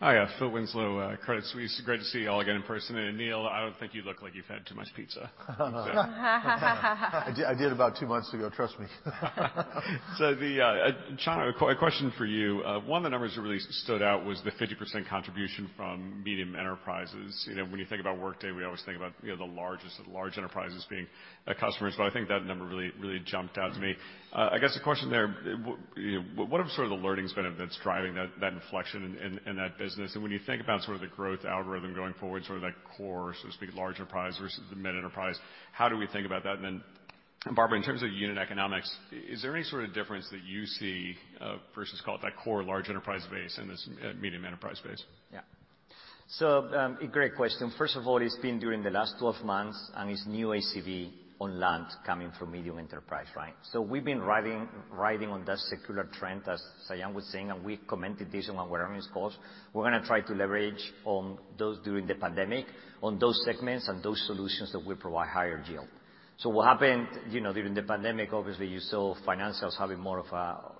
Hi. Phil Winslow, Credit Suisse. Great to see you all again in person. Aneel, I don't think you look like you've had too much pizza. I did about two months ago, trust me. Chano, a question for you. One of the numbers that really stood out was the 50% contribution from medium enterprises. You know, when you think about Workday, we always think about, you know, the largest, large enterprises being customers, but I think that number really jumped out to me. I guess the question there, you know, what are sort of the learnings been that's driving that inflection in that business? And when you think about sort of the growth algorithm going forward, sort of that core, so to speak, large enterprise versus the mid-enterprise, how do we think about that? And then Barbara, in terms of unit economics, is there any sort of difference that you see versus call it that core large enterprise base and this medium enterprise base? Yeah. A great question. First of all, it's been during the last 12 months, and it's new ACV online coming from medium enterprise, right? We've been riding on that secular trend, as Sayan was saying, and we commented this on our earnings calls. We're gonna try to leverage on those during the pandemic, on those segments and those solutions that will provide higher yield. What happened, you know, during the pandemic, obviously you saw financials having more of a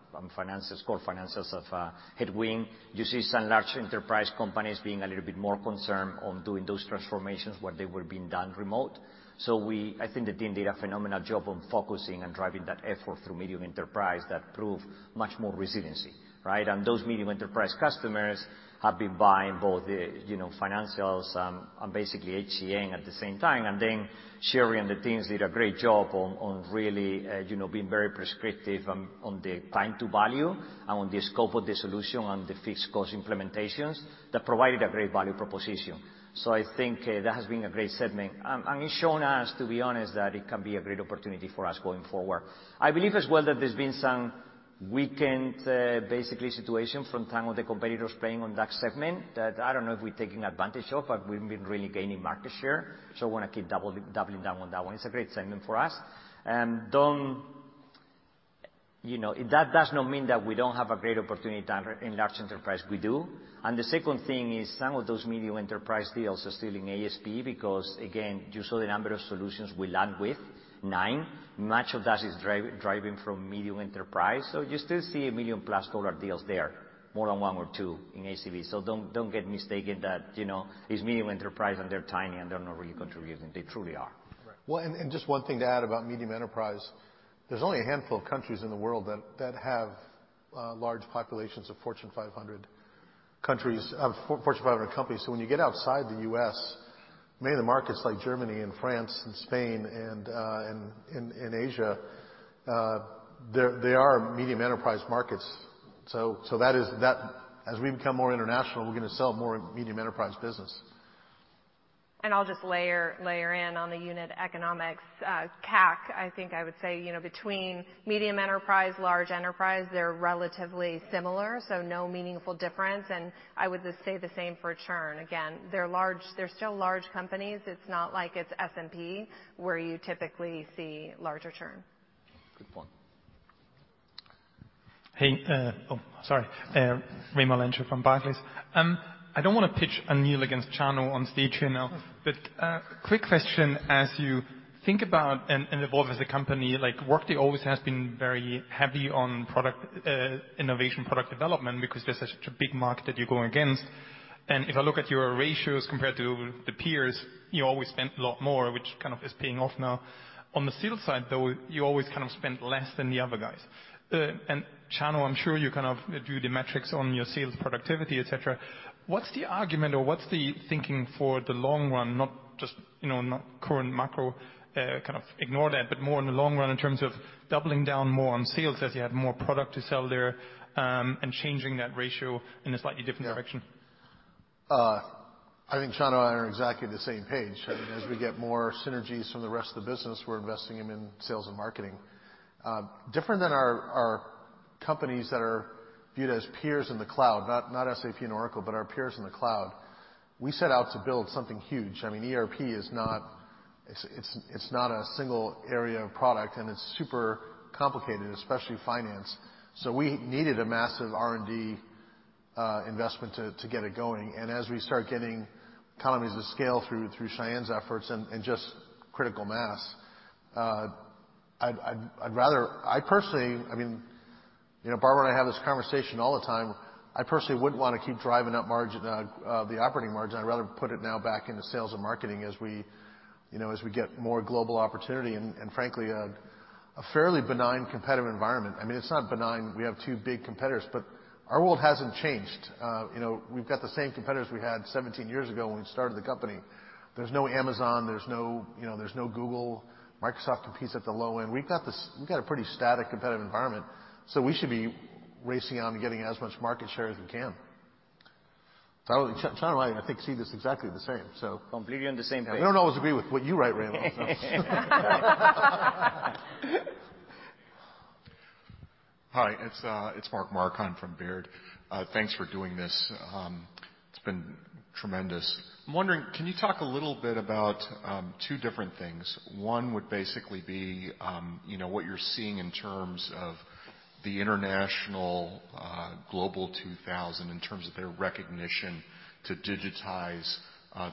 core financials headwind. You see some large enterprise companies being a little bit more concerned on doing those transformations, where they were being done remotely. I think the team did a phenomenal job on focusing and driving that effort through medium enterprise that proved much more resiliency, right? Those medium enterprise customers have been buying both the financials and basically HCM at the same time. Then Sheri and the teams did a great job on really being very prescriptive on the time to value and on the scope of the solution and the fixed cost implementations that provided a great value proposition. I think that has been a great segment. It's shown us, to be honest, that it can be a great opportunity for us going forward. I believe as well that there's been some weakened basically situation from some of the competitors playing on that segment that I don't know if we're taking advantage of, but we've been really gaining market share. Wanna keep doubling down on that one. It's a great segment for us. That does not mean that we don't have a great opportunity to win in large enterprise. We do. The second thing is some of those medium enterprise deals are still in ASP because, again, you saw the number of solutions we land with, nine. Much of that is driven from medium enterprise, so you still see $1 million+ deals there, more than one or two in ACV. Don't get mistaken that, you know, it's medium enterprise and they're tiny and they're not really contributing. They truly are. Just one thing to add about medium enterprise. There's only a handful of countries in the world that have large populations of Fortune 500 companies. When you get outside the U.S., many of the markets like Germany and France and Spain and in Asia, they are medium enterprise markets. That is. As we become more international, we're gonna sell more medium enterprise business. I'll just layer in on the unit economics, CAC. I think I would say, you know, between medium enterprise, large enterprise, they're relatively similar, so no meaningful difference, and I would just say the same for churn. Again, they're large, they're still large companies. It's not like it's S&P, where you typically see larger churn. Good point. Hey, sorry. Raimo Lenschow from Barclays. I don't wanna pitch Aneel against Chano on stage here now, but quick question. As you think about and evolve as a company, like Workday always has been very heavy on product innovation, product development, because there's such a big market that you're going against. If I look at your ratios compared to the peers, you always spent a lot more, which kind of is paying off now. On the sales side, though, you always kind of spent less than the other guys. Chano, I'm sure you kind of do the metrics on your sales productivity, et cetera. What's the argument or what's the thinking for the long run, not just, you know, not current macro, kind of ignore that, but more in the long run in terms of doubling down more on sales as you have more product to sell there, and changing that ratio in a slightly different direction? I think Chano and I are on exactly the same page. I mean, as we get more synergies from the rest of the business, we're investing them in sales and marketing. Different than our companies that are viewed as peers in the cloud, not SAP and Oracle, but our peers in the cloud. We set out to build something huge. I mean, ERP is not a single area of product, and it's super complicated, especially finance. We needed a massive R&D investment to get it going. As we start getting economies of scale through Sayan's efforts and just critical mass, I'd rather. I personally, I mean, you know, Barbara and I have this conversation all the time. I personally wouldn't want to keep driving up the operating margin. I'd rather put it now back into sales and marketing as we, you know, as we get more global opportunity and frankly, a fairly benign competitive environment. I mean, it's not benign. We have two big competitors, but our world hasn't changed. You know, we've got the same competitors we had 17 years ago when we started the company. There's no Amazon, there's no, you know, there's no Google. Microsoft competes at the low end. We've got this, we've got a pretty static competitive environment. We should be racing out and getting as much market share as we can. Chano and I think, see this exactly the same, so. Completely on the same page. I don't always agree with what you write, Raimo Lenschow. Hi, it's Mark Marcon from Baird. Thanks for doing this. It's been tremendous. I'm wondering, can you talk a little bit about two different things. One would basically be, you know, what you're seeing in terms of the international Global 2000, in terms of their recognition to digitize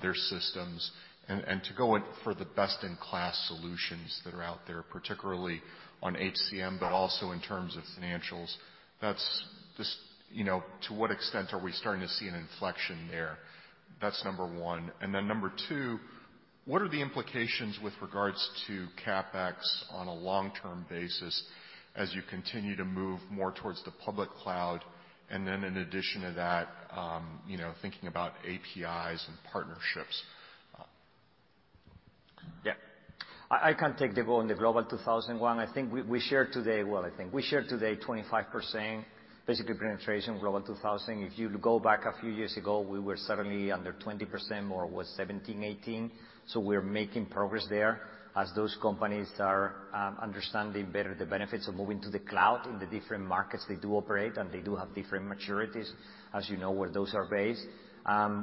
their systems and to go in for the best-in-class solutions that are out there, particularly on HCM, but also in terms of financials. That's just, you know, to what extent are we starting to see an inflection there? That's number one. Number two, what are the implications with regards to CapEx on a long-term basis as you continue to move more towards the public cloud? In addition to that, you know, thinking about APIs and partnerships. Yeah. I can take the question on the Global 2000 one. I think we shared today 25% basically penetration Global 2000. If you go back a few years ago, we were certainly under 20% more like 17, 18. We're making progress there as those companies are understanding better the benefits of moving to the cloud in the different markets they do operate, and they do have different maturities, as you know, where those are based.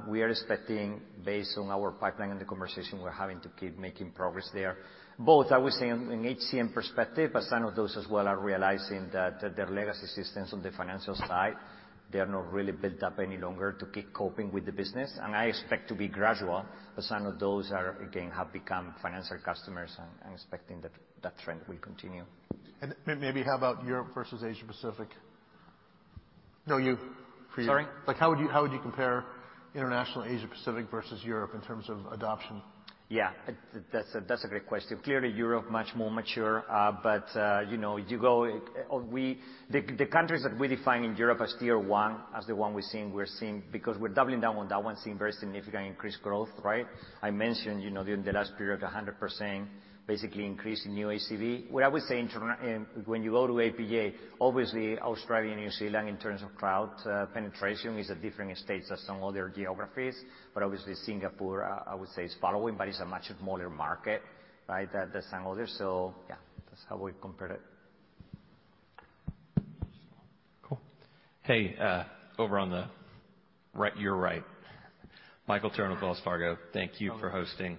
We are expecting, based on our pipeline and the conversation we're having, to keep making progress there. Both, I would say in HCM perspective, as some of those as well are realizing that their legacy systems on the financial side, they are not really built up any longer to keep coping with the business. I expect it to be gradual, but some of those, again, have become financial customers and I'm expecting that trend will continue. Maybe how about Europe versus Asia-Pacific? No, over to you. Sorry? Like, how would you compare international Asia-Pacific versus Europe in terms of adoption? Yeah. That's a great question. Clearly Europe is much more mature. You know, you go. The countries that we define in Europe as tier one, the one we're seeing because we're doubling down on that one, seeing very significant increased growth, right? I mentioned, you know, during the last period, 100% basically increase in new ACV. What I would say, when you go to APJ, obviously Australia and New Zealand in terms of cloud penetration is a different stage than some other geographies. But obviously Singapore, I would say is following, but it's a much smaller market, right, than some others. Yeah, that's how we compare it. Cool. Over on the right, your right. Michael Turrin, Wells Fargo. Thank you for hosting.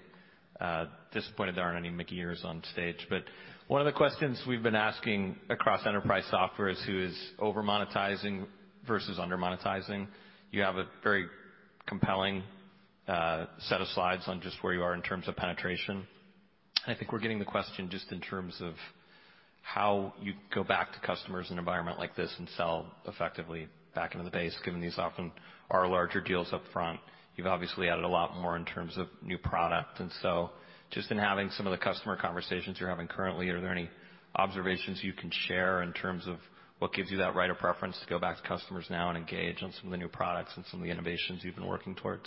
Disappointed there aren't any mickey ears on stage. One of the questions we've been asking across enterprise software is who is over-monetizing versus under-monetizing? You have a very compelling set of slides on just where you are in terms of penetration. I think we're getting the question just in terms of how you go back to customers in an environment like this and sell effectively back into the base, given these often are larger deals up front. You've obviously added a lot more in terms of new product. Just in having some of the customer conversations you're having currently, are there any observations you can share in terms of what gives you that right of preference to go back to customers now and engage on some of the new products and some of the innovations you've been working towards?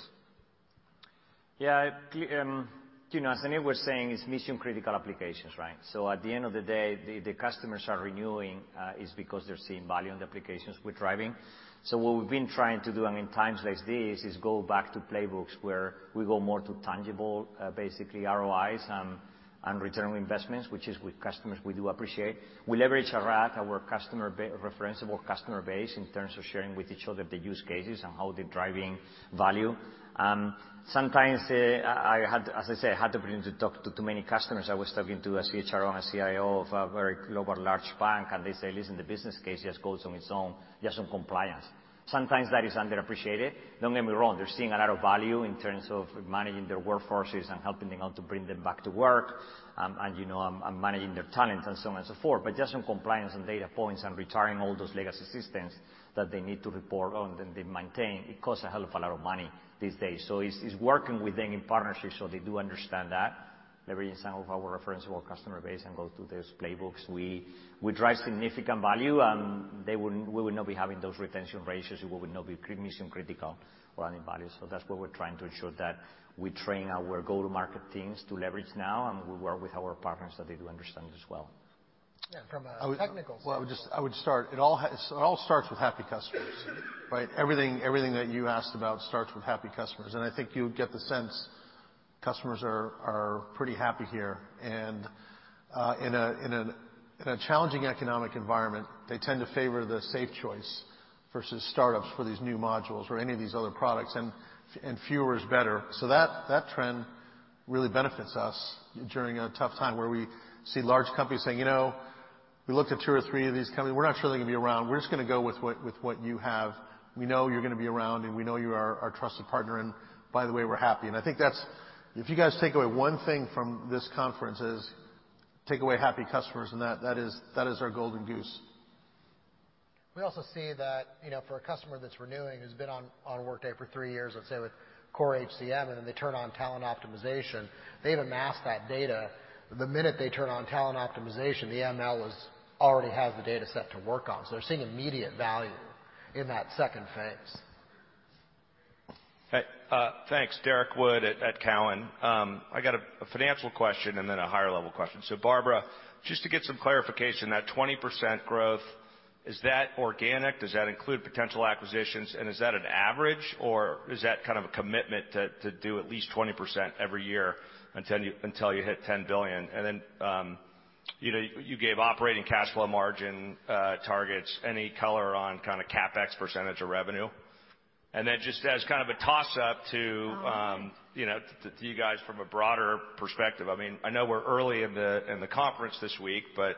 Yeah. You know, as Aneel was saying, it's mission-critical applications, right? At the end of the day, the customers are renewing because they're seeing value in the applications we're driving. What we've been trying to do, I mean, times like this, is go back to playbooks where we go more to tangible, basically ROIs and return on investments, which we do appreciate with customers. We leverage our referenceable customer base in terms of sharing with each other the use cases and how they're driving value. Sometimes, as I say, I had the privilege to talk to too many customers. I was talking to a CHRO and a CIO of a very global large bank, and they say, "Listen, the business case just goes on its own just on compliance." Sometimes that is underappreciated. Don't get me wrong, they're seeing a lot of value in terms of managing their workforces and helping them out to bring them back to work, and, you know, managing their talent and so on and so forth. Just on compliance and data points and retiring all those legacy systems that they need to report on and they maintain, it costs a hell of a lot of money these days. It's working with them in partnership so they do understand that. Leveraging some of our referenceable customer base and go through those playbooks, we drive significant value and they wouldn't, we would not be having those retention ratios. We would not be mission-critical or adding value. That's what we're trying to ensure that we train our go-to-market teams to leverage now and we work with our partners that they do understand as well. Yeah, from a technical side. Well, it all starts with happy customers, right? Everything that you asked about starts with happy customers. I think you get the sense customers are pretty happy here. In a challenging economic environment, they tend to favor the safe choice versus startups for these new modules or any of these other products, and fewer is better. That trend really benefits us during a tough time where we see large companies saying, "You know, we looked at two or three of these companies. We're not sure they can be around. We're just gonna go with what you have. We know you're gonna be around, and we know you are our trusted partner. And by the way, we're happy." I think that's. If you guys take away one thing from this conference is take away happy customers and that is our golden goose. We also see that, you know, for a customer that's renewing, who's been on Workday for three years, let's say with Core HCM, and then they turn on talent optimization, they've amassed that data. The minute they turn on talent optimization, the ML already has the data set to work on. They're seeing immediate value in that second phase. Hey, thanks. Derrick Wood at Cowen. I got a financial question and then a higher level question. Barbara, just to get some clarification, that 20% growth, is that organic? Does that include potential acquisitions, and is that an average, or is that kind of a commitment to do at least 20% every year until you hit $10 billion? You know, you gave operating cash flow margin targets. Any color on CapEx percentage of revenue? Just as kind of a toss-up to you guys from a broader perspective, I mean, I know we're early in the conference this week, but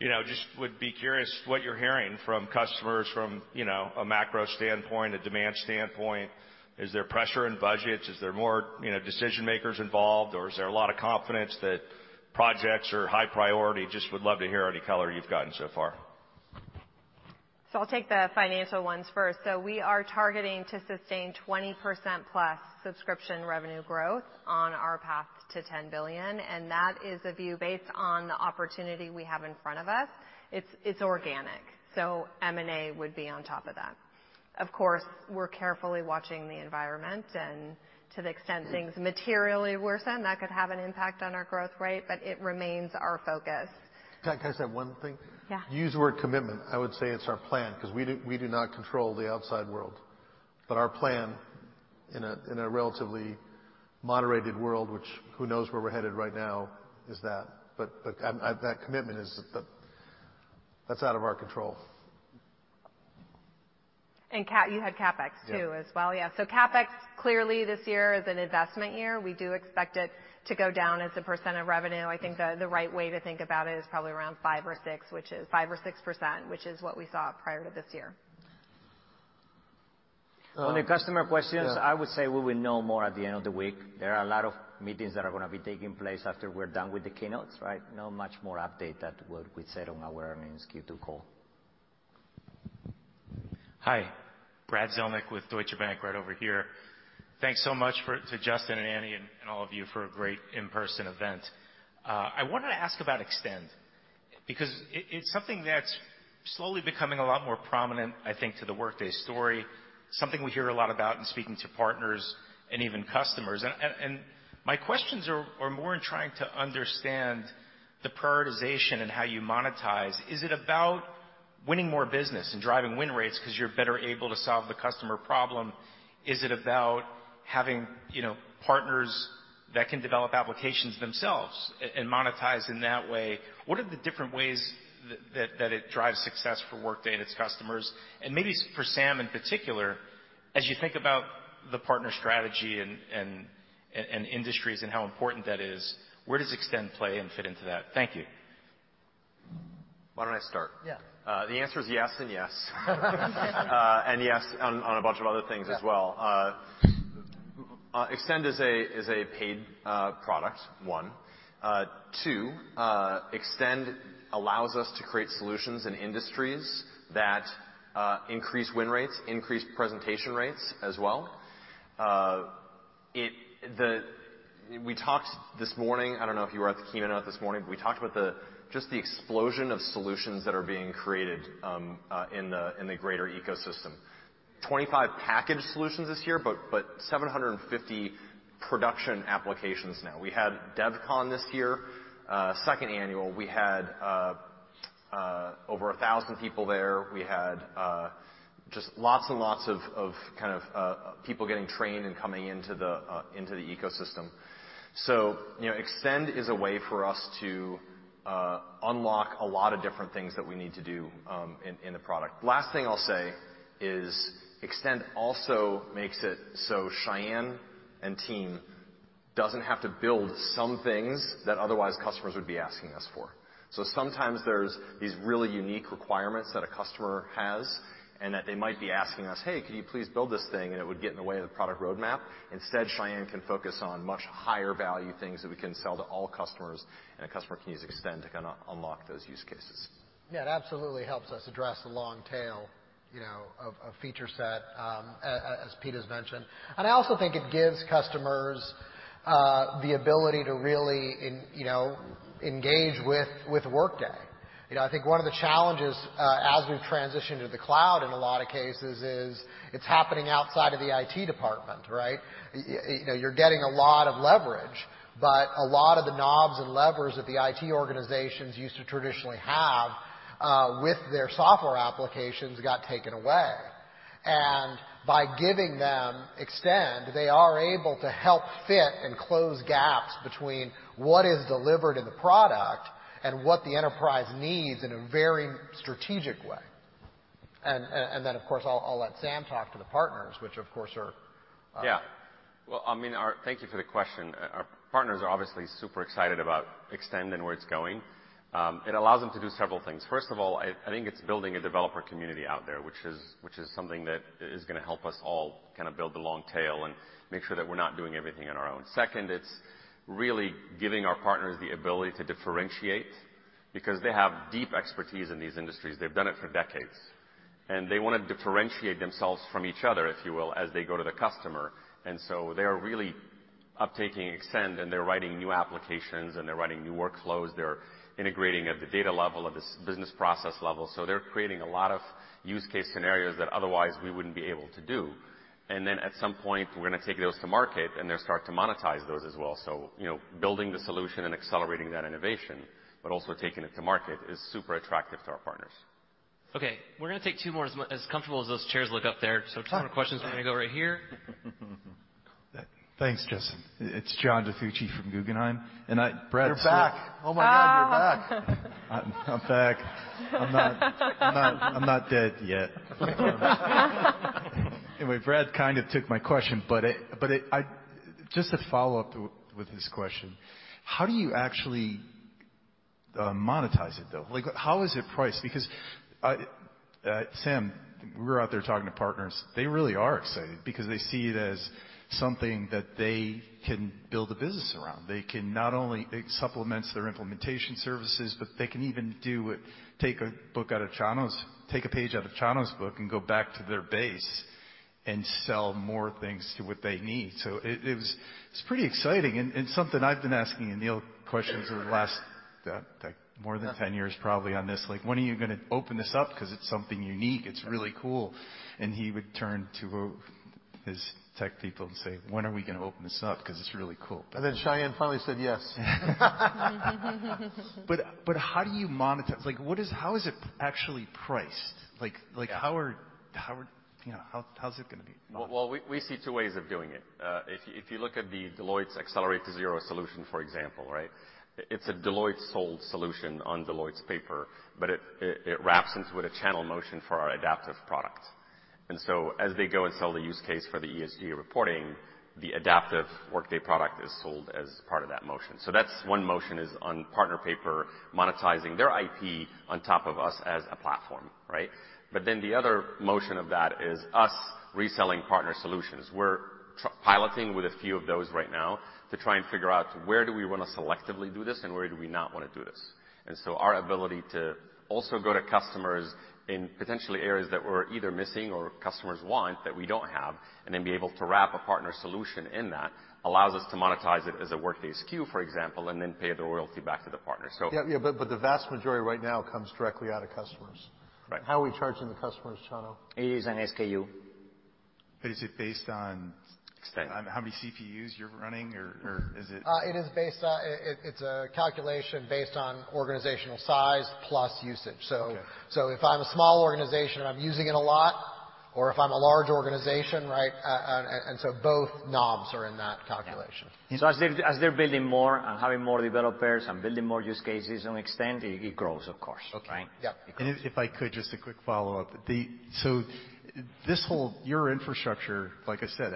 you know, just would be curious what you're hearing from customers from a macro standpoint, a demand standpoint. Is there pressure in budgets? Is there more, you know, decision makers involved, or is there a lot of confidence that projects are high priority? Just would love to hear any color you've gotten so far. I'll take the financial ones first. We are targeting to sustain 20%+ subscription revenue growth on our path to $10 billion, and that is a view based on the opportunity we have in front of us. It's organic, so M&A would be on top of that. Of course, we're carefully watching the environment and to the extent things materially worsen, that could have an impact on our growth rate, but it remains our focus. Can I say one thing? Yeah. You used the word commitment. I would say it's our plan 'cause we do not control the outside world. Our plan in a relatively moderate world, which who knows where we're headed right now, is that. That commitment, that's out of our control. Derrick, you had CapEx too as well. Yeah. CapEx clarly this year is an investment year. We do expect it to go down as a percent of revenue. I think the right way to think about it is probably around five or six, which is 5% or 6%, which is what we saw prior to this year. Um- On the customer questions. Yeah. I would say we will know more at the end of the week. There are a lot of meetings that are gonna be taking place after we're done with the keynotes, right? Not much more update than what we said on our earnings Q2 call. Hi, Brad Zelnick with Deutsche Bank right over here. Thanks so much to Justin and Aneel and all of you for a great in-person event. I wanted to ask about Extend because it's something that's slowly becoming a lot more prominent, I think, to the Workday story, something we hear a lot about in speaking to partners and even customers. My questions are more in trying to understand the prioritization and how you monetize. Is it about winning more business and driving win rates 'cause you're better able to solve the customer problem? Is it about having, you know, partners that can develop applications themselves and monetize in that way? What are the different ways that it drives success for Workday and its customers? Maybe for Sam in particular, as you think about the partner strategy and industries and how important that is, where does Extend play and fit into that? Thank you. Why don't I start? Yeah. The answer is yes and yes. And yes on a bunch of other things as well. Extend is a paid product, one. Two, Extend allows us to create solutions in industries that increase win rates, increase presentation rates as well. We talked this morning, I don't know if you were at the keynote this morning, but we talked about just the explosion of solutions that are being created in the greater ecosystem. 25 packaged solutions this year, but 750 production applications now. We had DevCon this year, second annual. We had over 1,000 people there. We had just lots and lots of kind of people getting trained and coming into the ecosystem. You know, Extend is a way for us to unlock a lot of different things that we need to do in the product. Last thing I'll say is Extend also makes it so Sayan and team doesn't have to build some things that otherwise customers would be asking us for. Sometimes there's these really unique requirements that a customer has and that they might be asking us, "Hey, can you please build this thing?" It would get in the way of the product roadmap. Instead, Sayan can focus on much higher value things that we can sell to all customers, and a customer can use Extend to kinda unlock those use cases. Yeah, it absolutely helps us address the long tail, you know, of feature set, as Pete has mentioned. I also think it gives customers the ability to really engage with Workday. You know, I think one of the challenges as we've transitioned to the cloud in a lot of cases is it's happening outside of the IT department, right? You know, you're getting a lot of leverage. A lot of the knobs and levers that the IT organizations used to traditionally have with their software applications got taken away. By giving them Extend, they are able to help fit and close gaps between what is delivered in the product and what the enterprise needs in a very strategic way. Then, of course, I'll let Sam talk to the partners, which of course are Yeah. Well, I mean, thank you for the question. Our partners are obviously super excited about Extend and where it's going. It allows them to do several things. First of all, I think it's building a developer community out there, which is something that is gonna help us all kind of build the long tail and make sure that we're not doing everything on our own. Second, it's really giving our partners the ability to differentiate because they have deep expertise in these industries. They've done it for decades. They wanna differentiate themselves from each other, if you will, as they go to the customer. They are really uptaking Extend, and they're writing new applications, and they're writing new workflows. They're integrating at the data level, at this business process level. They're creating a lot of use case scenarios that otherwise we wouldn't be able to do. At some point, we're gonna take those to market, and then start to monetize those as well. You know, building the solution and accelerating that innovation, but also taking it to market is super attractive to our partners. Okay. We're gonna take two more as comfortable as those chairs look up there. Two more questions. We're gonna go right here. Thanks, Justin. It's John DiFucci from Guggenheim. You're back. Oh my God, you're back. Ah. I'm back. I'm not dead yet. Anyway, Brad kind of took my question, just to follow up with his question, how do you actually monetize it though? Like, how is it priced? Because I, Sam, we were out there talking to partners, they really are excited because they see it as something that they can build a business around. They can not only it supplements their implementation services, but they can even do it, take a page out of Chano's book and go back to their base and sell more things to what they need. It's pretty exciting and something I've been asking Aneel questions over the last, like, more than 10 years probably on this. Like, when are you gonna open this up? 'Cause it's something unique. It's really cool. He would turn to his tech people and say, "When are we gonna open this up? 'Cause it's really cool. Sayan finally said yes. How do you monetize? Like, how is it actually priced? You know, how is it gonna be monetized? Well, we see two ways of doing it. If you look at Deloitte's Accelerate to Zero solution, for example, right? It's a Deloitte-sold solution on Deloitte's paper, but it wraps into the channel motion for our Adaptive product. As they go and sell the use case for the ESG reporting, the Adaptive Workday product is sold as part of that motion. That's one motion is on partner paper, monetizing their IP on top of us as a platform, right? The other motion of that is us reselling partner solutions. We're piloting with a few of those right now to try and figure out where do we wanna selectively do this and where do we not wanna do this. Our ability to also go to customers in potential areas that we're either missing or customers want that we don't have, and then be able to wrap a partner solution in that, allows us to monetize it as a Workday SKU, for example, and then pay the royalty back to the partner. Yeah. The vast majority right now comes directly out of customers. Right. How are we charging the customers, Chano? It is an SKU. Is it based on? Extend how many CPUs you're running or is it It's a calculation based on organizational size plus usage. Okay. If I'm a small organization and I'm using it a lot, or if I'm a large organization, right, and so both knobs are in that calculation. Yeah. As they're building more and having more developers and building more use cases on Extend, it grows, of course. Okay. Right? Yeah. It grows. If I could, just a quick follow-up. Your infrastructure, like I said,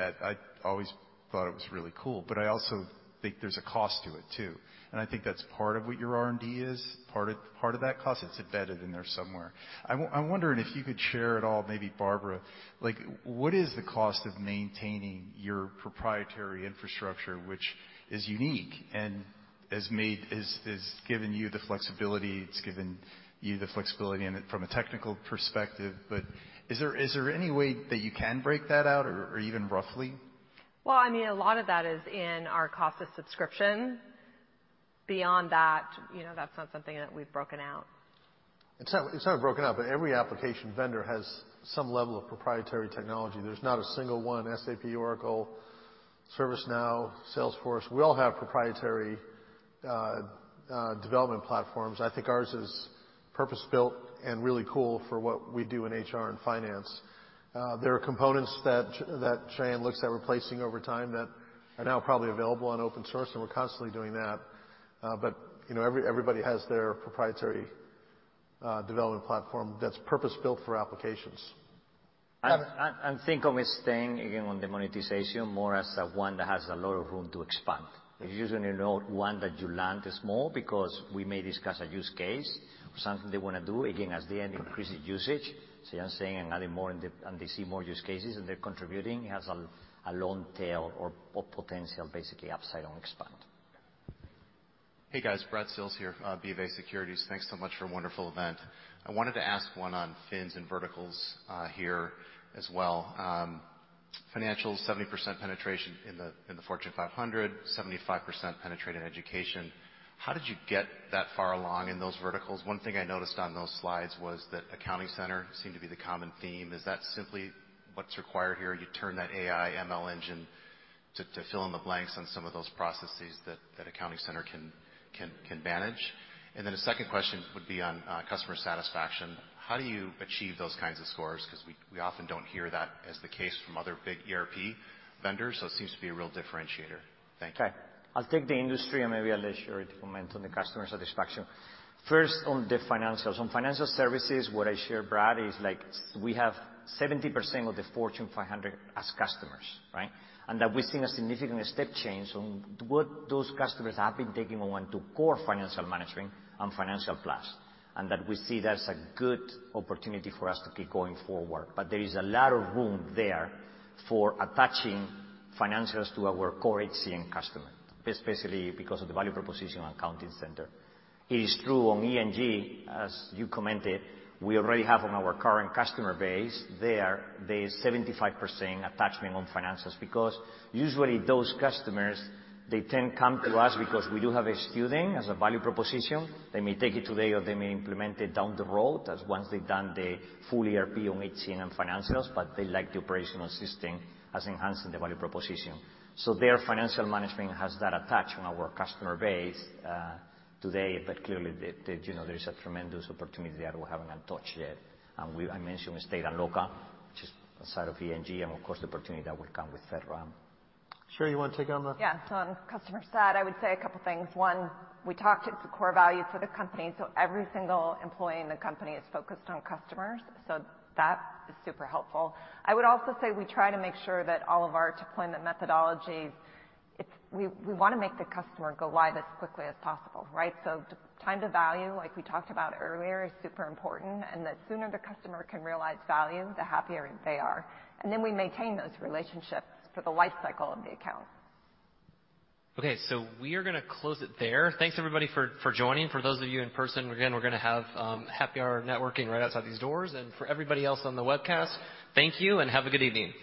I always thought it was really cool, but I also think there's a cost to it too. I think that's part of what your R&D is, part of that cost. It's embedded in there somewhere. I'm wondering if you could share at all, maybe Barbara, like what is the cost of maintaining your proprietary infrastructure, which is unique and has given you the flexibility in it from a technical perspective. Is there any way that you can break that out or even roughly? Well, I mean, a lot of that is in our cost of subscription. Beyond that, you know, that's not something that we've broken out. It's not broken out, but every application vendor has some level of proprietary technology. There's not a single one, SAP, Oracle, ServiceNow, Salesforce. We all have proprietary development platforms. I think ours is purpose-built and really cool for what we do in HR and finance. There are components that Sayan looks at replacing over time that are now probably available on open source, and we're constantly doing that. You know, everybody has their proprietary development platform that's purpose-built for applications. Think of it staying, again, on the monetization more as a one that has a lot of room to expand. It's usually not one that you land and is small because we may discuss a use case or something they wanna do. Again, as they increase the usage, Sayan's saying and adding more and they see more use cases, and they're contributing. It has a long tail or potential, basically upside and expand. Hey, guys. Brad Sills here, BofA Securities. Thanks so much for a wonderful event. I wanted to ask one on FINS and verticals here as well. Financials, 70% penetration in the, in the Fortune 500, 75% penetration in education. How did you get that far along in those verticals? One thing I noticed on those slides was that Accounting Center seemed to be the common theme. Is that simply what's required here? You turn that AI ML engine. To fill in the blanks on some of those processes that Accounting Center can manage. A second question would be on customer satisfaction. How do you achieve those kinds of scores? 'Cause we often don't hear that as the case from other big ERP vendors. It seems to be a real differentiator. Thank you. Okay. I'll take the industry and maybe I'll let Sheri comment on the customer satisfaction. First, on the financials. On financial services, what I share, Brad, is like we have 70% of the Fortune 500 as customers, right? We've seen a significant step change on what those customers have been taking on to core financial management and financial plus. We see that as a good opportunity for us to keep going forward. There is a lot of room there for attaching financials to our core HCM customer, basically because of the value proposition on Accounting Center. It is true on HCM, as you commented, we already have on our current customer base, there is 75% attachment on financials. Usually those customers, they then come to us because we do have a strong value proposition. They may take it today or they may implement it down the road as once they've done the full ERP on HC and financials, but they like the operational assisting as enhancing the value proposition. Their financial management has that attached on our customer base today, but clearly the you know, there is a tremendous opportunity there we haven't touched yet. I mentioned with State and Local, which is outside of ENG, and of course, the opportunity that will come with FedRAMP. Sheri, you wanna take on the. Yeah. On customer side, I would say a couple things. One, we talked, it's a core value for the company, so every single employee in the company is focused on customers, so that is super helpful. I would also say we try to make sure that all of our deployment methodologies, we wanna make the customer go live as quickly as possible, right? So time to value, like we talked about earlier, is super important. The sooner the customer can realize value, the happier they are. We maintain those relationships for the life cycle of the account. Okay, we are gonna close it there. Thanks everybody for joining. For those of you in person, again, we're gonna have happy hour networking right outside these doors. For everybody else on the webcast, thank you and have a good evening.